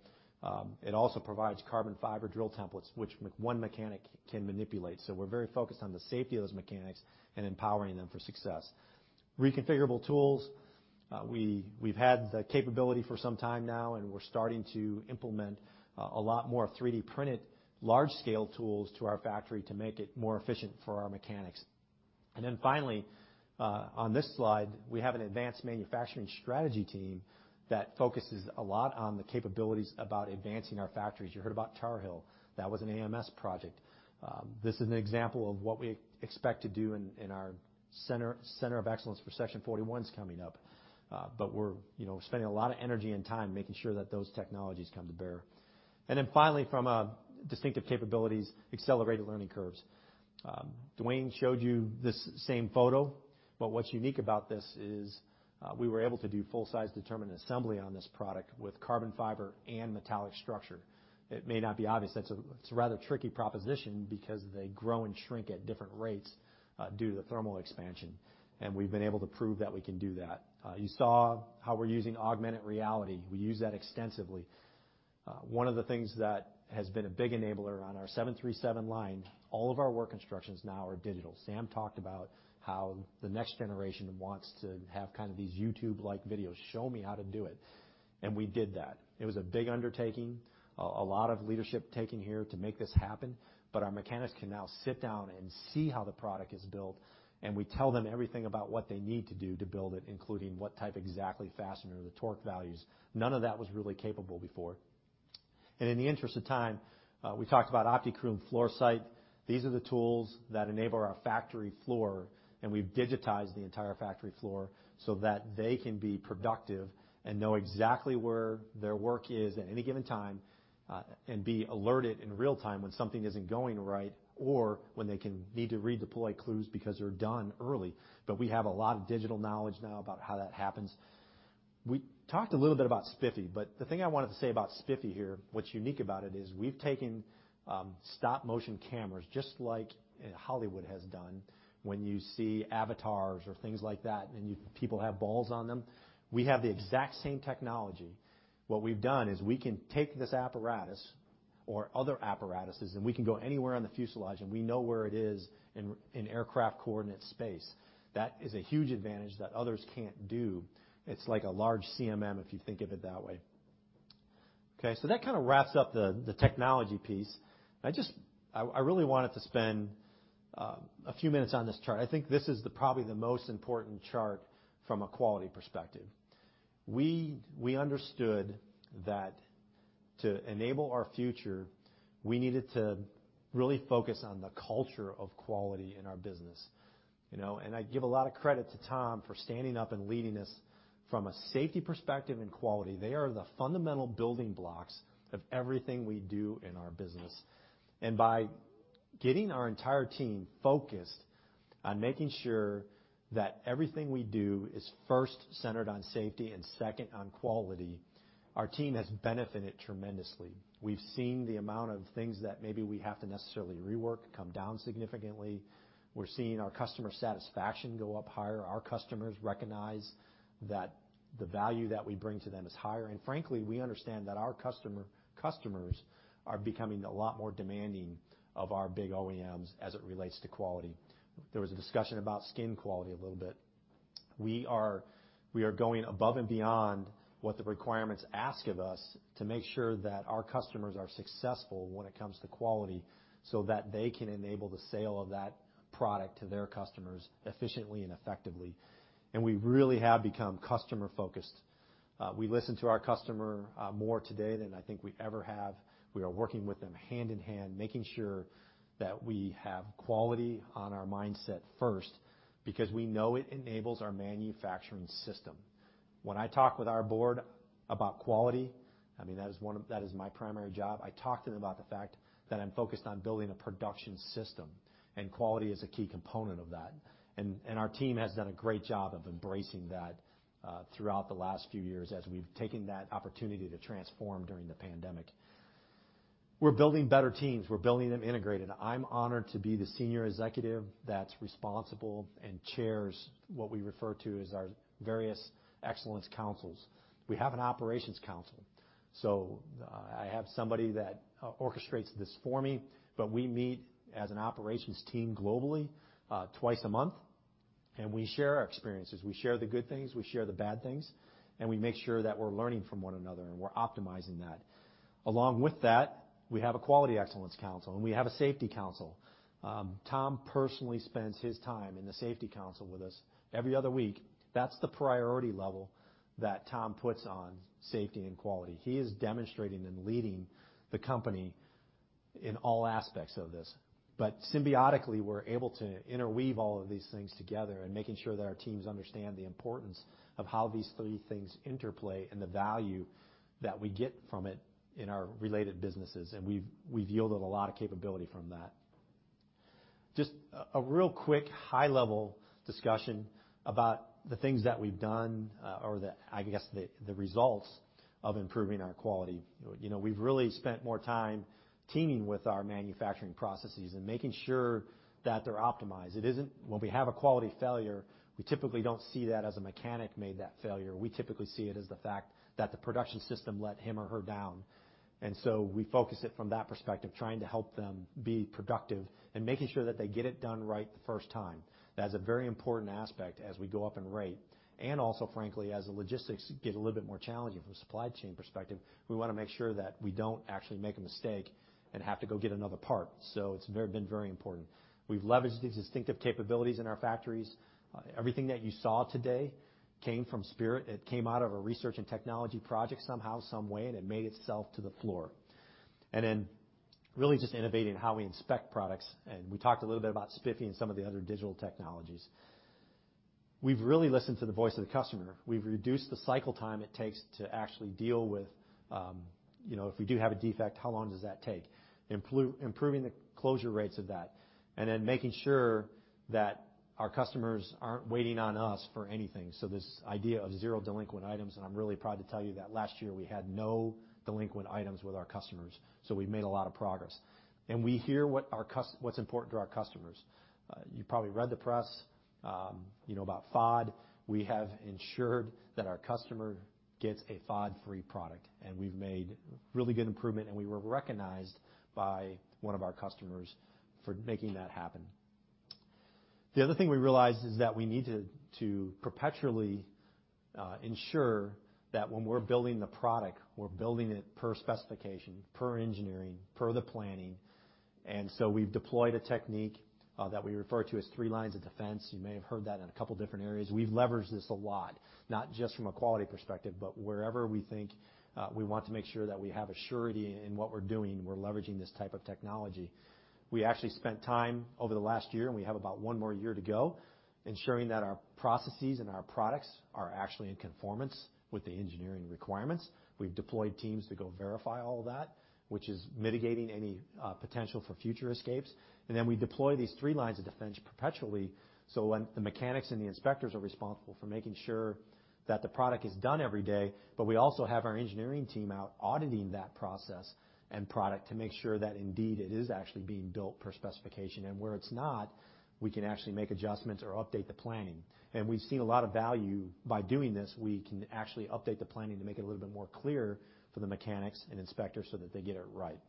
It also provides carbon fiber drill templates, which one mechanic can manipulate. We're very focused on the safety of those mechanics and empowering them for success. Reconfigurable tools. We've had the capability for some time now, and we're starting to implement a lot more 3D printed large-scale tools to our factory to make it more efficient for our mechanics. Finally, on this slide, we have an advanced manufacturing strategy team that focuses a lot on the capabilities about advancing our factories. You heard about Charhill. That was an AMS project. This is an example of what we expect to do in our center of excellence for Section 41's coming up. We're, you know, spending a lot of energy and time making sure that those technologies come to bear. Finally, from a distinctive capabilities, accelerated learning curves. Duane showed you this same photo, but what's unique about this is, we were able to do full size determinate assembly on this product with carbon fiber and metallic structure. It may not be obvious. It's a rather tricky proposition because they grow and shrink at different rates, due to the thermal expansion, and we've been able to prove that we can do that. You saw how we're using augmented reality. We use that extensively. One of the things that has been a big enabler on our 737 line, all of our work instructions now are digital. Sam talked about how the next generation wants to have kind of these YouTube-like videos, show me how to do it, and we did that. It was a big undertaking, a lot of leadership buy-in here to make this happen, but our mechanics can now sit down and see how the product is built, and we tell them everything about what they need to do to build it, including exactly what type of fastener, the torque values. None of that was really available before. In the interest of time, we talked about Opticrew, Floorsight. These are the tools that enable our factory floor, and we've digitized the entire factory floor so that they can be productive and know exactly where their work is at any given time, and be alerted in real time when something isn't going right or when they need to redeploy crews because they're done early. We have a lot of digital knowledge now about how that happens. We talked a little bit about SPIFFI, but the thing I wanted to say about SPIFFI here, what's unique about it is we've taken stop-motion cameras, just like Hollywood has done when you see avatars or things like that, and people have balls on them. We have the exact same technology. What we've done is we can take this apparatus or other apparatuses, and we can go anywhere on the fuselage, and we know where it is in aircraft coordinate space. That is a huge advantage that others can't do. It's like a large CMM if you think of it that way. Okay, so that kind of wraps up the technology piece. I really wanted to spend a few minutes on this chart. I think this is probably the most important chart from a quality perspective. We understood that to enable our future, we needed to really focus on the culture of quality in our business, you know. I give a lot of credit to Tom for standing up and leading us from a safety perspective and quality. They are the fundamental building blocks of everything we do in our business. By getting our entire team focused on making sure that everything we do is first centered on safety and second on quality, our team has benefited tremendously. We've seen the amount of things that maybe we have to necessarily rework come down significantly. We're seeing our customer satisfaction go up higher. Our customers recognize that the value that we bring to them is higher. Frankly, we understand that our customer, customers are becoming a lot more demanding of our big OEMs as it relates to quality. There was a discussion about skin quality a little bit. We are going above and beyond what the requirements ask of us to make sure that our customers are successful when it comes to quality so that they can enable the sale of that product to their customers efficiently and effectively. We really have become customer-focused. We listen to our customer more today than I think we ever have. We are working with them hand-in-hand, making sure that we have quality on our mindset first, because we know it enables our manufacturing system. When I talk with our board about quality, I mean, that is my primary job. I talked to them about the fact that I'm focused on building a production system, and quality is a key component of that. Our team has done a great job of embracing that throughout the last few years as we've taken that opportunity to transform during the pandemic. We're building better teams. We're building them integrated. I'm honored to be the senior executive that's responsible and chairs what we refer to as our various excellence councils. We have an operations council. I have somebody that orchestrates this for me, but we meet as an operations team globally, twice a month, and we share our experiences. We share the good things, we share the bad things, and we make sure that we're learning from one another, and we're optimizing that. Along with that, we have a quality excellence council, and we have a safety council. Tom personally spends his time in the safety council with us every other week. That's the priority level that Tom puts on safety and quality. He is demonstrating and leading the company in all aspects of this. Symbiotically, we're able to interweave all of these things together and making sure that our teams understand the importance of how these three things interplay and the value that we get from it in our related businesses. We've yielded a lot of capability from that. Just a real quick high-level discussion about the things that we've done, or I guess the results of improving our quality. You know, we've really spent more time teaming with our manufacturing processes and making sure that they're optimized. When we have a quality failure, we typically don't see that as a mechanic made that failure. We typically see it as the fact that the production system let him or her down. We focus it from that perspective, trying to help them be productive and making sure that they get it done right the first time. That's a very important aspect as we go up in rate, and also, frankly, as the logistics get a little bit more challenging from a supply chain perspective, we wanna make sure that we don't actually make a mistake and have to go get another part. It's been very important. We've leveraged these distinctive capabilities in our factories. Everything that you saw today came from Spirit. It came out of a research and technology project somehow, some way, and it made itself to the floor, really just innovating how we inspect products, and we talked a little bit about SPIFFI and some of the other digital technologies. We've really listened to the voice of the customer. We've reduced the cycle time it takes to actually deal with if we do have a defect, how long does that take? Improving the closure rates of that, and then making sure that our customers aren't waiting on us for anything. This idea of zero delinquent items, and I'm really proud to tell you that last year we had no delinquent items with our customers. We've made a lot of progress. We hear what's important to our customers. You probably read the press, you know, about FOD. We have ensured that our customer gets a FOD-free product, and we've made really good improvement, and we were recognized by one of our customers for making that happen. The other thing we realized is that we need to perpetually ensure that when we're building the product, we're building it per specification, per engineering, per the planning. We've deployed a technique that we refer to as three lines of defense. You may have heard that in a couple different areas. We've leveraged this a lot, not just from a quality perspective, but wherever we think we want to make sure that we have a surety in what we're doing, we're leveraging this type of technology. We actually spent time over the last year, and we have about one more year to go, ensuring that our processes and our products are actually in conformance with the engineering requirements. We've deployed teams to go verify all of that, which is mitigating any potential for future escapes. Then we deploy these three lines of defense perpetually, so when the mechanics and the inspectors are responsible for making sure that the product is done every day, but we also have our engineering team out auditing that process and product to make sure that indeed it is actually being built per specification. Where it's not, we can actually make adjustments or update the planning. We've seen a lot of value by doing this. We can actually update the planning to make it a little bit more clear for the mechanics and inspectors so that they get it right.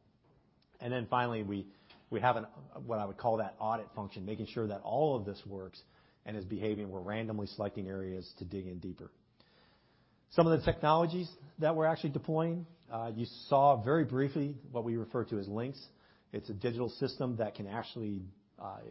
Finally, we have an, what I would call that audit function, making sure that all of this works and is behaving. We're randomly selecting areas to dig in deeper. Some of the technologies that we're actually deploying, you saw very briefly what we refer to as Lynx. It's a digital system that can actually,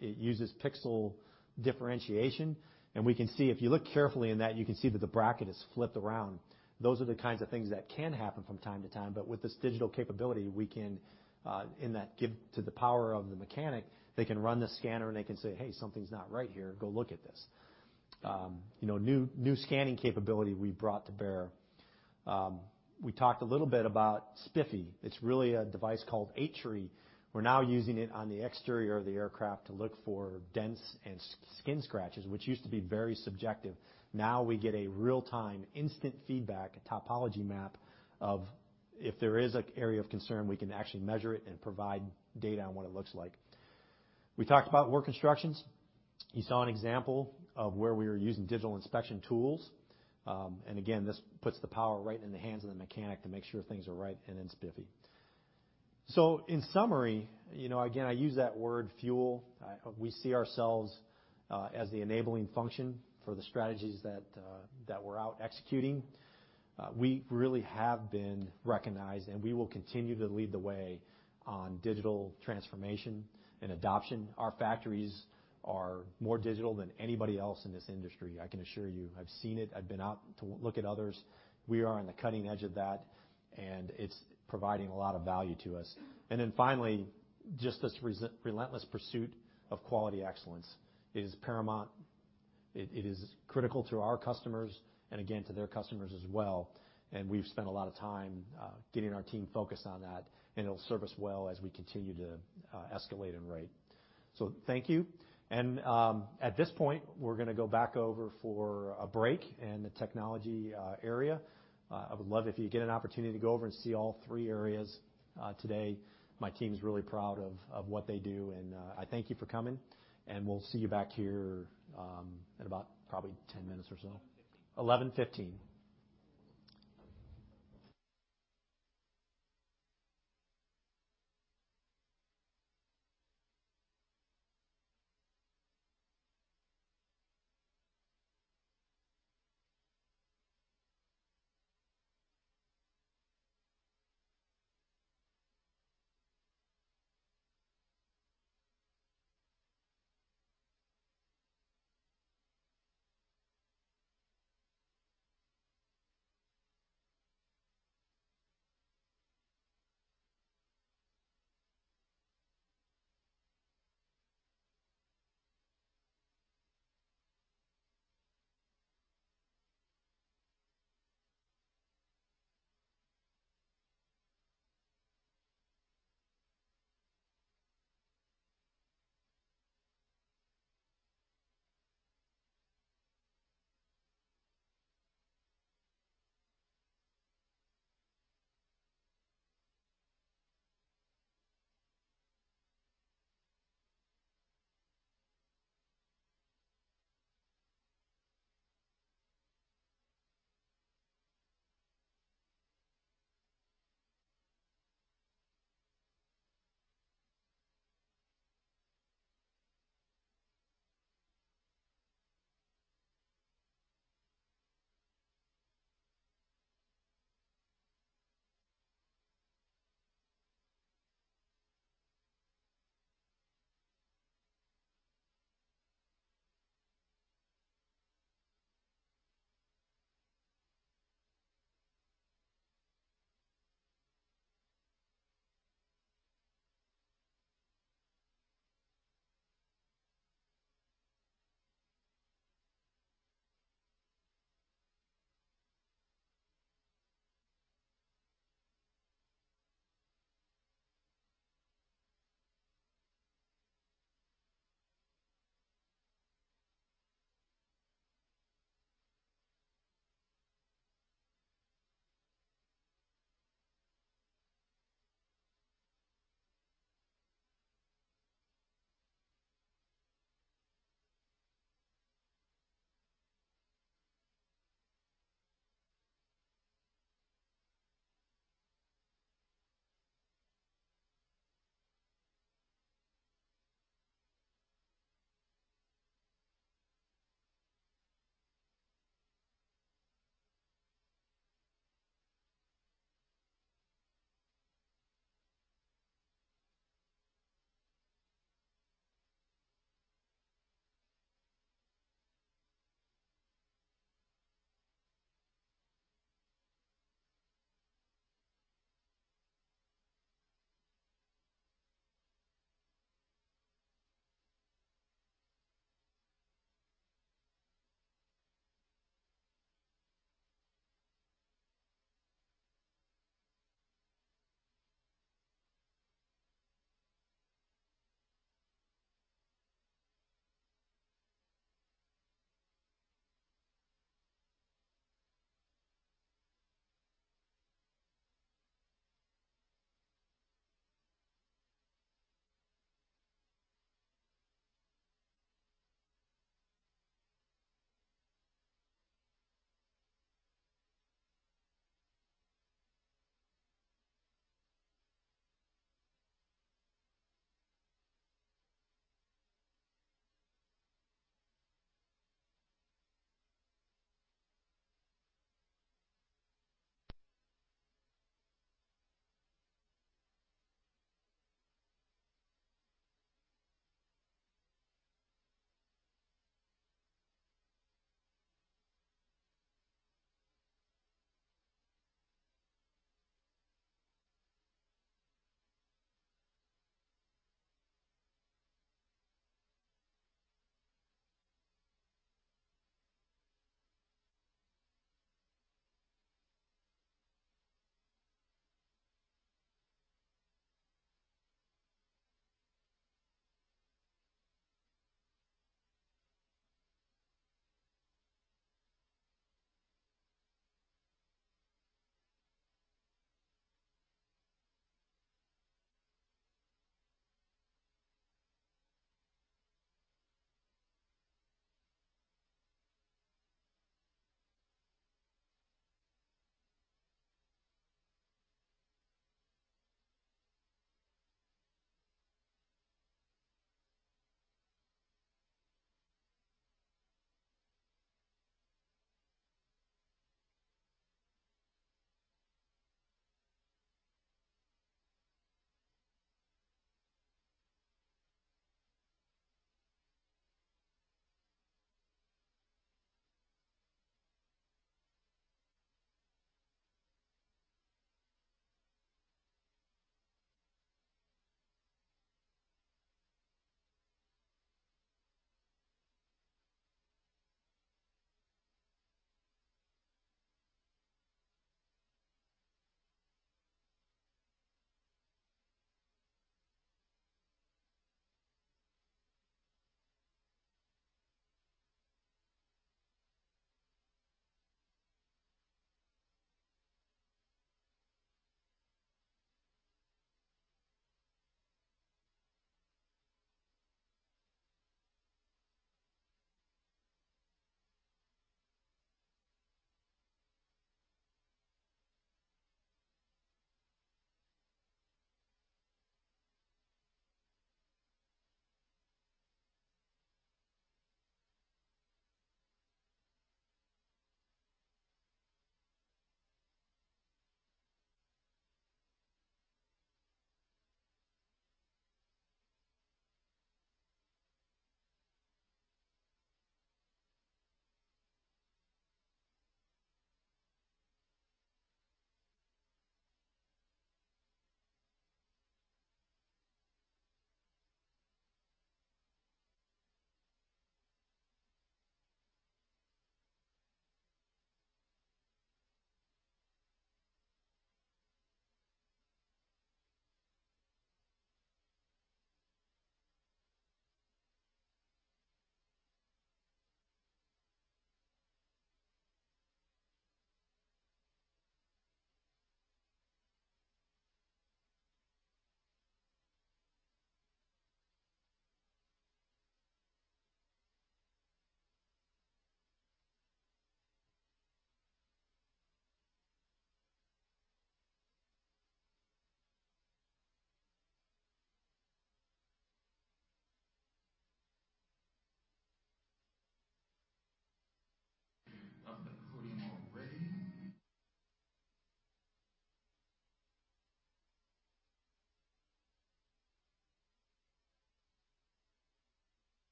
it uses pixel differentiation, and we can see, if you look carefully in that, you can see that the bracket is flipped around. Those are the kinds of things that can happen from time to time. With this digital capability, we can, and that gives power to the mechanic, they can run the scanner, and they can say, "Hey, something's not right here. Go look at this." You know, new scanning capability we brought to bear. We talked a little bit about SPIFFI. It's really a device called Atri. We're now using it on the exterior of the aircraft to look for dents and skin scratches, which used to be very subjective. Now we get a real-time, instant feedback topology map of if there is an area of concern, we can actually measure it and provide data on what it looks like. We talked about work instructions. You saw an example of where we were using digital inspection tools. Again, this puts the power right in the hands of the mechanic to make sure things are right and in SPIFFI. In summary, you know, again, I use that word feel. We see ourselves as the enabling function for the strategies that we're out executing. We really have been recognized, and we will continue to lead the way on digital transformation and adoption. Our factories are more digital than anybody else in this industry, I can assure you. I've seen it. I've been out to look at others. We are on the cutting edge of that, and it's providing a lot of value to us. Then finally, just this relentless pursuit of quality excellence is paramount. It is critical to our customers and again, to their customers as well. We've spent a lot of time getting our team focused on that, and it'll serve us well as we continue to escalate and rate. Thank you. At this point, we're gonna go back over for a break in the technology area. I would love if you get an opportunity to go over and see all three areas today. My team's really proud of what they do, and I thank you for coming, and we'll see you back here in about probably 10 minutes or so.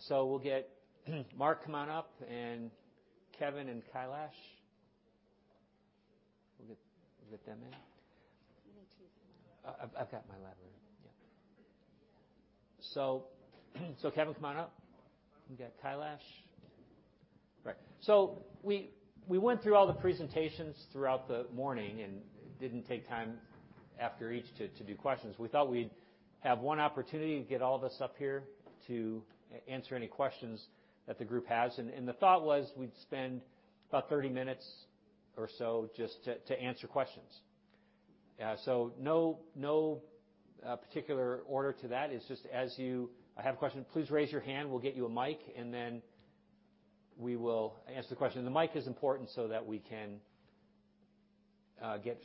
11:15. 11:15. We'll get Mark come on up, and Kevin and Kailash. We'll get them in. You need to as well. I've got my lavalier, yeah. Kevin, come on up. We got Kailash. Right. We went through all the presentations throughout the morning, and didn't take time after each to do questions. We thought we'd have one opportunity to get all of us up here to answer any questions that the group has. The thought was we'd spend about 30 minutes or so just to answer questions. No particular order to that. It's just as you have a question, please raise your hand. We'll get you a mic, and then we will answer the question. The mic is important so that we can get.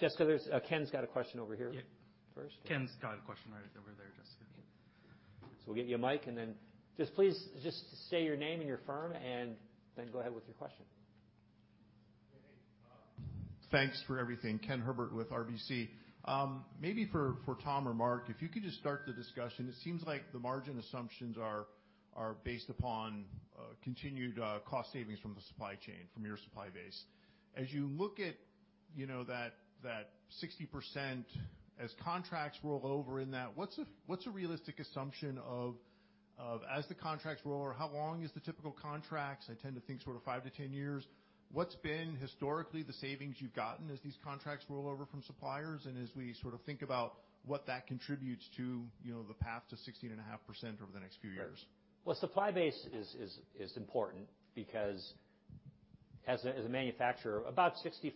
Jessica, Ken's got a question over here. Yeah. First. Ken's got a question right over there, Jessica. We'll get you a mic, and then just please say your name and your firm, and then go ahead with your question. Thanks for everything. Ken Herbert with RBC. Maybe for Tom or Mark, if you could just start the discussion. It seems like the margin assumptions are based upon continued cost savings from the supply chain, from your supply base. As you look at, you know, that 60%, as contracts roll over in that, what's a realistic assumption of as the contracts roll, or how long is the typical contracts? I tend to think sort of 5-10 years. What's been historically the savings you've gotten as these contracts roll over from suppliers, and as we sort of think about what that contributes to, you know, the path to 16.5% over the next few years? Well, supply base is important because as a manufacturer, about 65%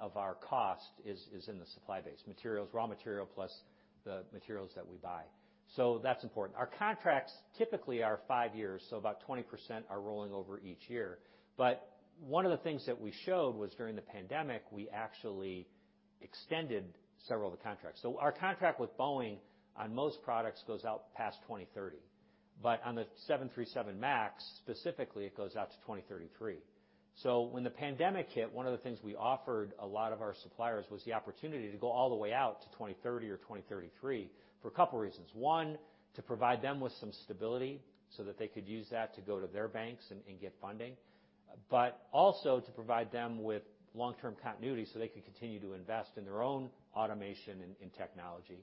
of our cost is in the supply base. Materials, raw material plus the materials that we buy. That's important. Our contracts typically are 5 years, so about 20% are rolling over each year. One of the things that we showed was during the pandemic, we actually extended several of the contracts. Our contract with Boeing on most products goes out past 2030. On the 737 MAX, specifically, it goes out to 2033. When the pandemic hit, one of the things we offered a lot of our suppliers was the opportunity to go all the way out to 2030 or 2033 for a couple reasons. One, to provide them with some stability so that they could use that to go to their banks and get funding. Also to provide them with long-term continuity so they could continue to invest in their own automation and technology.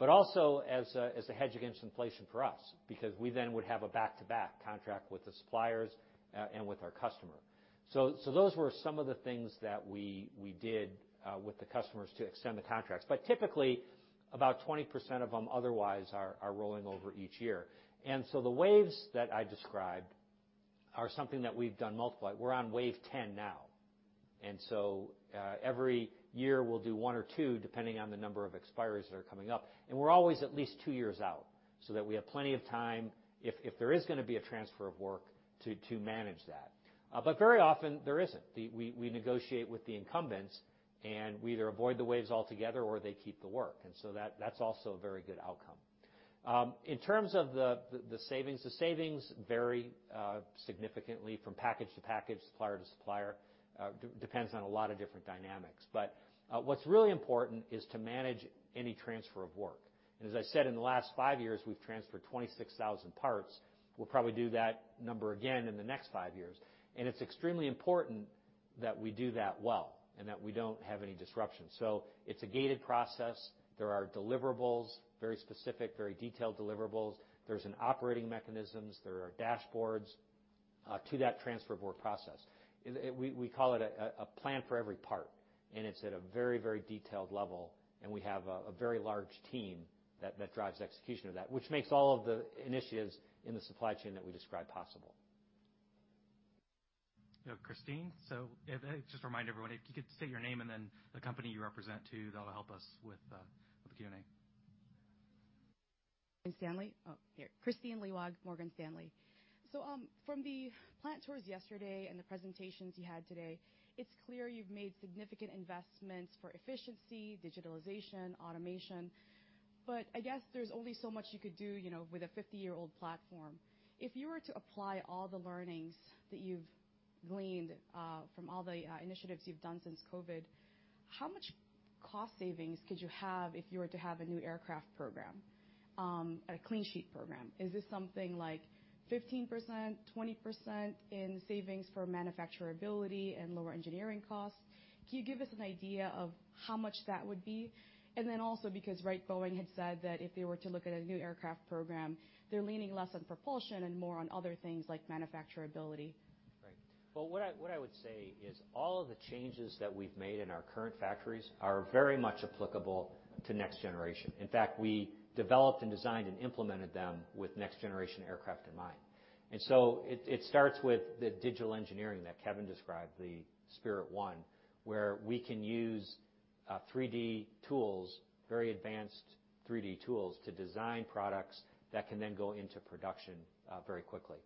Also as a hedge against inflation for us, because we then would have a back-to-back contract with the suppliers and with our customer. Those were some of the things that we did with the customers to extend the contracts. Typically, about 20% of them otherwise are rolling over each year. The Waves that I described are something that we've done multiple. We're on Wave 10 now. Every year we'll do 1 or 2, depending on the number of expiries that are coming up. We're always at least two years out, so that we have plenty of time if there is gonna be a transfer of work to manage that. But very often, there isn't. We negotiate with the incumbents, and we either avoid the Waves altogether or they keep the work. That's also a very good outcome. In terms of the savings, the savings vary significantly from package to package, supplier to supplier. Depends on a lot of different dynamics. What's really important is to manage any transfer of work. As I said, in the last five years, we've transferred 26,000 parts. We'll probably do that number again in the next five years. It's extremely important that we do that well and that we don't have any disruptions. It's a gated process. There are deliverables, very specific, very detailed deliverables. There's an operating mechanisms. There are dashboards to that transfer board process. We call it a plan for every part, and it's at a very, very detailed level, and we have a very large team that drives execution of that, which makes all of the initiatives in the supply chain that we describe possible. You know, Christine. Just remind everyone if you could state your name and then the company you represent too, that'll help us with the Q&A. Kristine Liwag. Oh, here. Kristine Liwag, Morgan Stanley. From the plant tours yesterday and the presentations you had today, it's clear you've made significant investments for efficiency, digitalization, automation. I guess there's only so much you could do, you know, with a 50-year-old platform. If you were to apply all the learnings that you've gleaned from all the initiatives you've done since COVID, how much cost savings could you have if you were to have a new aircraft program, a clean sheet program? Is this something like 15%, 20% in savings for manufacturability and lower engineering costs? Can you give us an idea of how much that would be? Also because right, Boeing had said that if they were to look at a new aircraft program, they're leaning less on propulsion and more on other things like manufacturability. Right. Well, what I would say is all of the changes that we've made in our current factories are very much applicable to next generation. In fact, we developed and designed and implemented them with next generation aircraft in mind. It starts with the digital engineering that Kevin described, the Spirit One, where we can use 3D tools, very advanced 3D tools to design products that can then go into production very quickly.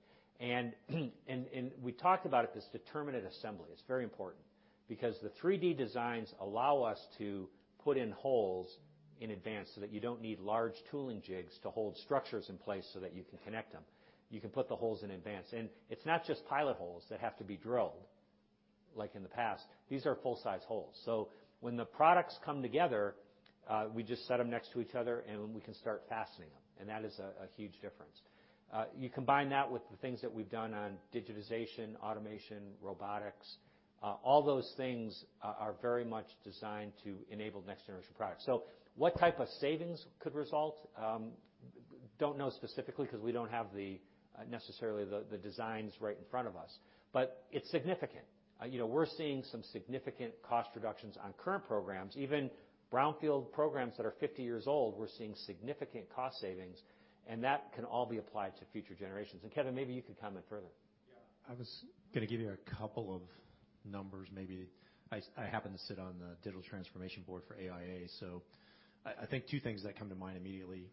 We talked about it, this Determinate Assembly. It's very important because the 3D designs allow us to put in holes in advance so that you don't need large tooling jigs to hold structures in place so that you can connect them. You can put the holes in advance. It's not just pilot holes that have to be drilled like in the past. These are full-size holes. When the products come together, we just set them next to each other, and we can start fastening them, and that is a huge difference. You combine that with the things that we've done on digitization, automation, robotics, all those things are very much designed to enable next generation products. What type of savings could result? Don't know specifically because we don't necessarily have the designs right in front of us, but it's significant. You know, we're seeing some significant cost reductions on current programs. Even brownfield programs that are 50 years old, we're seeing significant cost savings, and that can all be applied to future generations. Kevin, maybe you could comment further. Yeah. I was gonna give you a couple of numbers maybe. I happen to sit on the digital transformation board for AIA, so I think two things that come to mind immediately.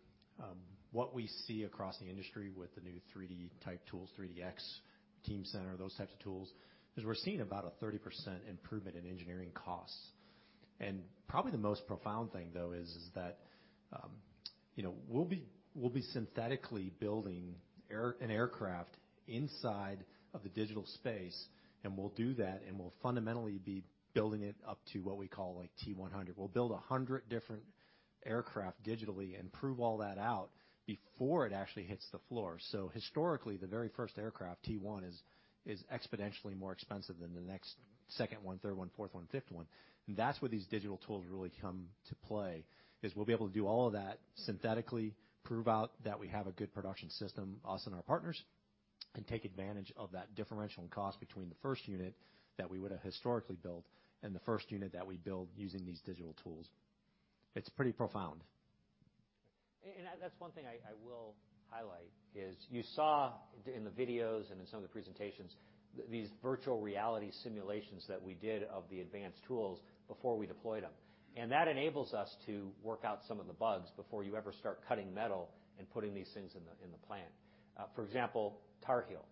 What we see across the industry with the new 3D-type tools, 3DEXPERIENCE Teamcenter, those types of tools, is we're seeing about a 30% improvement in engineering costs. Probably the most profound thing, though, is that, you know, we'll be synthetically building an aircraft inside of the digital space, and we'll do that, and we'll fundamentally be building it up to what we call, like, T 100. We'll build 100 different aircraft digitally and prove all that out before it actually hits the floor. Historically, the very first aircraft, T one, is exponentially more expensive than the next second one, third one, fourth one, fifth one. That's where these digital tools really come to play, is we'll be able to do all of that synthetically, prove out that we have a good production system, us and our partners, and take advantage of that differential in cost between the first unit that we would have historically built and the first unit that we build using these digital tools. It's pretty profound. That's one thing I will highlight is you saw in the videos and in some of the presentations these virtual reality simulations that we did of the advanced tools before we deployed them. That enables us to work out some of the bugs before you ever start cutting metal and putting these things in the plant. For example, Tar Heel.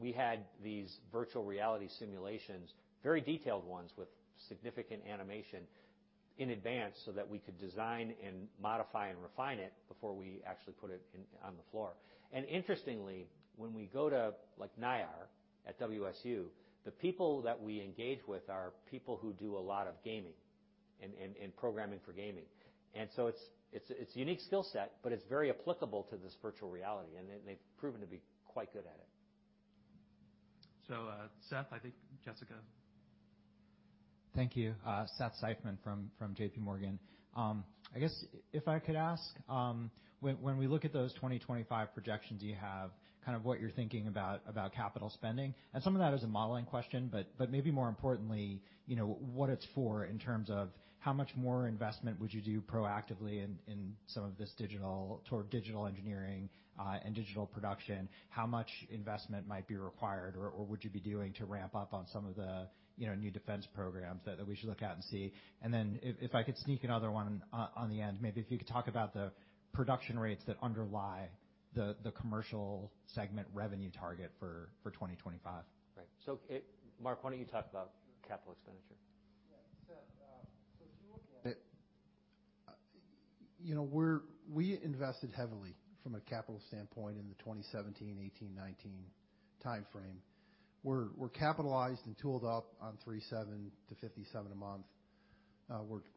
We had these virtual reality simulations, very detailed ones with significant animation in advance so that we could design and modify and refine it before we actually put it on the floor. Interestingly, when we go to like NIAR at WSU, the people that we engage with are people who do a lot of gaming and programming for gaming. It's a unique skill set, but it's very applicable to this virtual reality, and they've proven to be quite good at it. Seth, I think Jessica. Thank you. Seth Seifman from JP Morgan. I guess if I could ask, when we look at those 2025 projections you have, kind of what you're thinking about capital spending, and some of that is a modeling question, but maybe more importantly, you know, what it's for in terms of how much more investment would you do proactively in some of this digital toward digital engineering and digital production, how much investment might be required or would you be doing to ramp up on some of the, you know, new defense programs that we should look at and see. If I could sneak another one on the end, maybe if you could talk about the production rates that underlie the commercial segment revenue target for 2025. Right. Mark, why don't you talk about capital expenditure? Yeah. Seth, so if you look at it, you know, we invested heavily from a capital standpoint in the 2017, 2018, 2019 timeframe. We're capitalized and tooled up on 737 to 57 a month.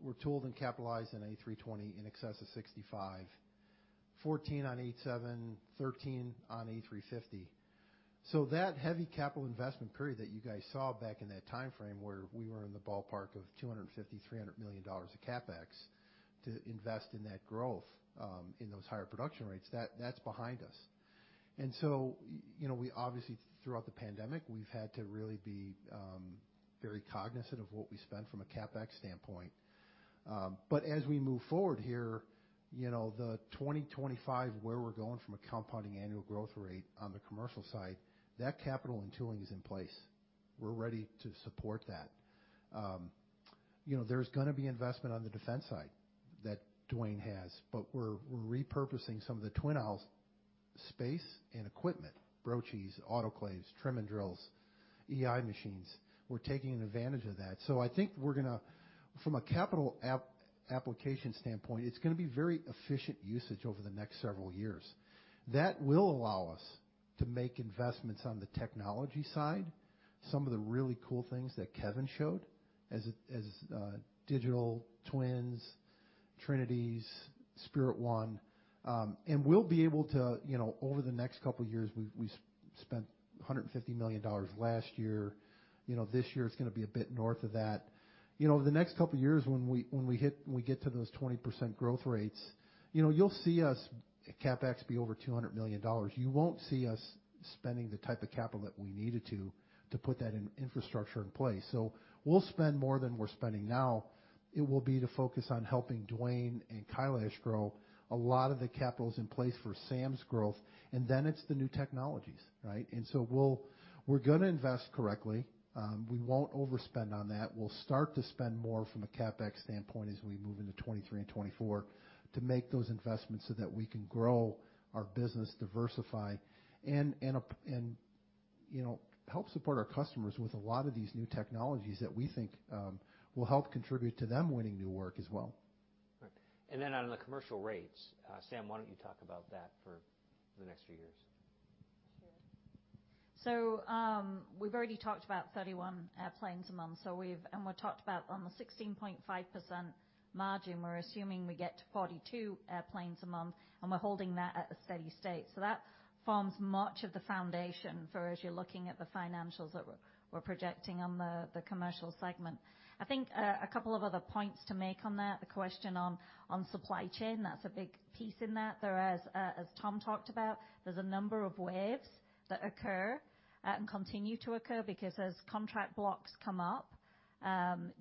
We're tooled and capitalized on A320 in excess of 65. 14 on 787, 13 on A350. That heavy capital investment period that you guys saw back in that timeframe where we were in the ballpark of $250-$300 million of CapEx- To invest in that growth in those higher production rates, that's behind us. You know, we obviously, throughout the pandemic, we've had to really be very cognizant of what we spend from a CapEx standpoint. As we move forward here, you know, 2025, where we're going from a compounding annual growth rate on the commercial side, that capital and tooling is in place. We're ready to support that. You know, there's gonna be investment on the defense side that Duane has, but we're repurposing some of the twin aisle's space and equipment, broaches, autoclaves, trim and drills, EI machines. We're taking advantage of that. I think we're gonna, from a capital application standpoint, it's gonna be very efficient usage over the next several years. That will allow us to make investments on the technology side, some of the really cool things that Kevin showed, digital twins, digital trinity, Spirit One. We'll be able to, you know, over the next couple years, we spent $150 million last year. You know, this year it's gonna be a bit north of that. You know, the next couple of years when we hit, we get to those 20% growth rates, you know, you'll see us CapEx be over $200 million. You won't see us spending the type of capital that we needed to put that infrastructure in place. We'll spend more than we're spending now. It will be to focus on helping Duane and Kailash grow. A lot of the capital is in place for Sam's growth, and then it's the new technologies, right? We're gonna invest correctly. We won't overspend on that. We'll start to spend more from a CapEx standpoint as we move into 2023 and 2024 to make those investments so that we can grow our business, diversify, and you know, help support our customers with a lot of these new technologies that we think will help contribute to them winning new work as well. All right. On the commercial rates, Sam, why don't you talk about that for the next few years? Sure. We've already talked about 31 airplanes a month, and we've talked about on the 16.5% margin, we're assuming we get to 42 airplanes a month, and we're holding that at a steady state. That forms much of the foundation for as you're looking at the financials that we're projecting on the commercial segment. I think a couple of other points to make on that, the question on supply chain, that's a big piece in that. As Tom talked about, there's a number of Waves that occur and continue to occur because as contract blocks come up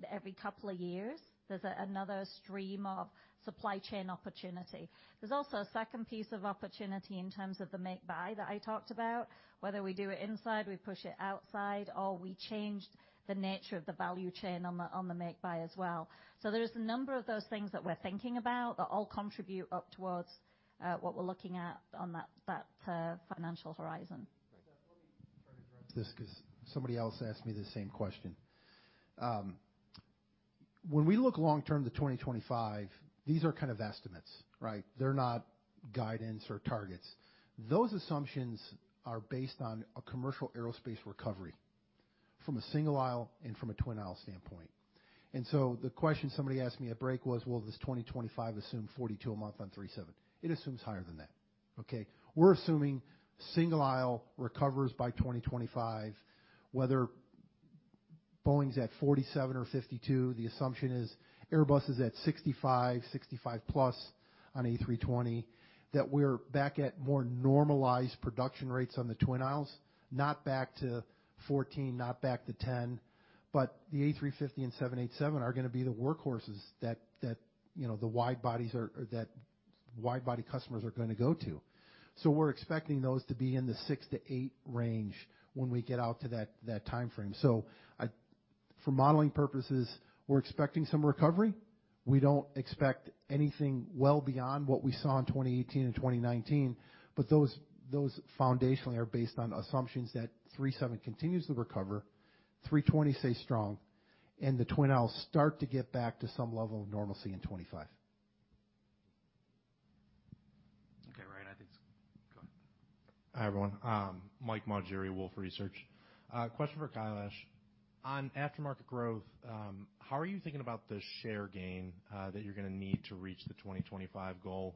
every couple of years, there's another stream of supply chain opportunity. There's also a second piece of opportunity in terms of the make buy that I talked about, whether we do it inside, we push it outside, or we change the nature of the value chain on the make buy as well. There's a number of those things that we're thinking about that all contribute up towards what we're looking at on that financial horizon. Great. Let me try to address this because somebody else asked me the same question. When we look long term to 2025, these are kind of estimates, right? They're not guidance or targets. Those assumptions are based on a commercial aerospace recovery from a single aisle and from a twin aisle standpoint. The question somebody asked me at break was, well, does 2025 assume 42 a month on 737? It assumes higher than that, okay? We're assuming single aisle recovers by 2025, whether Boeing's at 47 or 52. The assumption is Airbus is at 65 plus on A320, that we're back at more normalized production rates on the twin aisles, not back to 14, not back to 10. The A350 and 787 are gonna be the workhorses that you know, the wide bodies are... That wide body customers are gonna go to. We're expecting those to be in the 6-8 range when we get out to that time frame. For modeling purposes, we're expecting some recovery. We don't expect anything well beyond what we saw in 2018 and 2019, but those foundationally are based on assumptions that 737 continues to recover, A320 stays strong, and the twin aisles start to get back to some level of normalcy in 2025. Okay, Ryan, I think it's. Go ahead. Hi, everyone, Myles Walton, Wolfe Research. Question for Kailash. On aftermarket growth, how are you thinking about the share gain that you're gonna need to reach the 2025 goal,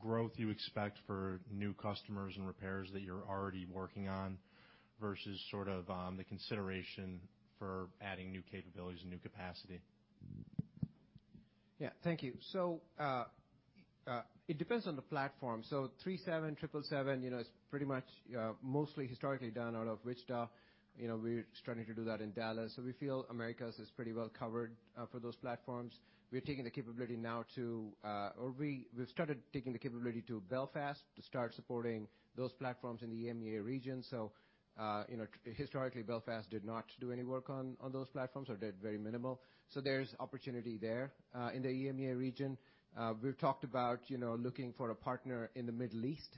growth you expect for new customers and repairs that you're already working on versus sort of the consideration for adding new capabilities and new capacity? Yeah. Thank you. It depends on the platform. 737, 777, you know, it's pretty much mostly historically done out of Wichita. You know, we're starting to do that in Dallas. We feel Americas is pretty well covered for those platforms. We've started taking the capability to Belfast to start supporting those platforms in the EMEA region. You know, historically, Belfast did not do any work on those platforms or did very minimal. There's opportunity there in the EMEA region. We've talked about, you know, looking for a partner in the Middle East.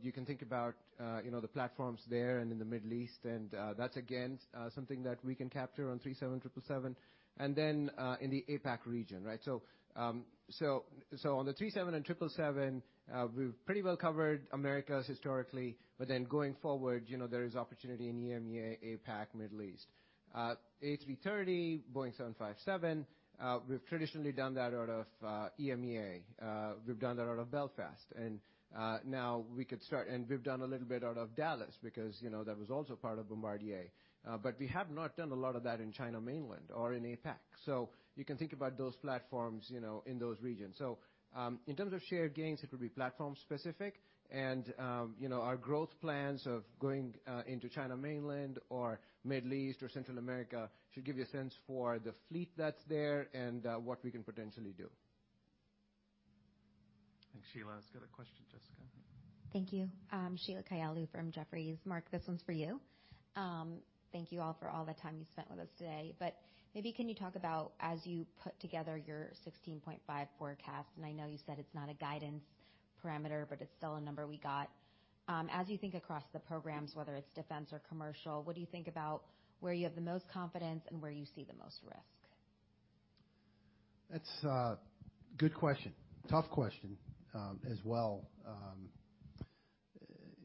You can think about, you know, the platforms there and in the Middle East, and, that's again, something that we can capture on 737, 777, and then, in the APAC region, right? So on the 737 and 777, we've pretty well covered Americas historically, but then going forward, you know, there is opportunity in EMEA, APAC, Middle East. A330, Boeing 757, we've traditionally done that out of EMEA. We've done that out of Belfast. We've done a little bit out of Dallas because, you know, that was also part of Bombardier. But we have not done a lot of that in China Mainland or in APAC. You can think about those platforms, you know, in those regions. in terms of shared gains, it would be platform specific and, you know, our growth plans of going into China Mainland or Middle East or Central America should give you a sense for the fleet that's there and, what we can potentially do. Sheila's got a question, Jessica. Thank you. Sheila Kahyaoglu from Jefferies. Mark, this one's for you. Thank you all for all the time you spent with us today. Maybe can you talk about as you put together your 16.5 forecast, and I know you said it's not a guidance parameter, but it's still a number we got. As you think across the programs, whether it's defense or commercial, what do you think about where you have the most confidence and where you see the most risk? That's a good question. Tough question, as well.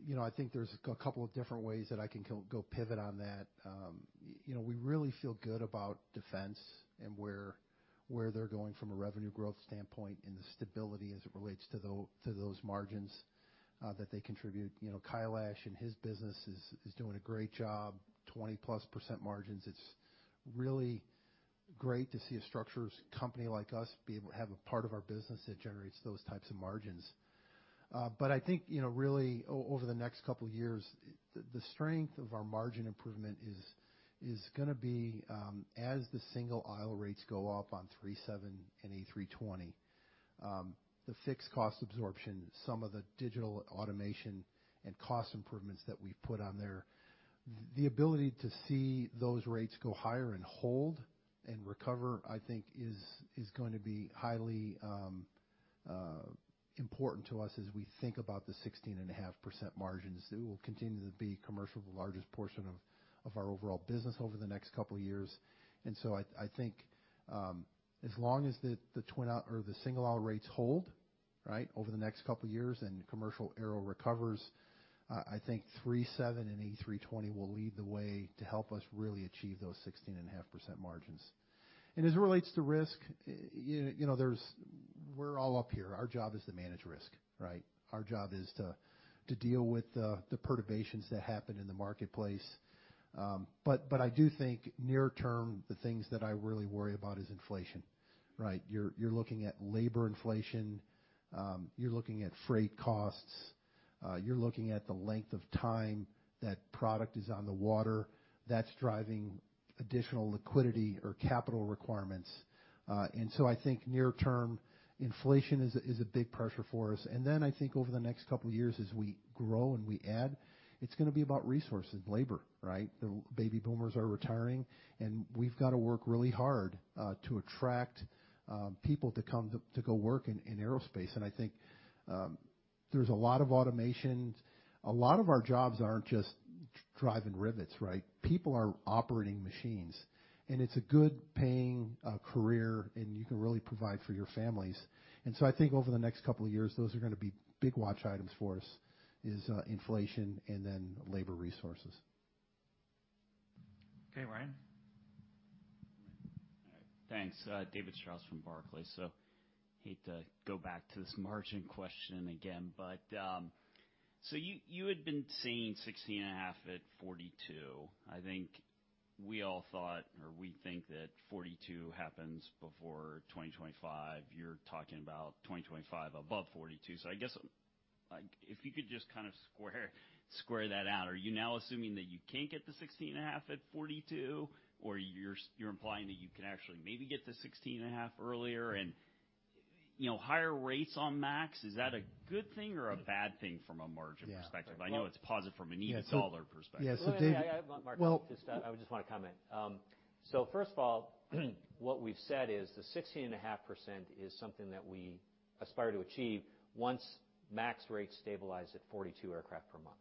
You know, I think there's a couple of different ways that I can go pivot on that. You know, we really feel good about Defense and where they're going from a revenue growth standpoint and the stability as it relates to those margins that they contribute. You know, Kailash and his business is doing a great job, 20%+ margins. It's really great to see a structures company like us be able to have a part of our business that generates those types of margins. I think, you know, really over the next couple of years, the strength of our margin improvement is gonna be as the single aisle rates go up on 737 and A320, the fixed cost absorption, some of the digital automation and cost improvements that we've put on there, the ability to see those rates go higher and hold and recover, I think is going to be highly important to us as we think about the 16.5% margins. It will continue to be Commercial, the largest portion of our overall business over the next couple of years. I think as long as the twin or the single aisle rates hold, right, over the next couple of years and commercial aero recovers, I think 737 and A320 will lead the way to help us really achieve those 16.5% margins. As it relates to risk, you know, we're all up here. Our job is to manage risk, right? Our job is to deal with the perturbations that happen in the marketplace. I do think near term, the things that I really worry about is inflation, right? You're looking at labor inflation, you're looking at freight costs, you're looking at the length of time that product is on the water that's driving additional liquidity or capital requirements. I think near-term inflation is a big pressure for us. I think over the next couple of years as we grow and we add, it's gonna be about resources, labor, right? The Baby Boomers are retiring, and we've got to work really hard to attract people to come to go work in aerospace. I think there's a lot of automation. A lot of our jobs aren't just driving rivets, right? People are operating machines, and it's a good-paying career, and you can really provide for your families. I think over the next couple of years, those are gonna be big watch items for us, inflation and then labor resources. Okay. Ryan? All right. Thanks. David Strauss from Barclays. Hate to go back to this margin question again, but you had been saying 16.5% at 42. I think we all thought or we think that 42 happens before 2025. You're talking about 2025 above 42. I guess, like, if you could just kind of square that out. Are you now assuming that you can't get to 16.5% at 42, or you're implying that you can actually maybe get to 16.5% earlier? You know, higher rates on MAX, is that a good thing or a bad thing from a margin perspective? Yeah. I know it's positive from a unit seller perspective. Yes, Dave. Mark, just, I just want to comment. First of all, what we've said is the 16.5% is something that we aspire to achieve once MAX rates stabilize at 42 aircraft per month.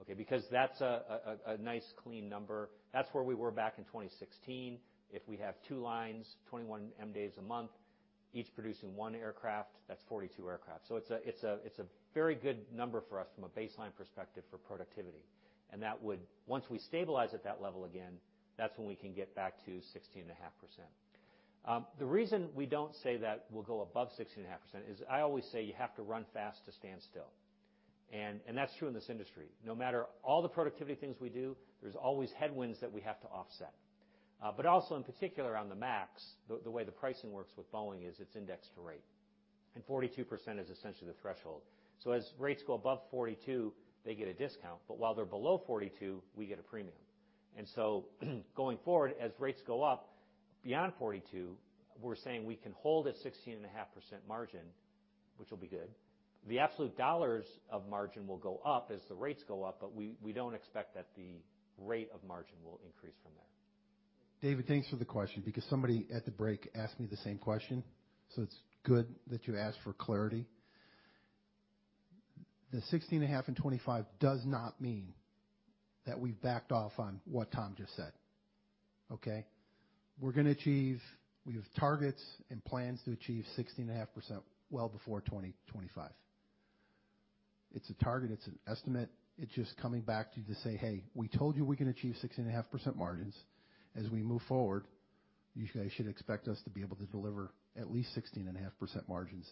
Okay? Because that's a nice clean number. That's where we were back in 2016. If we have two lines, 21 M days a month, each producing one aircraft, that's 42 aircraft. It's a very good number for us from a baseline perspective for productivity. That would, once we stabilize at that level again, that's when we can get back to 16.5%. The reason we don't say that we'll go above 16.5% is I always say you have to run fast to stand still. That's true in this industry. No matter all the productivity things we do, there's always headwinds that we have to offset. Also in particular on the MAX, the way the pricing works with Boeing is it's indexed to rate, and 42% is essentially the threshold. As rates go above 42, they get a discount. While they're below 42, we get a premium. Going forward, as rates go up beyond 42, we're saying we can hold at 16.5% margin, which will be good. The absolute dollars of margin will go up as the rates go up, but we don't expect that the rate of margin will increase from there. David, thanks for the question, because somebody at the break asked me the same question, so it's good that you asked for clarity. The 16.5 and 2025 does not mean that we've backed off on what Tom just said. Okay? We're gonna achieve. We have targets and plans to achieve 16.5% well before 2025. It's a target, it's an estimate. It's just coming back to you to say, "Hey, we told you we can achieve 16.5% margins. As we move forward, you guys should expect us to be able to deliver at least 16.5% margins."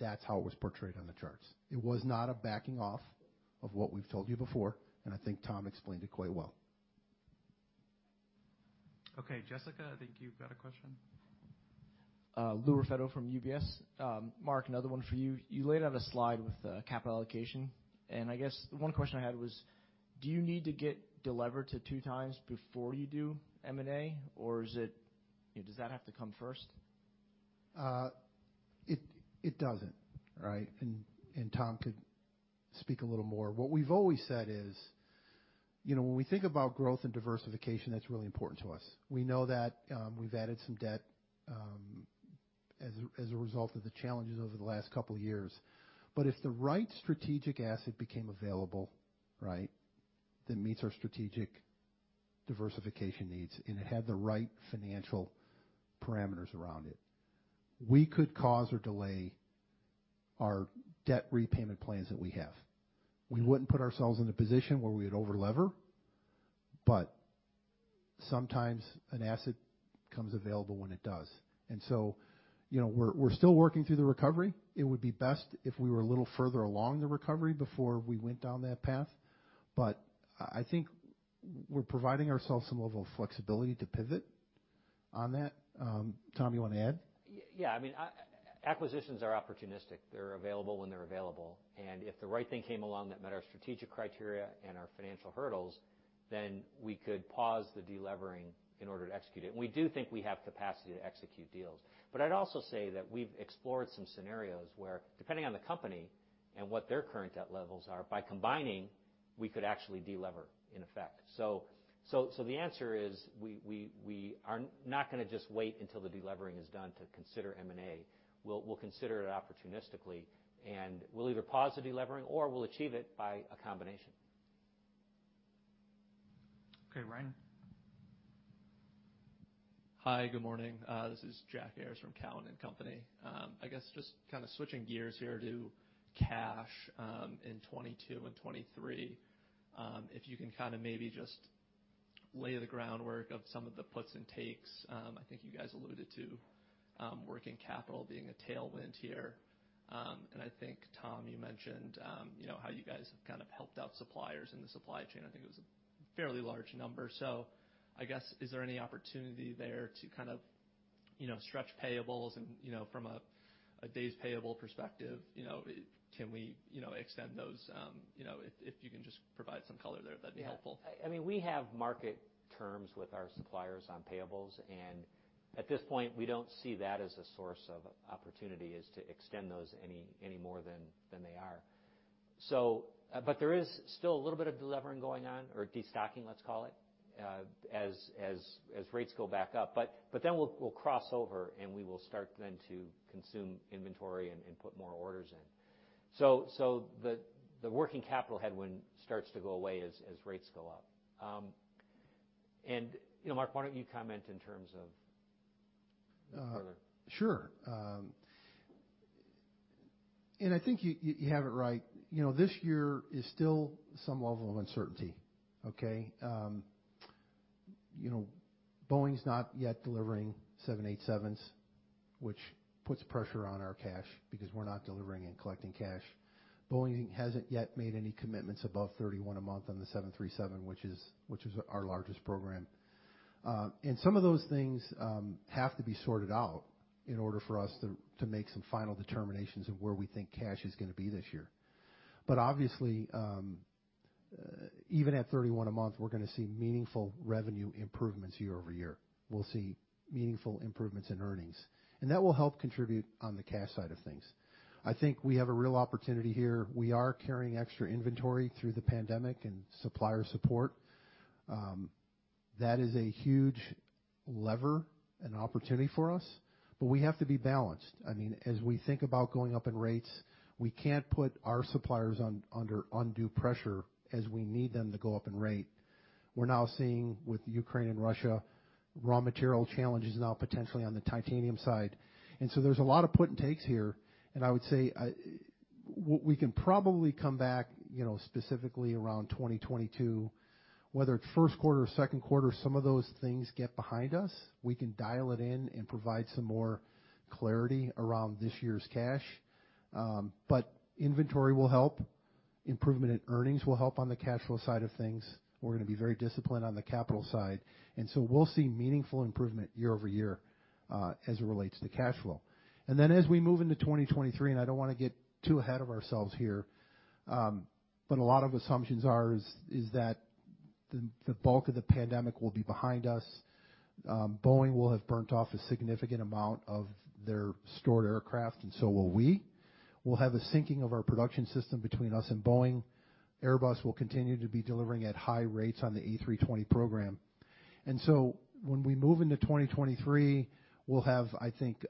That's how it was portrayed on the charts. It was not a backing off of what we've told you before, and I think Tom explained it quite well. Okay, Jessica, I think you've got a question. Gavin Parsons from UBS. Mark, another one for you. You laid out a slide with capital allocation, and I guess one question I had was, do you need to get delevered to 2x before you do M&A, or is it- Does that have to come first? It doesn't, right? Tom could speak a little more. What we've always said is, you know, when we think about growth and diversification, that's really important to us. We know that, we've added some debt, as a result of the challenges over the last couple years. If the right strategic asset became available, right, that meets our strategic diversification needs, and it had the right financial parameters around it, we could pause or delay our debt repayment plans that we have. We wouldn't put ourselves in a position where we would over-lever, but sometimes an asset comes available when it does. You know, we're still working through the recovery. It would be best if we were a little further along the recovery before we went down that path. I think we're providing ourselves some level of flexibility to pivot on that. Tom, you wanna add? Yeah. I mean, acquisitions are opportunistic. They're available when they're available. If the right thing came along that met our strategic criteria and our financial hurdles, then we could pause the delevering in order to execute it. We do think we have capacity to execute deals. I'd also say that we've explored some scenarios where, depending on the company and what their current debt levels are, by combining, we could actually delever, in effect. The answer is, we are not gonna just wait until the delevering is done to consider M&A. We'll consider it opportunistically, and we'll either pause the delevering or we'll achieve it by a combination. Okay, Ryan. Hi, good morning. This is Jack Ayers from Cowen and Company. I guess just kinda switching gears here to cash in 2022 and 2023, if you can kinda maybe just lay the groundwork of some of the puts and takes. I think you guys alluded to working capital being a tailwind here. I think, Tom, you mentioned you know how you guys have kind of helped out suppliers in the supply chain. I think it was a fairly large number. I guess, is there any opportunity there to kind of you know stretch payables and you know from a days payable perspective you know can we you know extend those, if you can just provide some color there, that'd be helpful. Yeah. I mean, we have market terms with our suppliers on payables, and at this point, we don't see that as a source of opportunity, is to extend those any more than they are. There is still a little bit of delivering going on, or destocking, let's call it, as rates go back up. We'll cross over, and we will start then to consume inventory and put more orders in. The working capital headwind starts to go away as rates go up. You know, Mark, why don't you comment in terms of. Sure. I think you have it right. You know, this year is still some level of uncertainty, okay? You know, Boeing's not yet delivering 787s, which puts pressure on our cash because we're not delivering and collecting cash. Boeing hasn't yet made any commitments above 31 a month on the 737, which is our largest program. Some of those things have to be sorted out in order for us to make some final determinations of where we think cash is gonna be this year. Obviously, even at 31 a month, we're gonna see meaningful revenue improvements year-over-year. We'll see meaningful improvements in earnings, and that will help contribute on the cash side of things. I think we have a real opportunity here. We are carrying extra inventory through the pandemic and supplier support. That is a huge lever and opportunity for us, but we have to be balanced. I mean, as we think about going up in rates, we can't put our suppliers under undue pressure as we need them to go up in rate. We're now seeing, with Ukraine and Russia, raw material challenges now potentially on the titanium side. There's a lot of puts and takes here, and I would say, we can probably come back, you know, specifically around 2022, whether it's first quarter or second quarter, some of those things get behind us, we can dial it in and provide some more clarity around this year's cash. But inventory will help. Improvement in earnings will help on the cash flow side of things. We're gonna be very disciplined on the capital side. We'll see meaningful improvement year-over-year as it relates to cash flow. As we move into 2023, and I don't wanna get too ahead of ourselves here, but a lot of assumptions are that the bulk of the pandemic will be behind us. Boeing will have burnt off a significant amount of their stored aircraft and so will we. We'll have a syncing of our production system between us and Boeing. Airbus will continue to be delivering at high rates on the A320 program. When we move into 2023, we'll have, I think,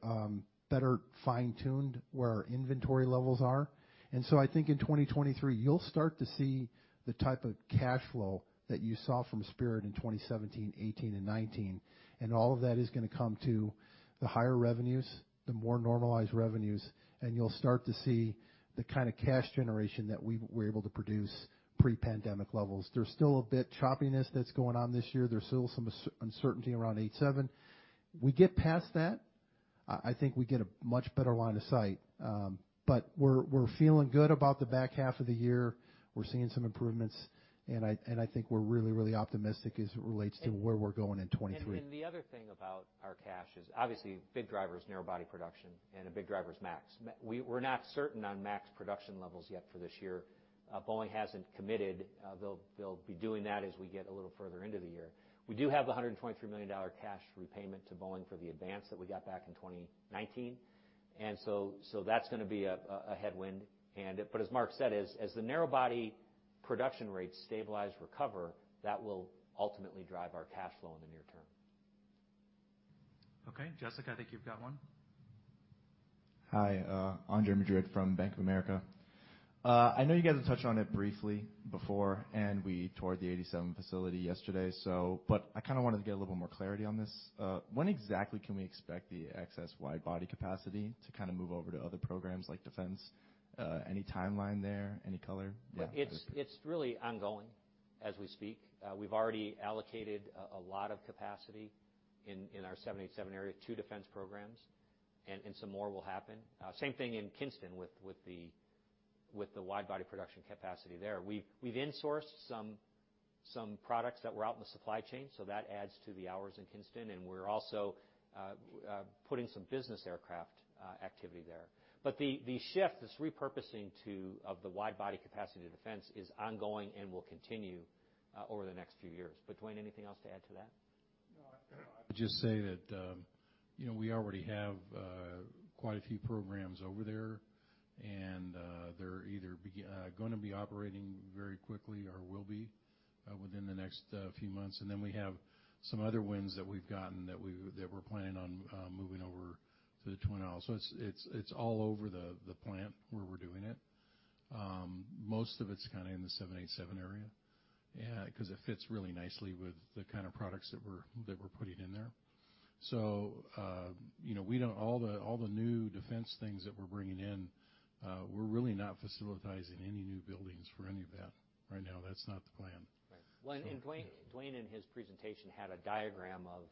better fine-tuned where our inventory levels are. I think in 2023, you'll start to see the type of cash flow that you saw from Spirit in 2017, 2018, and 2019, and all of that is gonna come to the higher revenues, the more normalized revenues, and you'll start to see the kinda cash generation that we are able to produce pre-pandemic levels. There's still a bit of choppiness that's going on this year. There's still some uncertainty around 787. We get past that, I think we get a much better line of sight. But we're feeling good about the back half of the year. We're seeing some improvements, and I think we're really optimistic as it relates to where we're going in 2023. The other thing about our cash is, obviously, big driver is narrow body production, and a big driver is MAX. We're not certain on MAX production levels yet for this year. Boeing hasn't committed. They'll be doing that as we get a little further into the year. We do have the $123 million cash repayment to Boeing for the advance that we got back in 2019. That's gonna be a headwind. But as Mark said, as the narrow body production rates stabilize, recover, that will ultimately drive our cash flow in the near term. Okay, Jessica, I think you've got one. Hi, Ronald Epstein from Bank of America. I know you guys have touched on it briefly before, and we toured the 787 facility yesterday, I kinda wanted to get a little more clarity on this. When exactly can we expect the excess wide-body capacity to kinda move over to other programs like defense? Any timeline there? Any color? Yeah. It's really ongoing as we speak. We've already allocated a lot of capacity in our 787 area to defense programs, and some more will happen. Same thing in Kinston with the wide body production capacity there. We've insourced some products that were out in the supply chain, so that adds to the hours in Kinston, and we're also putting some business aircraft activity there. The shift, this repurposing of the wide body capacity to defense is ongoing and will continue over the next few years. Duane, anything else to add to that? No. I'd just say that, you know, we already have quite a few programs over there, and they're either gonna be operating very quickly or will be within the next few months. Then we have some other wins that we've gotten that we're planning on moving over to the Twin Aisle. It's all over the plant where we're doing it. Most of it's kinda in the 787 area, 'cause it fits really nicely with the kinda products that we're putting in there. You know, all the new defense things that we're bringing in, we're really not facilitizing any new buildings for any of that right now. That's not the plan. Right. Well, Duane in his presentation had a diagram of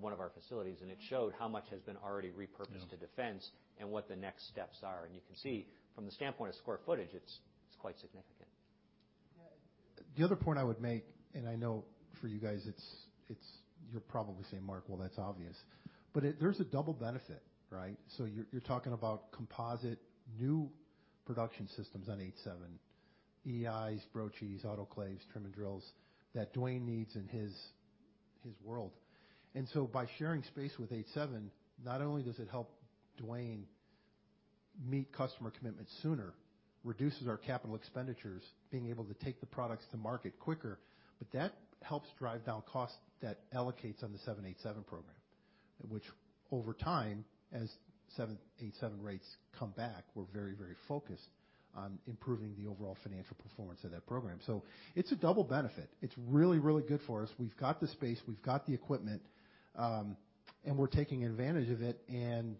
one of our facilities, and it showed how much has been already repurposed. Yeah ...to defense and what the next steps are. You can see from the standpoint of square footage, it's quite significant. Yeah. The other point I would make, and I know for you guys it's, you'll probably say, "Mark, well, that's obvious," but there's a double benefit, right? You're talking about composite new production systems on 787, EIs, broachies, autoclaves, trim and drills that Duane needs in his world. By sharing space with 787, not only does it help Duane meet customer commitments sooner, reduces our capital expenditures, being able to take the products to market quicker, but that helps drive down costs that allocates on the 787 program, which over time, as 787 rates come back, we're very, very focused on improving the overall financial performance of that program. It's a double benefit. It's really, really good for us. We've got the space, we've got the equipment, and we're taking advantage of it, and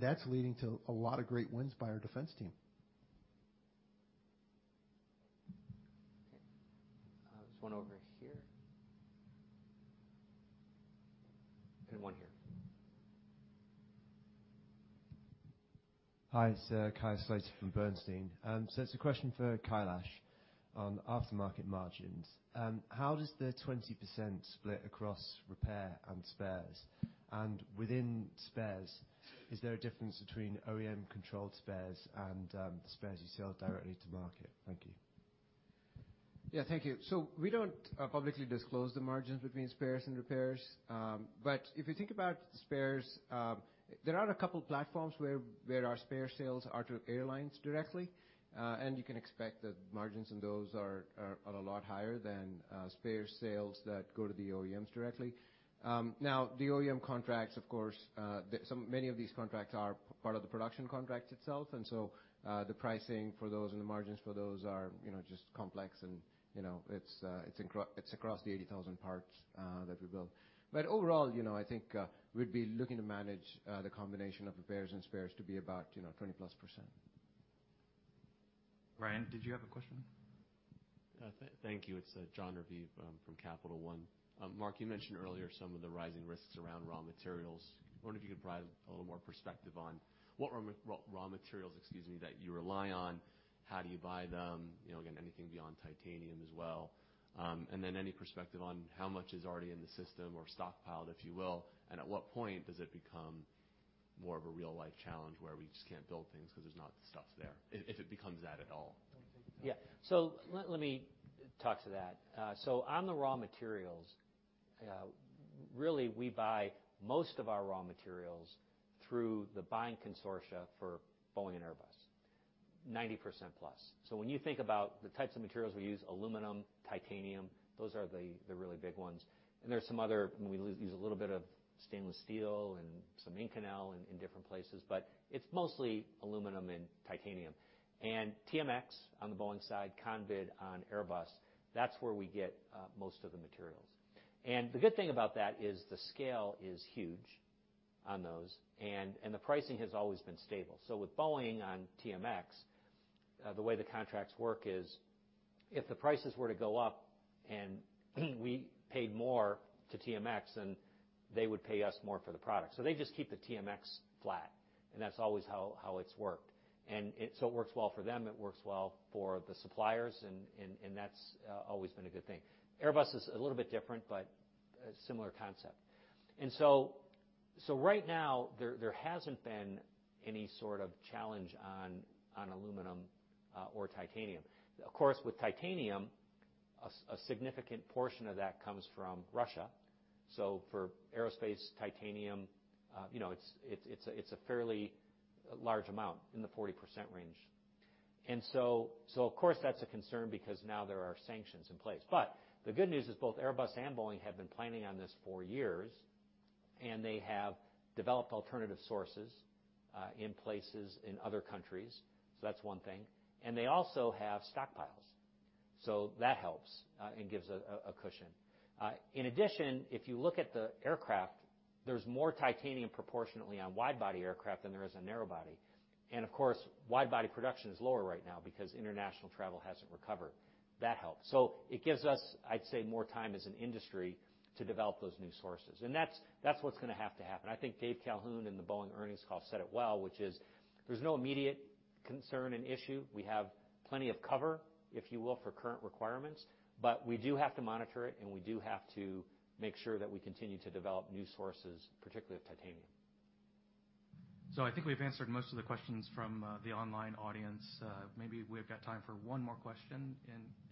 that's leading to a lot of great wins by our defense team. Okay. There's one over here. One here. Hi, it's Cai von Rumohr from TD Cowen. It's a question for Kailash on aftermarket margins. How does the 20% split across repair and spares? And within spares, is there a difference between OEM-controlled spares and spares you sell directly to market? Thank you. Yeah, thank you. We don't publicly disclose the margins between spares and repairs. If you think about spares, there are a couple platforms where our spare sales are to airlines directly, and you can expect that margins in those are a lot higher than spare sales that go to the OEMs directly. Now, the OEM contracts, of course, many of these contracts are part of the production contracts itself. The pricing for those and the margins for those are, you know, just complex and, you know, it's across the 80,000 parts that we build. Overall, you know, I think we'd be looking to manage the combination of repairs and spares to be about, you know, 20%+. Ryan, did you have a question? Thank you. It's Jonathan Raviv from Capital One. Mark, you mentioned earlier some of the rising risks around raw materials. I wonder if you could provide a little more perspective on what raw materials, excuse me, that you rely on. How do you buy them? You know, again, anything beyond titanium as well. Any perspective on how much is already in the system or stockpiled, if you will, and at what point does it become more of a real-life challenge where we just can't build things because there's not the stuff there, if it becomes that at all? Yeah. Let me talk to that. On the raw materials, really we buy most of our raw materials through the buying consortia for Boeing and Airbus, 90%+. When you think about the types of materials we use, aluminum, titanium, those are the really big ones. There are some other, and we use a little bit of stainless steel and some Inconel in different places, but it's mostly aluminum and titanium. TMX on the Boeing side, Constellium on Airbus, that's where we get most of the materials. The good thing about that is the scale is huge on those, and the pricing has always been stable. With Boeing on TMX, the way the contracts work is, if the prices were to go up and we paid more to TMX, then they would pay us more for the product. They just keep the TMX flat, and that's always how it's worked. It works well for them, it works well for the suppliers, and that's always been a good thing. Airbus is a little bit different, but a similar concept. Right now, there hasn't been any sort of challenge on aluminum or titanium. Of course, with titanium, a significant portion of that comes from Russia. For aerospace titanium, you know, it's a fairly large amount, in the 40% range. Of course that's a concern because now there are sanctions in place. The good news is both Airbus and Boeing have been planning on this for years, and they have developed alternative sources in places in other countries, so that's one thing. They also have stockpiles, so that helps and gives a cushion. In addition, if you look at the aircraft, there's more titanium proportionately on wide body aircraft than there is on narrow body. Of course, wide body production is lower right now because international travel hasn't recovered. That helps. It gives us, I'd say, more time as an industry to develop those new sources. That's what's gonna have to happen. I think David Calhoun in the Boeing earnings call said it well, which is, there's no immediate concern and issue. We have plenty of cover, if you will, for current requirements. We do have to monitor it, and we do have to make sure that we continue to develop new sources, particularly of titanium. I think we've answered most of the questions from the online audience. Maybe we've got time for one more question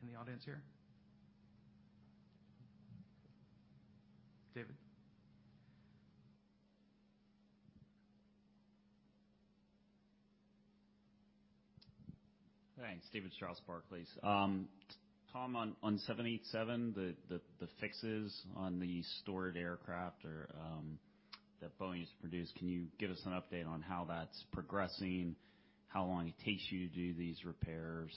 in the audience here. David? Thanks. David Strauss, Barclays. Tom, on 787, the fixes on the stored aircraft that Boeing has produced, can you give us an update on how that's progressing? How long it takes you to do these repairs?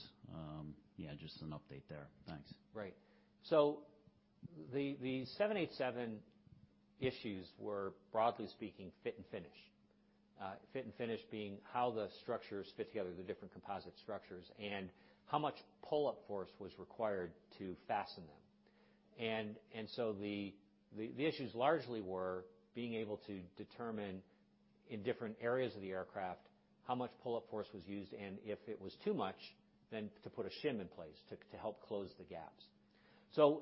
Yeah, just an update there. Thanks. Right. The 787 issues were, broadly speaking, fit and finish. Fit and finish being how the structures fit together, the different composite structures, and how much pull-up force was required to fasten them. The issues largely were being able to determine in different areas of the aircraft how much pull-up force was used, and if it was too much, then to put a shim in place to help close the gaps.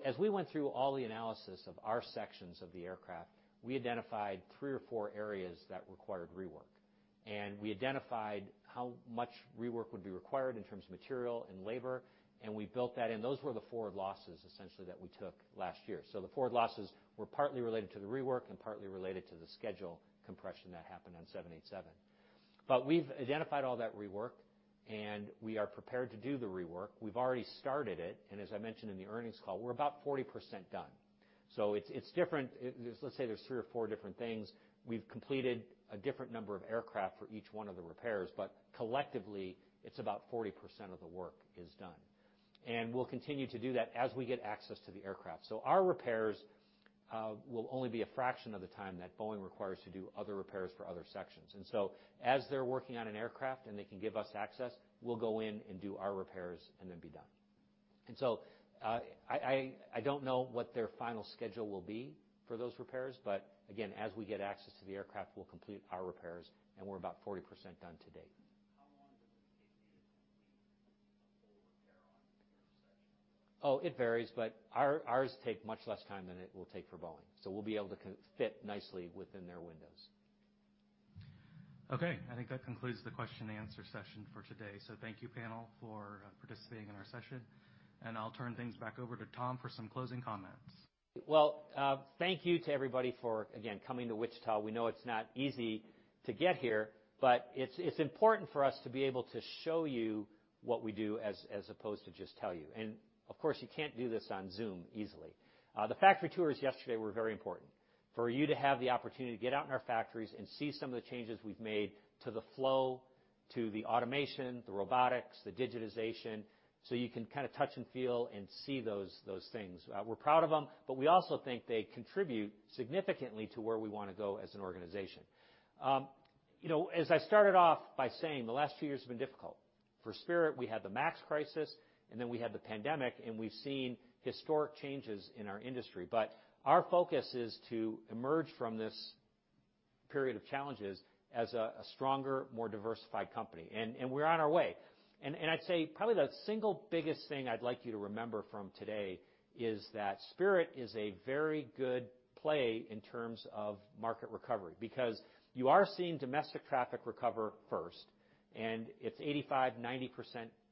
As we went through all the analysis of our sections of the aircraft, we identified 3 or 4 areas that required rework. We identified how much rework would be required in terms of material and labor, and we built that in. Those were the forward losses, essentially, that we took last year. The forward losses were partly related to the rework and partly related to the schedule compression that happened on 787. We've identified all that rework, and we are prepared to do the rework. We've already started it, and as I mentioned in the earnings call, we're about 40% done. It's different, let's say there's 3 or 4 different things. We've completed a different number of aircraft for each one of the repairs, but collectively, it's about 40% of the work is done. We'll continue to do that as we get access to the aircraft. Our repairs will only be a fraction of the time that Boeing requires to do other repairs for other sections. As they're working on an aircraft and they can give us access, we'll go in and do our repairs and then be done. I don't know what their final schedule will be for those repairs, but again, as we get access to the aircraft, we'll complete our repairs, and we're about 40% done to date. How long does it take you to complete a full repair on your section? Oh, it varies, but ours take much less time than it will take for Boeing. We'll be able to fit nicely within their windows. Okay. I think that concludes the question and answer session for today. Thank you, panel, for participating in our session. I'll turn things back over to Tom for some closing comments. Well, thank you to everybody for, again, coming to Wichita. We know it's not easy to get here, but it's important for us to be able to show you what we do as opposed to just tell you. Of course, you can't do this on Zoom easily. The factory tours yesterday were very important for you to have the opportunity to get out in our factories and see some of the changes we've made to the flow, to the automation, the robotics, the digitization, so you can kind of touch and feel and see those things. We're proud of them, but we also think they contribute significantly to where we wanna go as an organization. You know, as I started off by saying, the last few years have been difficult. For Spirit, we had the Max crisis, and then we had the pandemic, and we've seen historic changes in our industry. Our focus is to emerge from this period of challenges as a stronger, more diversified company. We're on our way. I'd say probably the single biggest thing I'd like you to remember from today is that Spirit is a very good play in terms of market recovery, because you are seeing domestic traffic recover first, and it's 85%-90%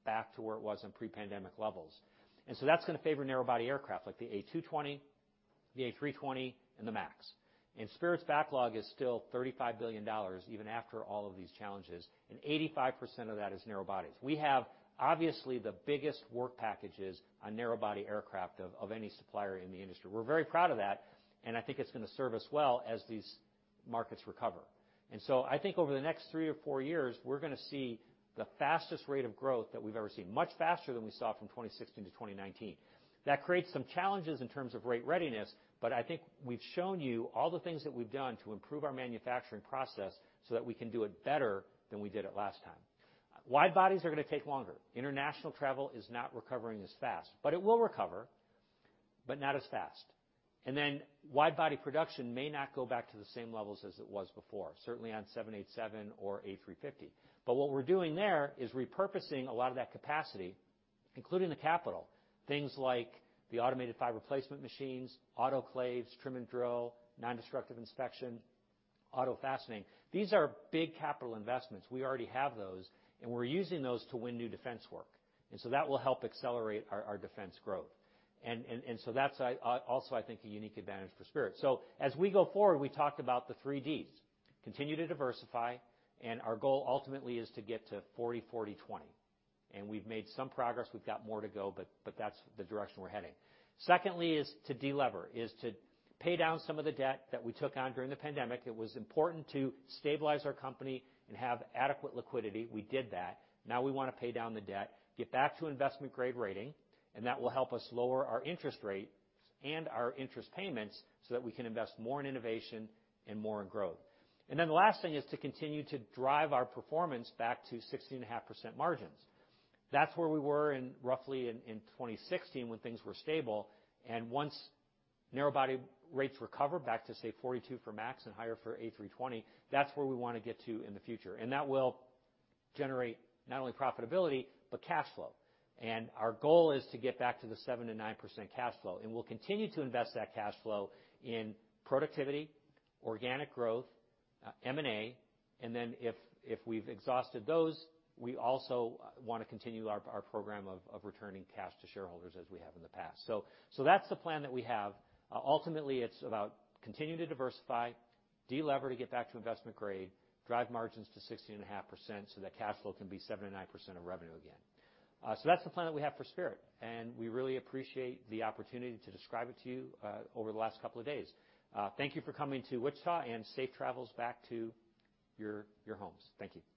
back to where it was in pre-pandemic levels. That's gonna favor narrow-body aircraft like the A220, the A320, and the MAX. Spirit's backlog is still $35 billion even after all of these challenges, and 85% of that is narrow bodies. We have obviously the biggest work packages on narrow body aircraft of any supplier in the industry. We're very proud of that, and I think it's gonna serve us well as these markets recover. I think over the next three or four years, we're gonna see the fastest rate of growth that we've ever seen, much faster than we saw from 2016 to 2019. That creates some challenges in terms of rate readiness, but I think we've shown you all the things that we've done to improve our manufacturing process so that we can do it better than we did it last time. Wide bodies are gonna take longer. International travel is not recovering as fast, but it will recover, but not as fast. Wide body production may not go back to the same levels as it was before, certainly on 787 or A350. What we're doing there is repurposing a lot of that capacity, including the capital, things like the automated fiber placement machines, autoclaves, trim and drill, nondestructive inspection, auto fastening. These are big capital investments. We already have those, and we're using those to win new defense work. That will help accelerate our defense growth. That's also a unique advantage for Spirit. As we go forward, we talked about the three Ds, continue to diversify, and our goal ultimately is to get to 40-40-20. We've made some progress, we've got more to go, but that's the direction we're heading. Secondly, to de-lever, to pay down some of the debt that we took on during the pandemic. It was important to stabilize our company and have adequate liquidity. We did that. Now we wanna pay down the debt, get back to investment grade rating, and that will help us lower our interest rates and our interest payments so that we can invest more in innovation and more in growth. The last thing is to continue to drive our performance back to 16.5% margins. That's here we were, roughly in 2016, when things were stable. Once narrow body rates recover back to, say, 42 for MAX and higher for A320, that's where we wanna get to in the future. That will generate not only profitability, but cash flow. Our goal is to get back to the 7%-9% cash flow. We'll continue to invest that cash flow in productivity, organic growth, M&A, and then if we've exhausted those, we also wanna continue our program of returning cash to shareholders as we have in the past. That's the plan that we have. Ultimately, it's about continuing to diversify, de-lever to get back to investment grade, drive margins to 16.5% so that cash flow can be 7%-9% of revenue again. So that's the plan that we have for Spirit, and we really appreciate the opportunity to describe it to you over the last couple of days. Thank you for coming to Wichita, and safe travels back to your homes. Thank you.